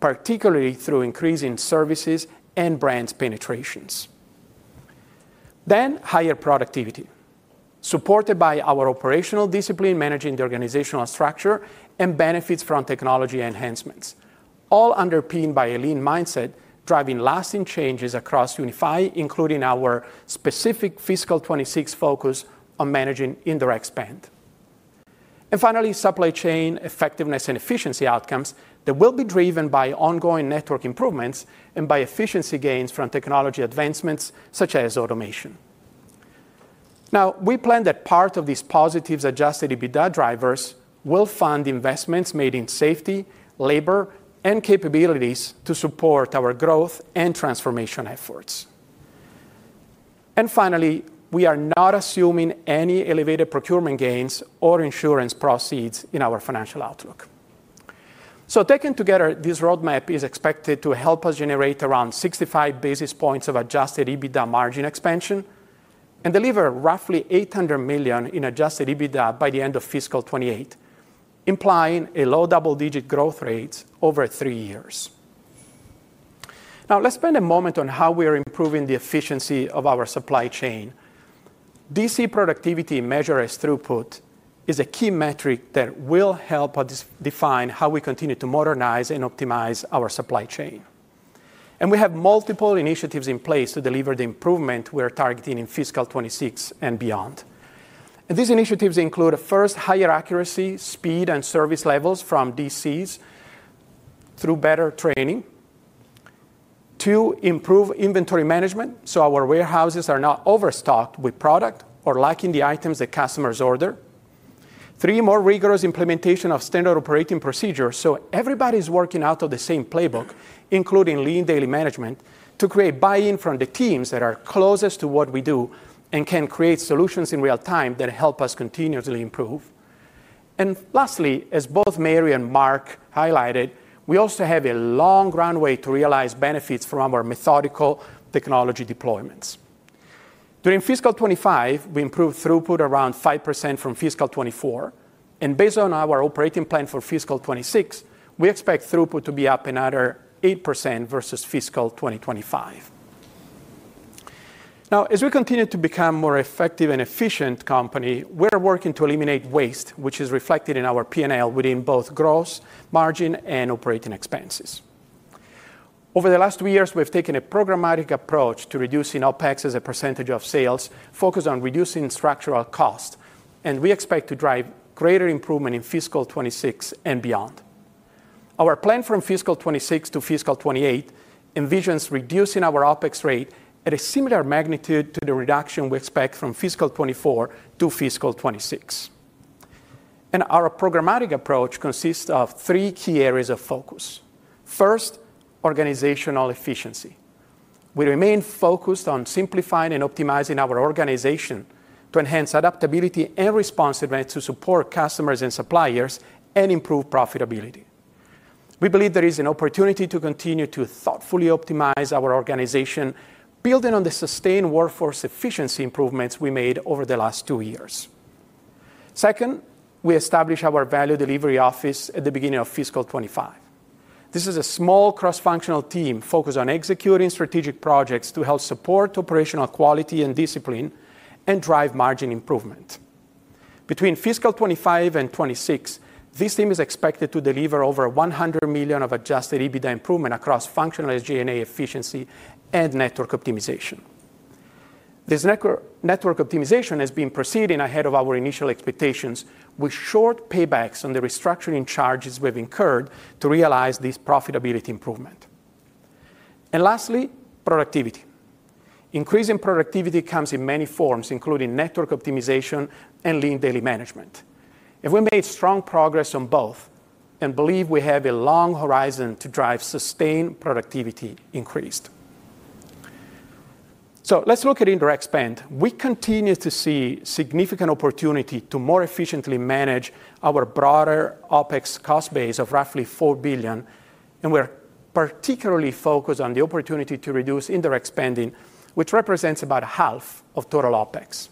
particularly through increasing services and brands penetrations. Then, higher productivity supported by our operational discipline managing the organizational structure and benefits from technology enhancements, all underpinned by a lean mindset driving lasting changes across UNFI, including our specific fiscal 2026 focus on managing indirect spend. And finally, supply chain effectiveness and efficiency outcomes that will be driven by ongoing network improvements and by efficiency gains from technology advancements such as automation. Now, we plan that part of these positive Adjusted EBITDA drivers will fund investments made in safety, labor, and capabilities to support our growth and transformation efforts. And finally, we are not assuming any elevated procurement gains or insurance proceeds in our financial outlook. So taken together, this roadmap is expected to help us generate around 65 basis points of Adjusted EBITDA margin expansion and deliver roughly $800 million in Adjusted EBITDA by the end of fiscal 2028, implying a low double-digit growth rate over three years. Now, let's spend a moment on how we are improving the efficiency of our supply chain. DC productivity measured as throughput is a key metric that will help us define how we continue to modernize and optimize our supply chain. And we have multiple initiatives in place to deliver the improvement we are targeting in fiscal 2026 and beyond. And these initiatives include first, higher accuracy, speed, and service levels from DCs through better training. two, improve inventory management so our warehouses are not overstocked with product or lacking the items that customers order. Three, more rigorous implementation of standard operating procedures so everybody's working out of the same Lean Daily Management, to create buy-in from the teams that are closest to what we do and can create solutions in real time that help us continuously improve. And lastly, as both Mario and Mark highlighted, we also have a long runway to realize benefits from our methodical technology deployments. During fiscal 2025, we improved throughput around 5% from fiscal 2024. And based on our operating plan for fiscal 2026, we expect throughput to be up another 8% versus fiscal 2025. Now, as we continue to become a more effective and efficient company, we're working to eliminate waste, which is reflected in our P&L within both gross margin and operating expenses. Over the last two years, we've taken a programmatic approach to reducing OpEx as a percentage of sales, focused on reducing structural costs, and we expect to drive greater improvement in fiscal 2026 and beyond. Our plan from fiscal 2026 to fiscal 28 envisions reducing our OpEx rate at a similar magnitude to the reduction we expect from fiscal 2024 to fiscal 2026, and our programmatic approach consists of three key areas of focus. First, organizational efficiency. We remain focused on simplifying and optimizing our organization to enhance adaptability and response events to support customers and suppliers and improve profitability. We believe there is an opportunity to continue to thoughtfully optimize our organization, building on the sustained workforce efficiency improvements we made over the last two years. Second, we established our Value Delivery Office at the beginning of fiscal 2025. This is a small cross-functional team focused on executing strategic projects to help support operational quality and discipline and drive margin improvement. Between fiscal 2025 and 2026, this team is expected to deliver over $100 million of Adjusted EBITDA improvement across functional SG&A efficiency and network optimization. This network optimization has been proceeding ahead of our initial expectations with short paybacks on the restructuring charges we have incurred to realize this profitability improvement. And lastly, productivity. Increasing productivity comes in many forms, including network Lean Daily Management. and we made strong progress on both and believe we have a long horizon to drive sustained productivity increased. So let's look at indirect spend. We continue to see significant opportunity to more efficiently manage our broader OpEx cost base of roughly $4 billion, and we're particularly focused on the opportunity to reduce indirect spending, which represents about half of total OpEx.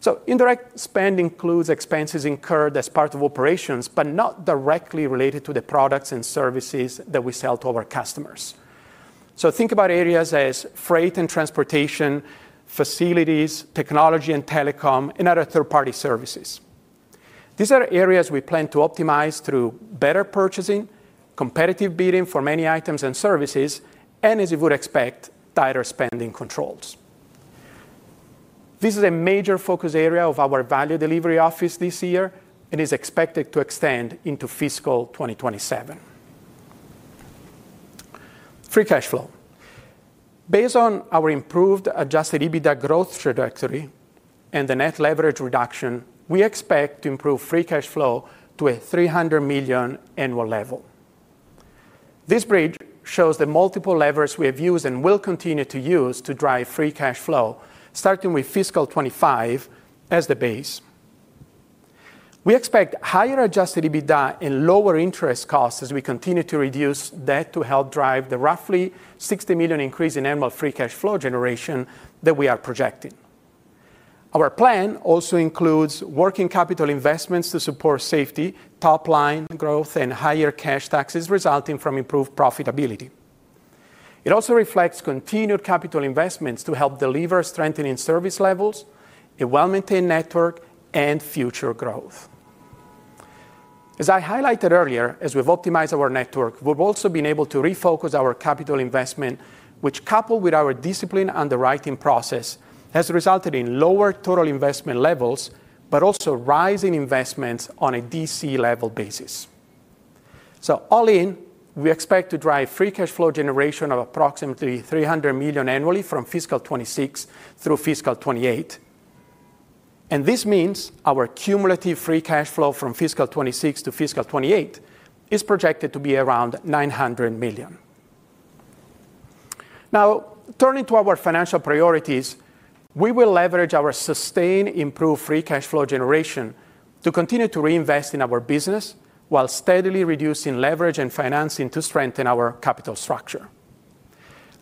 So indirect spend includes expenses incurred as part of operations, but not directly related to the products and services that we sell to our customers. So think about areas as freight and transportation, facilities, technology and telecom, and other third-party services. These are areas we plan to optimize through better purchasing, competitive bidding for many items and services, and, as you would expect, tighter spending controls. This is a major focus area of our Value Delivery Office this year and is expected to extend into fiscal 2027. free cash flow. Based on our improved Adjusted EBITDA growth trajectory and the Net Leverage reduction, we expect to improve free cash flow to a $300 million annual level. This bridge shows the multiple levers we have used and will continue to use to drive free cash flow, starting with fiscal 2025 as the base. We expect higher Adjusted EBITDA and lower interest costs as we continue to reduce debt to help drive the roughly $60 million increase in annual free cash flow generation that we are projecting. Our plan also includes working capital investments to support safety, top-line growth, and higher cash taxes resulting from improved profitability. It also reflects continued capital investments to help deliver strengthening service levels, a well-maintained network, and future growth. As I highlighted earlier, as we've optimized our network, we've also been able to refocus our capital investment, which, coupled with our discipline and the right-sizing process, has resulted in lower total investment levels, but also rising investments on a DC-level basis. So all in, we expect to drive free cash flow generation of approximately $300 million annually from fiscal 2026 through fiscal 2028. And this means our cumulative free cash flow from fiscal 2026 to fiscal 2028 is projected to be around $900 million. Now, turning to our financial priorities, we will leverage our sustained improved free cash flow generation to continue to reinvest in our business while steadily reducing leverage and financing to strengthen our capital structure.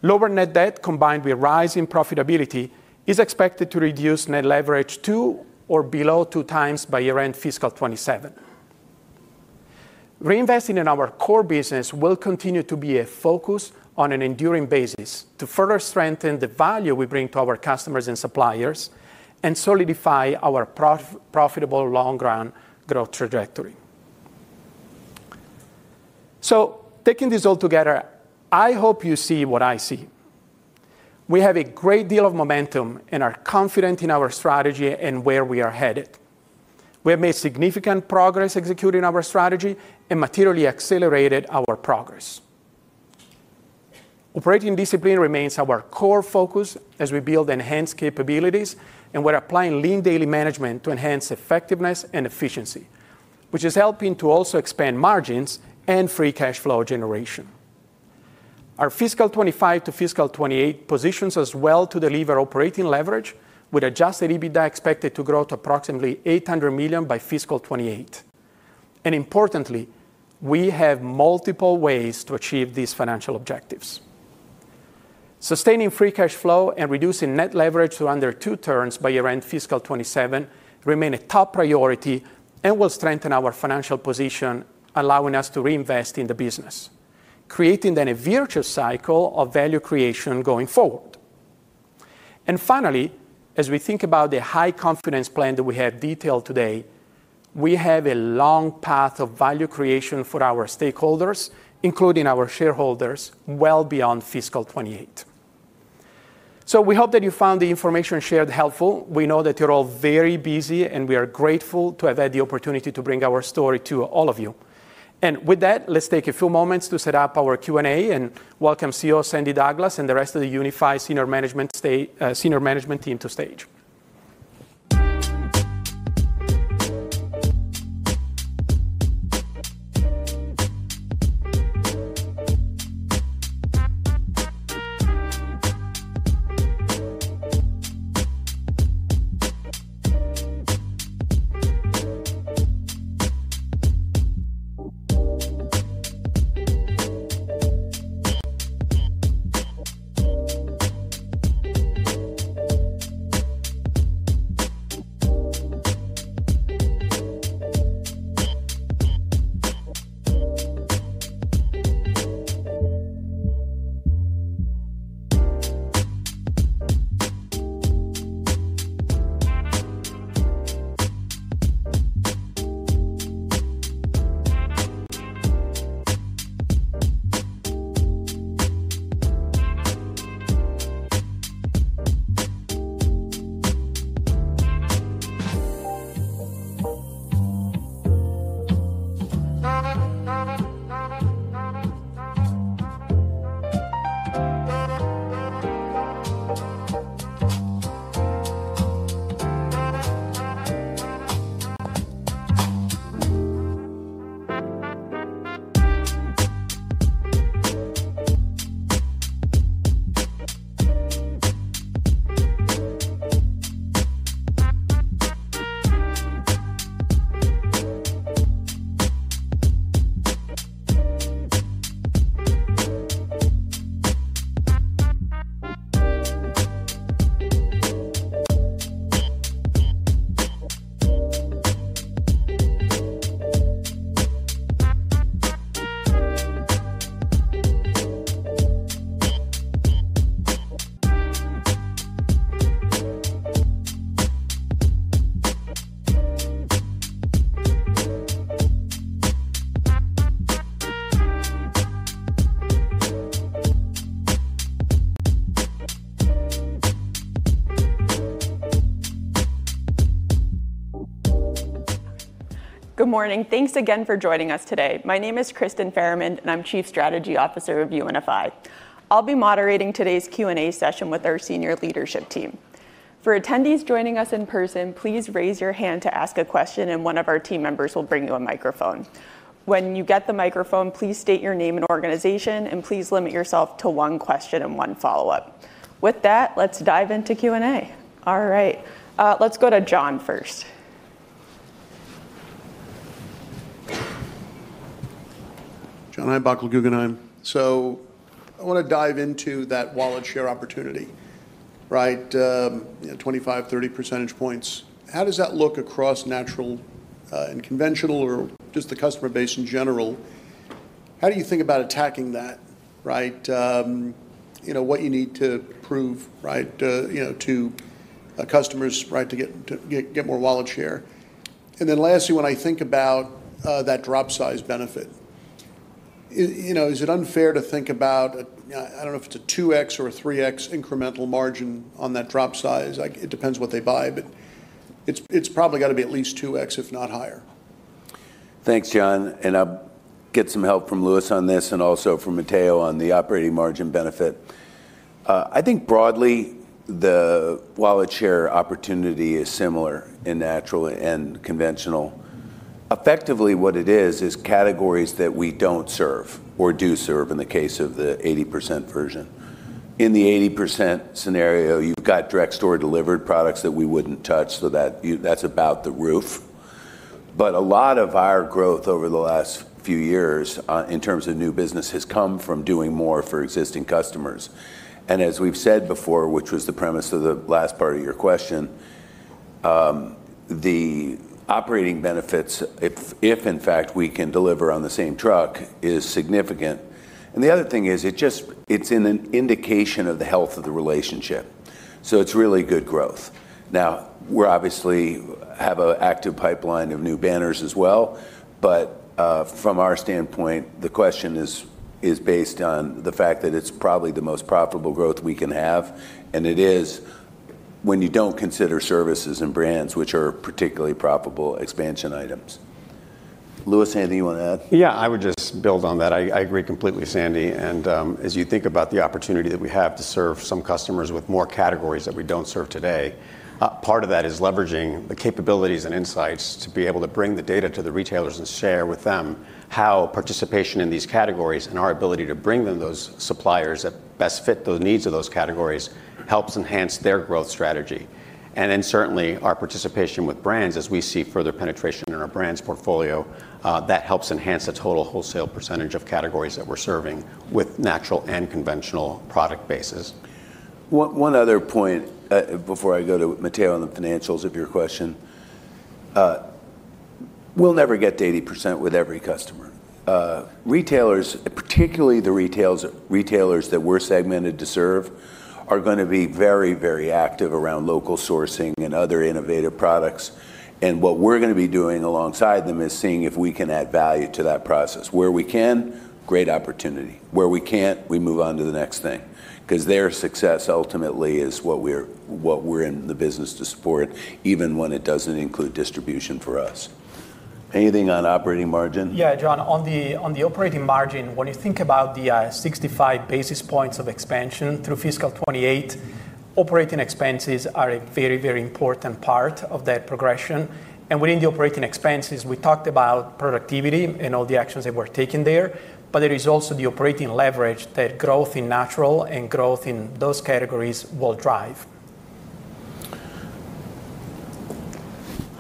Lower net debt combined with rising profitability is expected to reduce Net Leverage two or below two times by year-end fiscal 2027. Reinvesting in our core business will continue to be a focus on an enduring basis to further strengthen the value we bring to our customers and suppliers and solidify our profitable long-run growth trajectory. So taking this all together, I hope you see what I see. We have a great deal of momentum and are confident in our strategy and where we are headed. We have made significant progress executing our strategy and materially accelerated our progress. Operating discipline remains our core focus as we build enhanced capabilities, and Lean Daily Management to enhance effectiveness and efficiency, which is helping to also expand margins and free cash flow generation. Our fiscal 2025 to fiscal 2028 positions us well to deliver operating leverage, with Adjusted EBITDA expected to grow to approximately $800 million by fiscal 2028. And importantly, we have multiple ways to achieve these financial objectives. Sustaining free cash flow and reducing Net Leverage to under two turns by year-end fiscal 2027 remain a top priority and will strengthen our financial position, allowing us to reinvest in the business, creating then a virtuous cycle of value creation going forward. And finally, as we think about the high confidence plan that we have detailed today, we have a long path of value creation for our stakeholders, including our shareholders, well beyond fiscal 2028. So we hope that you found the information shared helpful. We know that you're all very busy, and we are grateful to have had the opportunity to bring our story to all of you. And with that, let's take a few moments to set up our Q&A and welcome CEO Sandy Douglas and the rest of the UNFI senior management team to stage. Good morning. Thanks again for joining us today. My name is Kristyn Farahmand, and I'm Chief Strategy Officer of UNFI. I'll be moderating today's Q&A session with our senior leadership team. For attendees joining us in person, please raise your hand to ask a question, and one of our team members will bring you a microphone. When you get the microphone, please state your name and organization, and please limit yourself to one question and one follow-up. With that, let's dive into Q&A. All right. Let's go to John first. John Heinbockel, Guggenheim. So I want to dive into that wallet share opportunity, right? 25-30 percentage points. How does that look across natural and conventional or just the customer base in general? How do you think about attacking that, right? What you need to prove, right, to customers, right, to get more wallet share? And then lastly, when I think about that drop size benefit, is it unfair to think about, I don't know if it's a 2x or a 3x incremental margin on that drop size? It depends what they buy, but it's probably got to be at least 2x, if not higher. Thanks, John. And I'll get some help from Louis on this and also from Matteo on the operating margin benefit. I think broadly, the wallet share opportunity is similar in natural and conventional. Effectively, what it is, is categories that we don't serve or do serve in the case of the 80% version. In the 80% scenario, you've got direct store delivered products that we wouldn't touch, so that's about the roof. But a lot of our growth over the last few years in terms of new business has come from doing more for existing customers. And as we've said before, which was the premise of the last part of your question, the operating benefits, if in fact we can deliver on the same truck, is significant. And the other thing is it's an indication of the health of the relationship. So it's really good growth. Now, we obviously have an active pipeline of new banners as well, but from our standpoint, the question is based on the fact that it's probably the most profitable growth we can have, and it is when you don't consider services and brands, which are particularly profitable expansion items. Louis, anything you want to add? Yeah, I would just build on that. I agree completely, Sandy. And as you think about the opportunity that we have to serve some customers with more categories that we don't serve today, part of that is leveraging the capabilities and insights to be able to bring the data to the retailers and share with them how participation in these categories and our ability to bring them those suppliers that best fit the needs of those categories helps enhance their growth strategy. And then certainly our participation with brands, as we see further penetration in our brands portfolio, that helps enhance the total wholesale percentage of categories that we're serving with natural and conventional product bases. One other point before I go to Matteo on the financials of your question. We'll never get to 80% with every customer. Retailers, particularly the retailers that we're segmented to serve, are going to be very, very active around local sourcing and other innovative products. And what we're going to be doing alongside them is seeing if we can add value to that process. Where we can, great opportunity. Where we can't, we move on to the next thing because their success ultimately is what we're in the business to support, even when it doesn't include distribution for us. Anything on operating margin? Yeah, John. On the operating margin, when you think about the 65 basis points of expansion through fiscal 2028, operating expenses are a very, very important part of that progression. And within the operating expenses, we talked about productivity and all the actions that we're taking there, but there is also the operating leverage that growth in natural and growth in those categories will drive.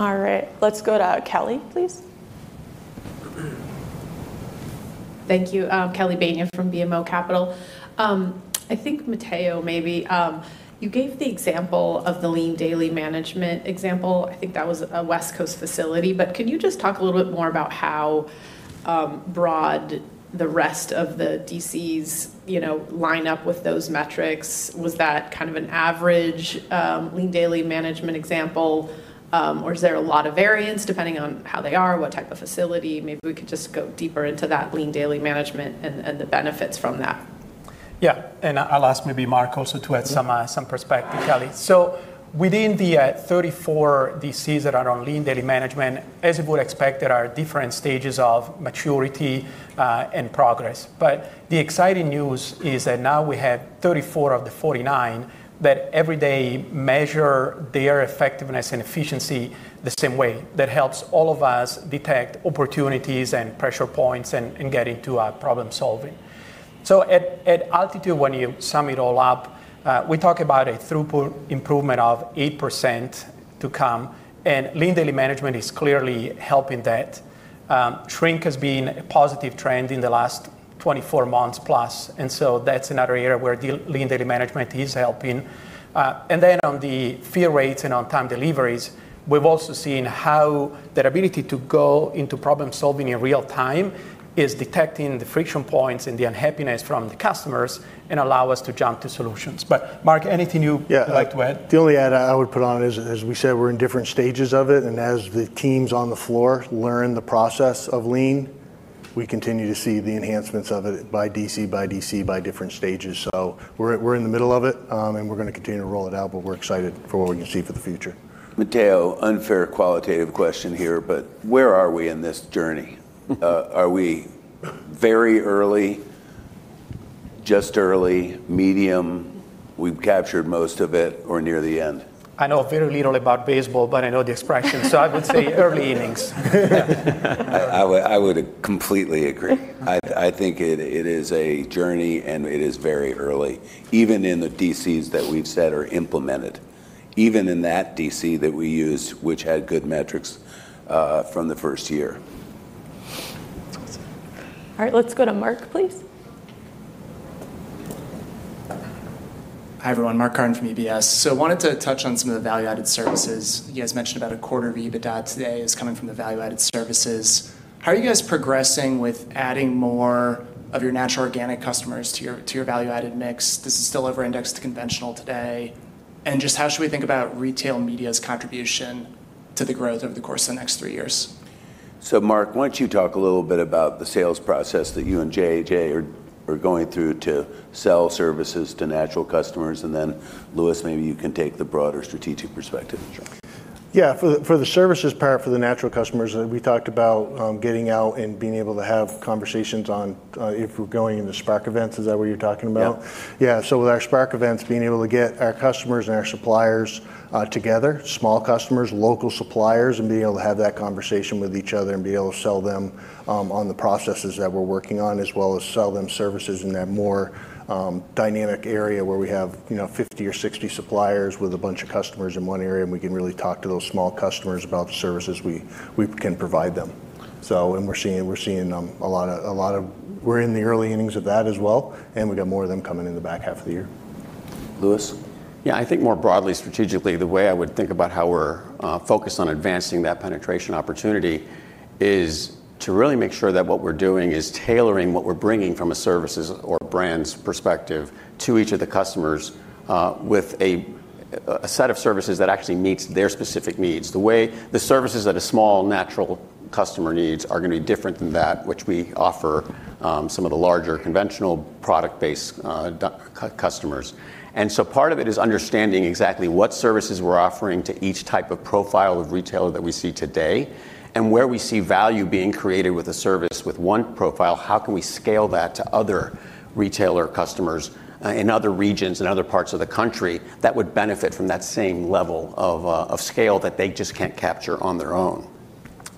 All right. Let's go to Kelly, please. Thank you. Kelly Bania from BMO Capital. I think Matteo, maybe you gave the example Lean Daily Management example. i think that was a West Coast facility, but can you just talk a little bit more about how broadly the rest of the DCs line up with those metrics? Was that kind of Lean Daily Management example, or is there a lot of variance depending on how they are, what type of facility? Maybe we could just go deeper Lean Daily Management and the benefits from that. Yeah, and I'll ask maybe Mark also to add some perspective, Kelly, so within the 34 DCs that Lean Daily Management, as you would expect, there are different stages of maturity and progress, but the exciting news is that now we have 34 of the 49 that every day measure their effectiveness and efficiency the same way. That helps all of us detect opportunities and pressure points and get into problem solving. So at altitude, when you sum it all up, we talk about a throughput improvement of 8% to Lean Daily Management is clearly helping that. Shrink has been a positive trend in the last 24 months plus, and so that's another Lean Daily Management is helping. And then on the fill rates and on time deliveries, we've also seen how that ability to go into problem solving in real time is detecting the friction points and the unhappiness from the customers and allow us to jump to solutions. But Mark, anything you'd like to add? The only add I would put on it is, as we said, we're in different stages of it, and as the teams on the floor learn the process of lean, we continue to see the enhancements of it by DC by DC by different stages. So we're in the middle of it, and we're going to continue to roll it out, but we're excited for what we can see for the future. Matteo, unfair qualitative question here, but where are we in this journey? Are we very early, just early, medium, we've captured most of it, or near the end? I know very little about baseball, but I know the expression, so I would say early innings. I would completely agree. I think it is a journey, and it is very early, even in the DCs that we've said are implemented, even in that DC that we used, which had good metrics from the first year. All right. Let's go to Mark, please. Hi everyone. Mark Carden from UBS. So I wanted to touch on some of the value-added services. You guys mentioned about a quarter of EBITDA today is coming from the value-added services. How are you guys progressing with adding more of your natural organic customers to your value-added mix? This is still over-indexed to conventional today. And just how should we think about retail media's contribution to the growth over the course of the next three years? So Mark, why don't you talk a little bit about the sales process that you and J.J. are going through to sell services to natural customers? And then Louis, maybe you can take the broader strategic perspective and jump. Yeah. For the services part for the natural customers, we talked about getting out and being able to have conversations on if we're going into Spark events. Is that what you're talking about? Yeah. So with our Spark events, being able to get our customers and our suppliers together, small customers, local suppliers, and being able to have that conversation with each other and be able to sell them on the processes that we're working on, as well as sell them services in that more dynamic area where we have 50 or 60 suppliers with a bunch of customers in one area, and we can really talk to those small customers about the services we can provide them. And we're seeing a lot. We're in the early innings of that as well, and we got more of them coming in the back half of the year. Louis? Yeah. I think more broadly, strategically, the way I would think about how we're focused on advancing that penetration opportunity is to really make sure that what we're doing is tailoring what we're bringing from a services or brands perspective to each of the customers with a set of services that actually meets their specific needs. The services that a small natural customer needs are going to be different than that which we offer some of the larger conventional product-based customers. And so part of it is understanding exactly what services we're offering to each type of profile of retailer that we see today, and where we see value being created with a service with one profile, how can we scale that to other retailer customers in other regions and other parts of the country that would benefit from that same level of scale that they just can't capture on their own.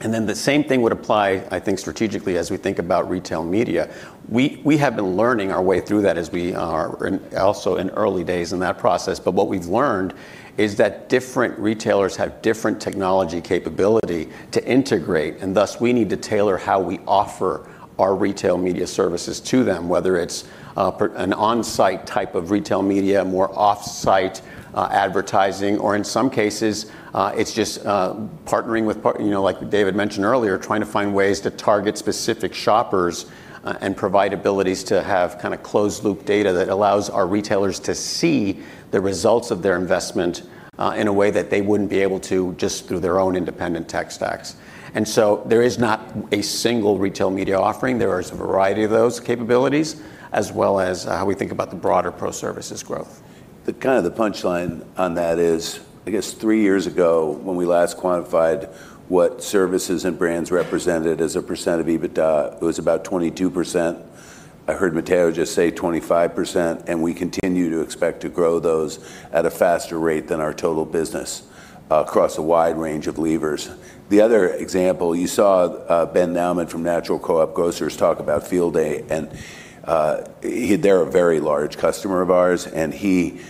And then the same thing would apply, I think, strategically as we think about retail media. We have been learning our way through that as we are also in early days in that process, but what we've learned is that different retailers have different technology capability to integrate, and thus we need to tailor how we offer our retail media services to them, whether it's an on-site type of retail media, more off-site advertising, or in some cases, it's just partnering with, like David mentioned earlier, trying to find ways to target specific shoppers and provide abilities to have kind of closed-loop data that allows our retailers to see the results of their investment in a way that they wouldn't be able to just through their own independent tech stacks. And so there is not a single retail media offering. There is a variety of those capabilities, as well as how we think about the broader pro-services growth. Kind of the punchline on that is, I guess three years ago when we last quantified what services and brands represented as a percent of EBITDA, it was about 22%. I heard Matteo just say 25%, and we continue to expect to grow those at a faster rate than our total business across a wide range of levers. The other example, you saw Ben Nauman from National Co+op Grocers talk about Field Day, and they're a very large customer of ours, and he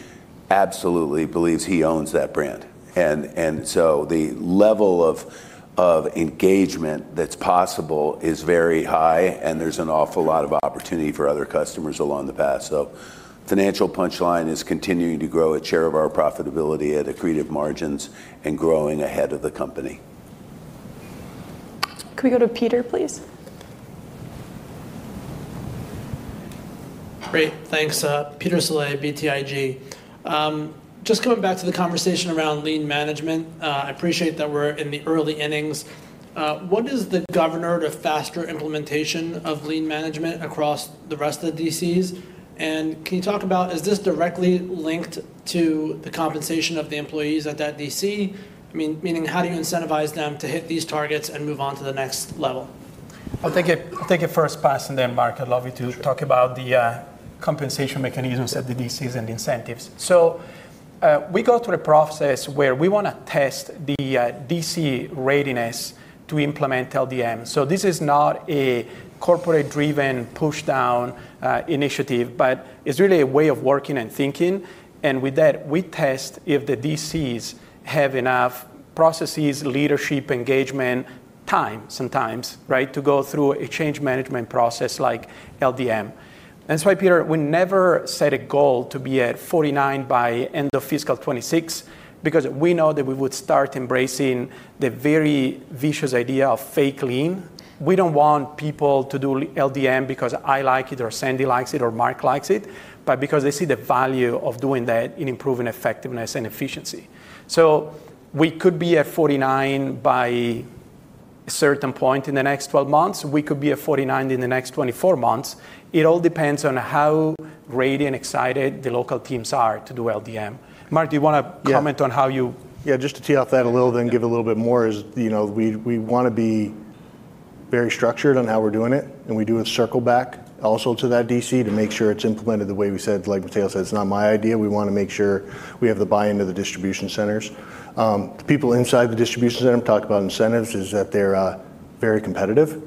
absolutely believes he owns that brand. And so the level of engagement that's possible is very high, and there's an awful lot of opportunity for other customers along the path. So financial punchline is continuing to grow a share of our profitability at accretive margins and growing ahead of the company. Can we go to Peter, please? Great. Thanks. Peter Saleh, BTIG. Just coming back to the conversation around lean management, I appreciate that we're in the early innings. What is the governor to faster implementation of lean management across the rest of the DCs? And can you talk about, is this directly linked to the compensation of the employees at that DC? I mean, meaning how do you incentivize them to hit these targets and move on to the next level? I'll take a first pass on that, Mark. I'd love you to talk about the compensation mechanisms at the DCs and incentives. So we go through a process where we want to test the DC readiness to implement LDM. So this is not a corporate-driven push-down initiative, but it's really a way of working and thinking. And with that, we test if the DCs have enough processes, leadership, engagement, time sometimes, right, to go through a change management process like LDM. That's why, Peter, we never set a goal to be at 49 by end of fiscal 2026 because we know that we would start embracing the very vicious idea of fake lean. We don't want people to do LDM because I like it or Sandy likes it or Mark likes it, but because they see the value of doing that in improving effectiveness and efficiency. So we could be at 49 by a certain point in the next 12 months. We could be at 49 in the next 24 months. It all depends on how ready and excited the local teams are to do LDM. Mark, do you want to comment on how you? Yeah, just to tee off that a little bit and give a little bit more, is we want to be very structured on how we're doing it, and we do a circle back also to that DC to make sure it's implemented the way we said, like Matteo said. It's not my idea. We want to make sure we have the buy-in of the distribution centers. The people inside the distribution center talk about incentives is that they're very competitive.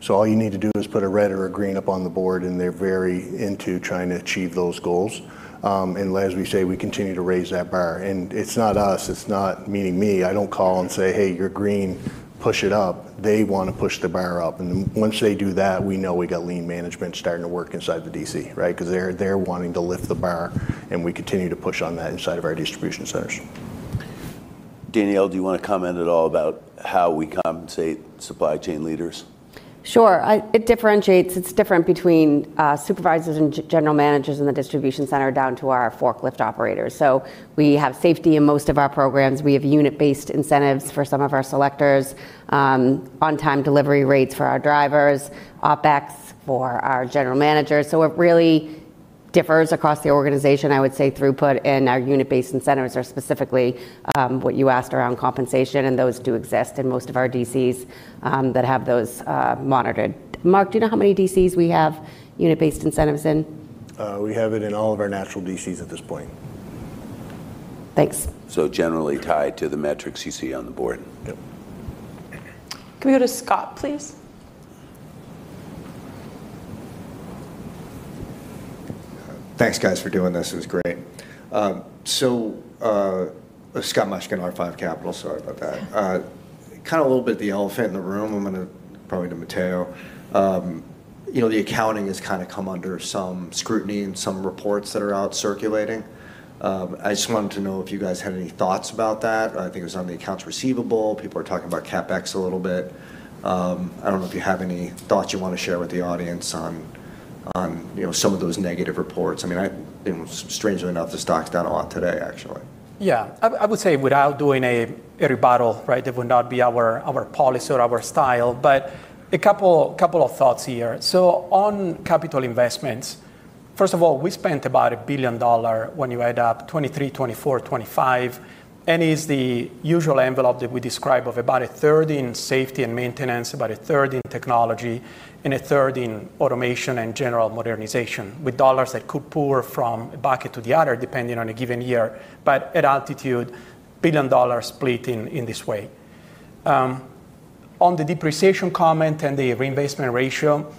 So all you need to do is put a red or a green up on the board, and they're very into trying to achieve those goals. And as we say, we continue to raise that bar. And it's not us. It's not meaning me. I don't call and say, "Hey, you're green. Push it up." They want to push the bar up. And once they do that, we know we got lean management starting to work inside the DC, right, because they're wanting to lift the bar, and we continue to push on that inside of our distribution centers. Danielle, do you want to comment at all about how we compensate supply chain leaders? Sure. It differentiates. It's different between supervisors and general managers in the distribution center down to our forklift operators. So we have safety in most of our programs. We have unit-based incentives for some of our selectors, on-time delivery rates for our drivers, OpEx for our general managers. So it really differs across the organization, I would say, throughput, and our unit-based incentives are specifically what you asked around compensation, and those do exist in most of our DCs that have those monitored. Mark, do you know how many DCs we have unit-based incentives in? We have it in all of our natural DCs at this point. Thanks. So generally tied to the metrics you see on the board. Yep. Can we go to Scott, please? Thanks, guys, for doing this. It was great. So Scott Mushkin, R5 Capital. Sorry about that. Kind of a little bit of the elephant in the room. I'm going to probably to Matteo. The accounting has kind of come under some scrutiny and some reports that are out circulating. I just wanted to know if you guys had any thoughts about that. I think it was on the accounts receivable. People are talking about CapEx a little bit. I don't know if you have any thoughts you want to share with the audience on some of those negative reports. I mean, strangely enough, the stock's down a lot today, actually. Yeah. I would say without doing a rebuttal, right, that would not be our policy or our style, but a couple of thoughts here. So on capital investments, first of all, we spent about $1 billion when you add up 2023, 2024, 2025, and it's the usual envelope that we describe of about a third in safety and maintenance, about a third in technology, and a third in automation and general modernization with dollars that could pour from a bucket to the other depending on a given year, but at altitude, $1 billion split in this way. On the depreciation comment and the reinvestment ratio,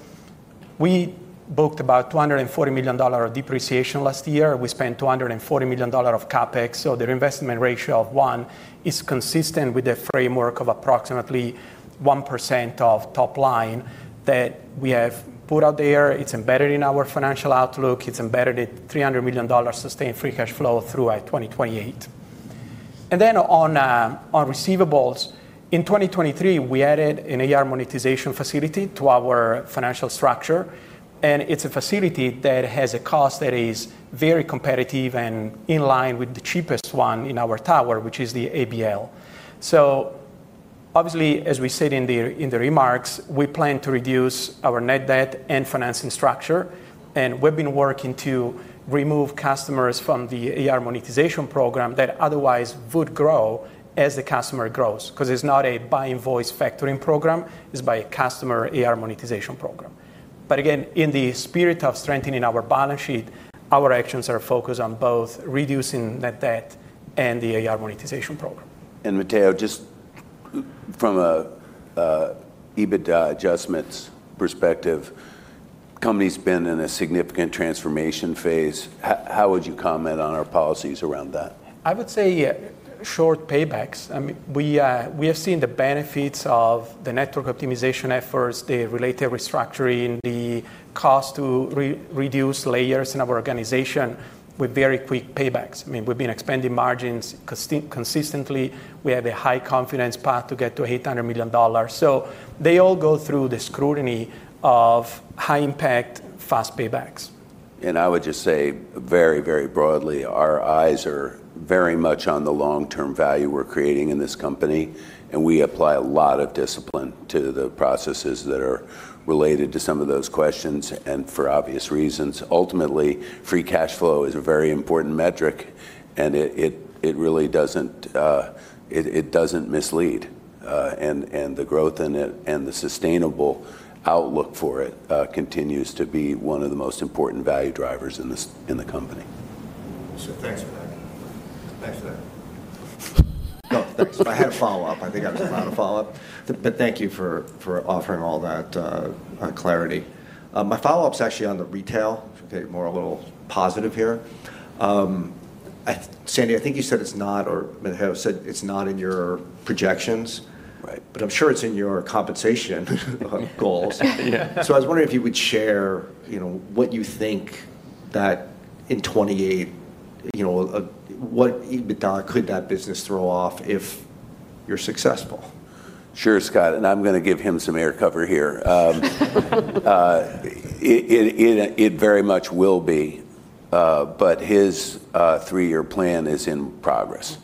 we booked about $240 million of depreciation last year. We spent $240 million of CapEx. So the reinvestment ratio of 1 is consistent with the framework of approximately 1% of top line that we have put out there. It's embedded in our financial outlook. It's embedded at $300 million sustained free cash flow through 2028. Then on receivables, in 2023, we added an AR monetization facility to our financial structure, and it's a facility that has a cost that is very competitive and in line with the cheapest one in our tower, which is the ABL. Obviously, as we said in the remarks, we plan to reduce our net debt and financing structure, and we've been working to remove customers from the AR monetization program that otherwise would grow as the customer grows because it's not a by-invoice factoring program. It's by a customer AR monetization program. Again, in the spirit of strengthening our balance sheet, our actions are focused on both reducing net debt and the AR monetization program. Matteo, just from an EBITDA adjustment perspective, the company's been in a significant transformation phase. How would you comment on our policies around that? I would say short paybacks. I mean, we have seen the benefits of the network optimization efforts, the related restructuring, the cost to reduce layers in our organization with very quick paybacks. I mean, we've been expanding margins consistently. We have a high confidence path to get to $800 million, so they all go through the scrutiny of high-impact, fast paybacks, and I would just say very, very broadly, our eyes are very much on the long-term value we're creating in this company, and we apply a lot of discipline to the processes that are related to some of those questions and for obvious reasons. Ultimately, free cash flow is a very important metric, and it really doesn't mislead, and the growth and the sustainable outlook for it continues to be one of the most important value drivers in the company. So thanks for that. Thanks for that. No, thanks. I had a follow-up. I think I was allowed a follow-up, but thank you for offering all that clarity. My follow-up's actually on the retail, if you can get more a little positive here. Sandy, I think you said it's not, or Matteo said it's not in your projections, but I'm sure it's in your compensation goals. So I was wondering if you would share what you think that in 2028, what EBITDA could that business throw off if you're successful? Sure, Scott. And I'm going to give him some air cover here. It very much will be, but his three-year plan is in progress.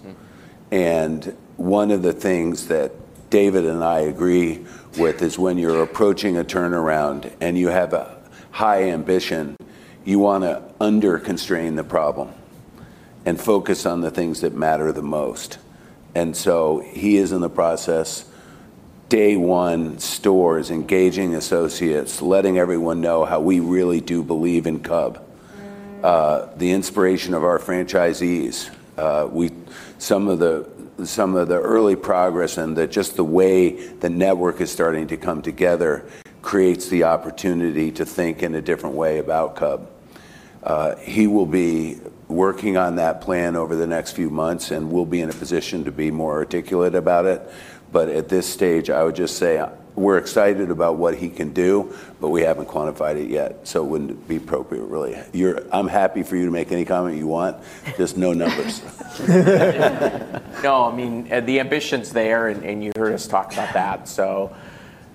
One of the things that David and I agree with is when you're approaching a turnaround and you have a high ambition, you want to under-constrain the problem and focus on the things that matter the most. And so he is in the process, day one, stores, engaging associates, letting everyone know how we really do believe in Cub, the inspiration of our franchisees, some of the early progress, and just the way the network is starting to come together creates th I'm happy for you to make any comment you want. Just no numbers. No, I mean, the ambition's there, and you heard us talk about that. So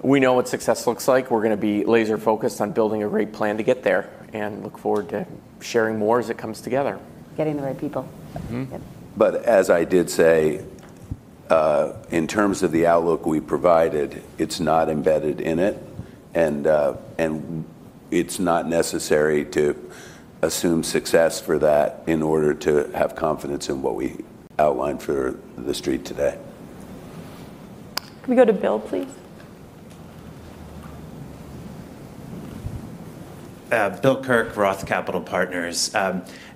we know what success looks like. We're going to be laser-focused on building a great plan to get there and look forward to sharing more as it comes together. Getting the right people. But as I did say, in terms of the outlook we provided, it's not embedded in it, and it's not necessary to assume success for that in order to have confidence in what we outlined for the street today. Can we go to Bill, please? Bill Kirk, Roth Capital Partners.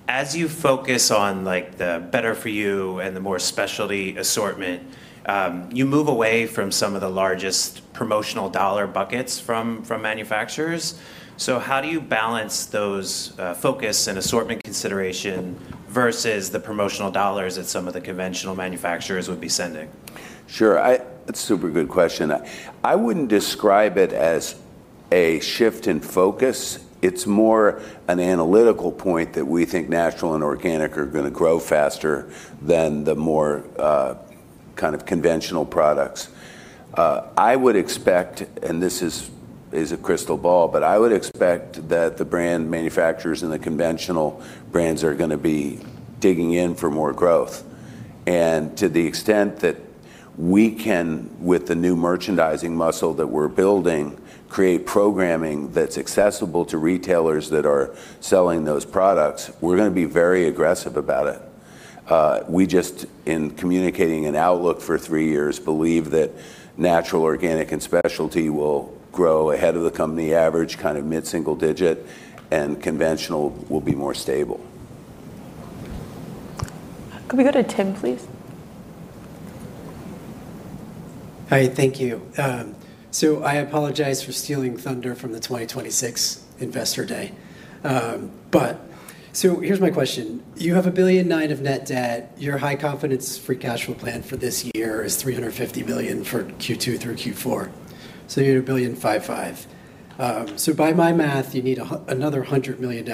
As you focus on the better-for-you and the more specialty assortment, you move away from some of the largest promotional dollar buckets from manufacturers. So how do you balance those focus and assortment consideration versus the promotional dollars that some of the conventional manufacturers would be sending? Sure. That's a super good question. I wouldn't describe it as a shift in focus. It's more an analytical point that we think natural and organic are going to grow faster than the more kind of conventional products. I would expect, and this is a crystal ball, but I would expect that the brand manufacturers and the conventional brands are going to be digging in for more growth. And to the extent that we can, with the new merchandising muscle that we're building, create programming that's accessible to retailers that are selling those products, we're going to be very aggressive about it. We just, in communicating an outlook for three years, believe that natural, organic, and specialty will grow ahead of the company average, kind of mid-single digit, and conventional will be more stable. Can we go to Tim, please? Hi. Thank you. So I apologize for stealing thunder from the 2026 investor day. So here's my question. You have $1.9 billion of net debt. Your high confidence free cash flow plan for this year is $350 million for Q2 through Q4. So you're at $1.55 billion. So by my math, you need another $100 million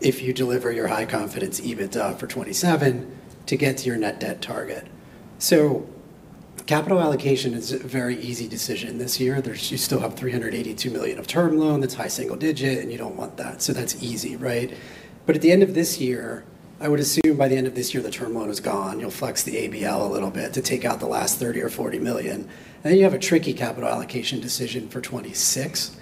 if you deliver your high confidence EBITDA for 2027 to get to your net debt target. So capital allocation is a very easy decision this year. You still have $382 million of term loan. That's high single digit, and you don't want that. So that's easy, right? But at the end of this year, I would assume by the end of this year, the term loan is gone. You'll flex the ABL a little bit to take out the last $30 or $40 million. And then you have a tricky capital allocation decision for 2026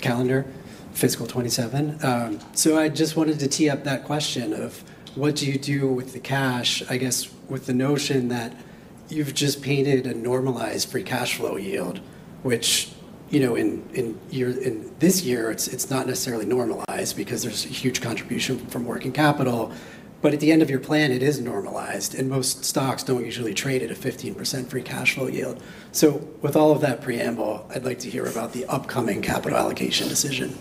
calendar, fiscal 2027. So I just wanted to tee up that question of what do you do with the cash, I guess, with the notion that you've just painted a normalized free cash flow yield, which in this year, it's not necessarily normalized because there's a huge contribution from working capital. But at the end of your plan, it is normalized, and most stocks don't usually trade at a 15% free cash flow yield. So with all of that preamble, I'd like to hear about the upcoming capital allocation decision.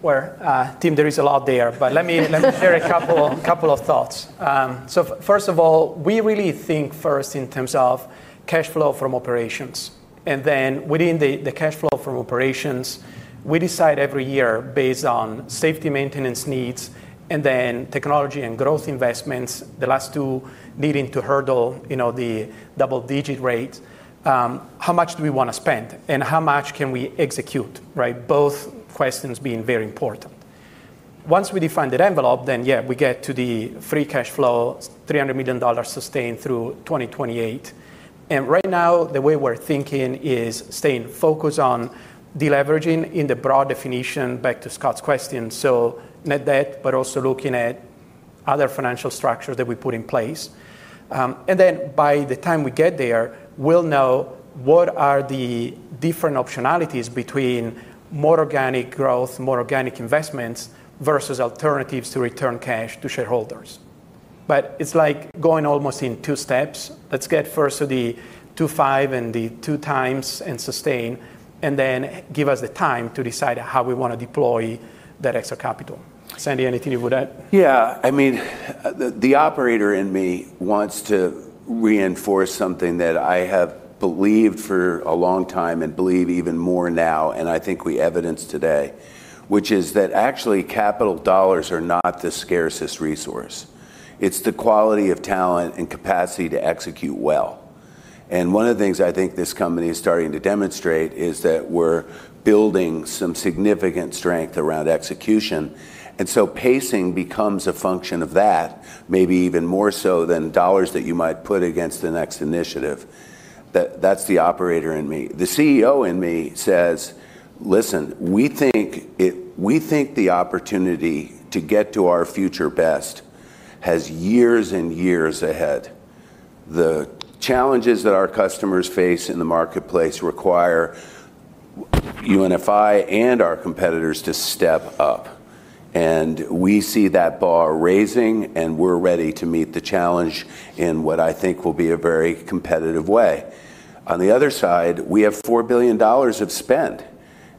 Well, Tim, there is a lot there, but let me share a couple of thoughts. So first of all, we really think first in terms of cash flow from operations. And then within the cash flow from operations, we decide every year based on safety maintenance needs and then technology and growth investments, the last two leading to hurdle the double-digit rate. How much do we want to spend, and how much can we execute, right? Both questions being very important. Once we define the envelope, then yeah, we get to the free cash flow, $300 million sustained through 2028. And right now, the way we're thinking is staying focused on deleveraging in the broad definition back to Scott's question. So net debt, but also looking at other financial structures that we put in place. And then by the time we get there, we'll know what are the different optionalities between more organic growth, more organic investments versus alternatives to return cash to shareholders. But it's like going almost in two steps. Let's get first to the 2.5 and the 2 times and sustain, and then give us the time to decide how we want to deploy that extra capital. Sandy, anything you would add? Yeah. I mean, the operator in me wants to reinforce something that I have believed for a long time and believe even more now, and I think we evidenced today, which is that actually capital dollars are not the scarcest resource. It's the quality of talent and capacity to execute well. And one of the things I think this company is starting to demonstrate is that we're building some significant strength around execution. And so pacing becomes a function of that, maybe even more so than dollars that you might put against the next initiative. That's the operator in me. The CEO in me says, "Listen, we think the opportunity to get to our future best has years and years ahead. The challenges that our customers face in the marketplace require UNFI and our competitors to step up. And we see that bar raising, and we're ready to meet the challenge in what I think will be a very competitive way. On the other side, we have $4 billion of spend,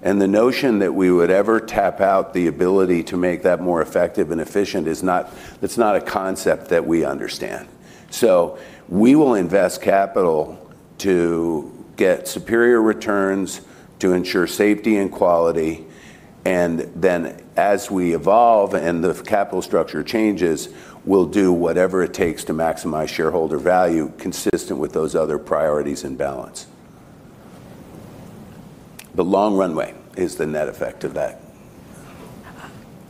and the notion that we would ever tap out the ability to make that more effective and efficient, that's not a concept that we understand. So we will invest capital to get superior returns to ensure safety and quality. And then as we evolve and the capital structure changes, we'll do whatever it takes to maximize shareholder value consistent with those other priorities and balance. The long runway is the net effect of that.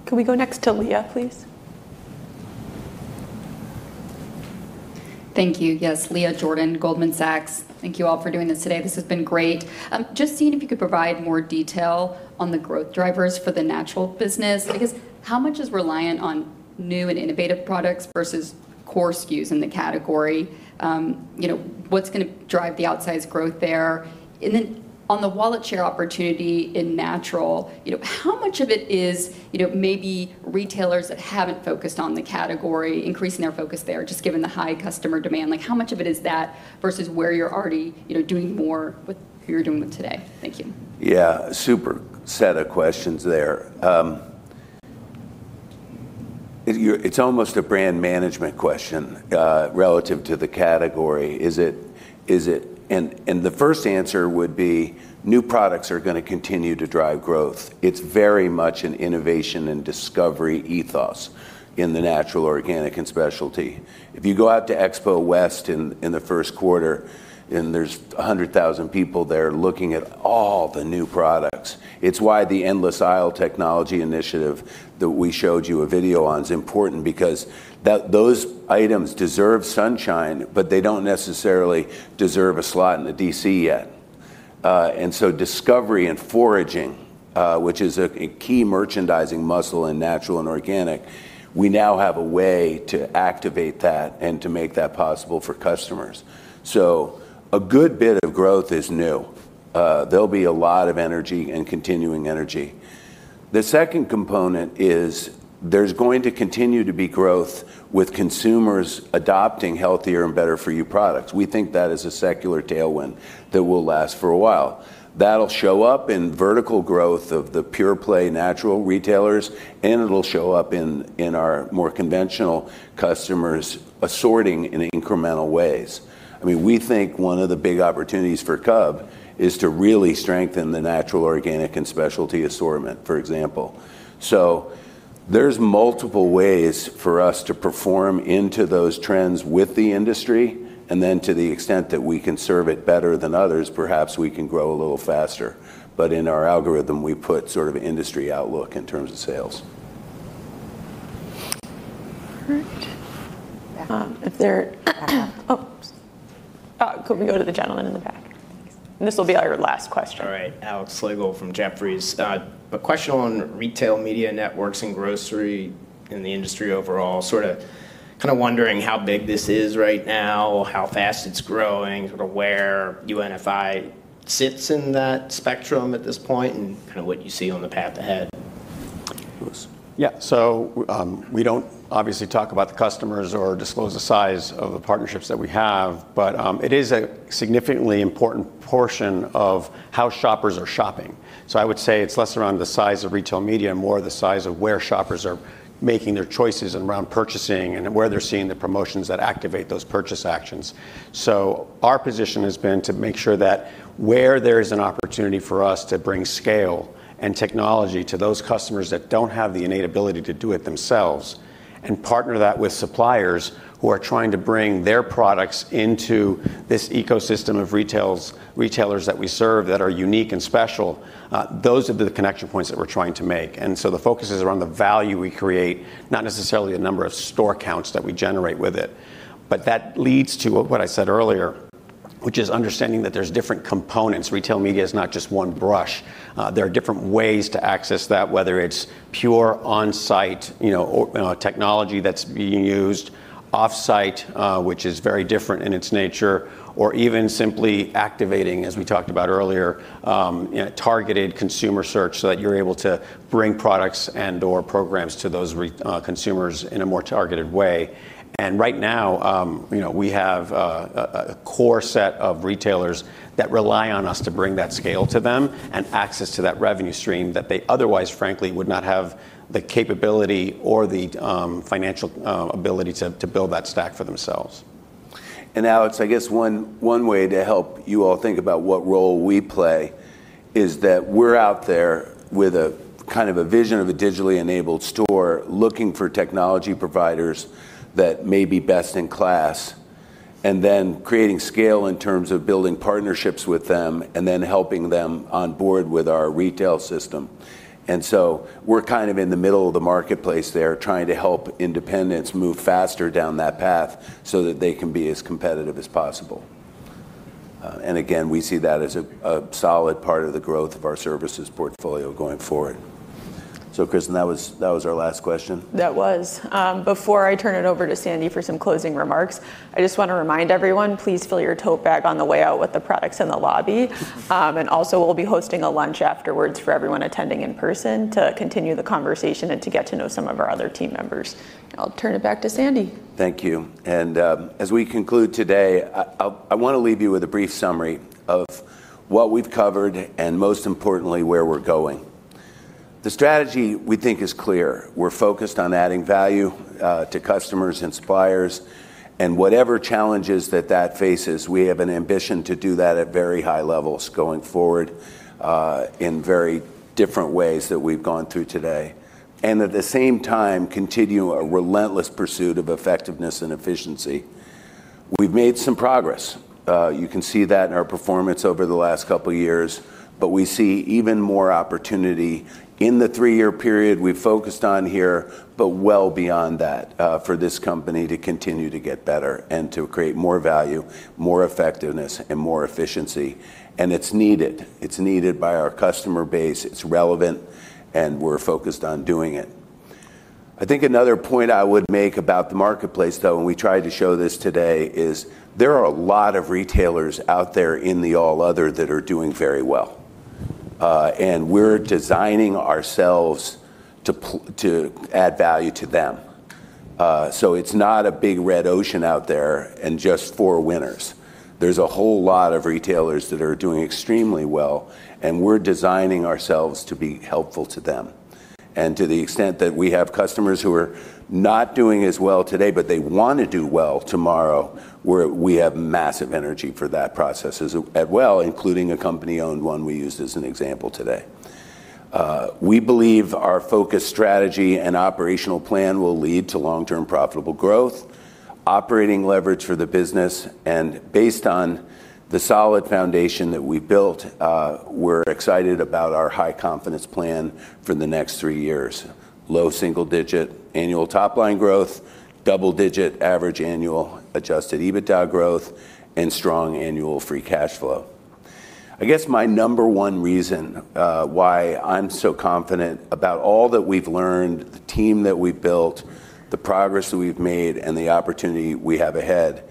Can we go next to Leah, please? Thank you. Yes, Leah Jordan, Goldman Sachs. Thank you all for doing this today. This has been great. Just seeing if you could provide more detail on the growth drivers for the natural business. I guess how much is reliant on new and innovative products versus core SKUs in the category? What's going to drive the outsized growth there? And then on the wallet share opportunity in natural, how much of it is maybe retailers that haven't focused on the category, increasing their focus there, just given the high customer demand? How much of it is that versus where you're already doing more with who you're doing with today? Thank you. Yeah. Super set of questions there. It's almost a brand management question relative to the category, and the first answer would be new products are going to continue to drive growth. It's very much an innovation and discovery ethos in the natural, organic, and specialty. If you go out to Expo West in the first quarter and there's 100,000 people there looking at all the new products, it's why the Endless Aisle technology initiative that we showed you a video on is important because those items deserve sunshine, but they don't necessarily deserve a slot in the DC yet, and so discovery and foraging, which is a key merchandising muscle in natural and organic, we now have a way to activate that and to make that possible for customers. So a good bit of growth is new. There'll be a lot of energy and continuing energy. The second component is there's going to continue to be growth with consumers adopting healthier and better-for-you products. We think that is a secular tailwind that will last for a while. That'll show up in vertical growth of the pure play natural retailers, and it'll show up in our more conventional customers assorting in incremental ways. I mean, we think one of the big opportunities for Cub is to really strengthen the natural, organic, and specialty assortment, for example. So there's multiple ways for us to perform into those trends with the industry. And then to the extent that we can serve it better than others, perhaps we can grow a little faster. But in our algorithm, we put sort of industry outlook in terms of sales. Perfect. If they're back. Oh, can we go to the gentleman in the back? This will be our last question. All right. Alex Slagle from Jefferies. A question on retail media networks and grocery in the industry overall. Sort of kind of wondering how big this is right now, how fast it's growing, sort of where UNFI sits in that spectrum at this point, and kind of what you see on the path ahead. Yeah. So we don't obviously talk about the customers or disclose the size of the partnerships that we have, but it is a significantly important portion of how shoppers are shopping. So I would say it's less around the size of retail media and more the size of where shoppers are making their choices and around purchasing and where they're seeing the promotions that activate those purchase actions. So our position has been to make sure that where there is an opportunity for us to bring scale and technology to those customers that don't have the innate ability to do it themselves and partner that with suppliers who are trying to bring their products into this ecosystem of retailers that we serve that are unique and special, those are the connection points that we're trying to make. And so the focus is around the value we create, not necessarily the number of store counts that we generate with it. But that leads to what I said earlier, which is understanding that there's different components. Retail media is not just one brush. There are different ways to access that, whether it's pure on-site technology that's being used, off-site, which is very different in its nature, or even simply activating, as we talked about earlier, targeted consumer search so that you're able to bring products and/or programs to those consumers in a more targeted way, and right now, we have a core set of retailers that rely on us to bring that scale to them and access to that revenue stream that they otherwise, frankly, would not have the capability or the financial ability to build that stack for themselves. And Alex, I guess one way to help you all think about what role we play is that we're out there with a kind of a vision of a digitally enabled store looking for technology providers that may be best in class, and then creating scale in terms of building partnerships with them and then helping them on board with our retail system. And so we're kind of in the middle of the marketplace there trying to help independents move faster down that path so that they can be as competitive as possible. And again, we see that as a solid part of the growth of our services portfolio going forward. So, Kristyn, that was our last question. That was. Before I turn it over to Sandy for some closing remarks, I just want to remind everyone, please fill your tote bag on the way out with the products in the lobby, and also we'll be hosting a lunch afterwards for everyone attending in person to continue the conversation and to get to know some of our other team members. I'll turn it back to Sandy. Thank you. And as we conclude today, I want to leave you with a brief summary of what we've covered and, most importantly, where we're going. The strategy we think is clear. We're focused on adding value to customers, suppliers, and whatever challenges that faces, we have an ambition to do that at very high levels going forward in very different ways that we've gone through today, and at the same time continue a relentless pursuit of effectiveness and efficiency. We've made some progress. You can see that in our performance over the last couple of years, but we see even more opportunity in the three-year period we've focused on here, but well beyond that for this company to continue to get better and to create more value, more effectiveness, and more efficiency. And it's needed. It's needed by our customer base. It's relevant, and we're focused on doing it. I think another point I would make about the marketplace, though, and we tried to show this today, is there are a lot of retailers out there in the All Other that are doing very well. And we're designing ourselves to add value to them. So it's not a big red ocean out there and just four winners. There's a whole lot of retailers that are doing extremely well, and we're designing ourselves to be helpful to them. And to the extent that we have customers who are not doing as well today, but they want to do well tomorrow, we have massive energy for that process as well, including a company-owned one we used as an example today. We believe our focus, strategy, and operational plan will lead to long-term profitable growth, operating leverage for the business. And based on the solid foundation that we built, we're excited about our high confidence plan for the next three years: low single-digit annual top-line growth, double-digit average annual Adjusted EBITDA growth, and strong annual free cash flow. I guess my number one reason why I'm so confident about all that we've learned, the team that we've built, the progress that we've made, and the opportunity we have ahead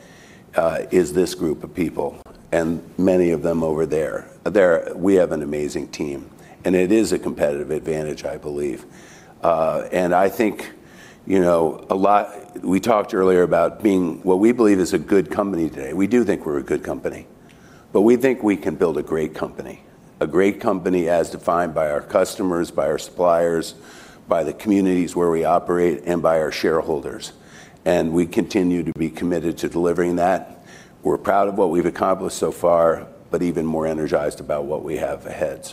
is this group of people and many of them over there. We have an amazing team, and it is a competitive advantage, I believe, and I think a lot we talked earlier about being what we believe is a good company today. We do think we're a good company, but we think we can build a great company, a great company as defined by our customers, by our suppliers, by the communities where we operate, and by our shareholders, and we continue to be committed to delivering that. We're proud of what we've accomplished so far, but even more energized about what we have ahead,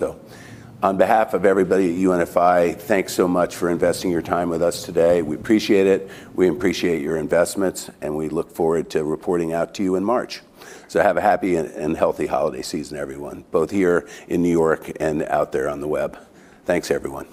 so on behalf of everybody at UNFI, thanks so much for investing your time with us today. We appreciate it. We appreciate your investments, and we look forward to reporting out to you in March, so have a happy and healthy holiday season, everyone, both here in New York and out there on the web. Thanks, everyone.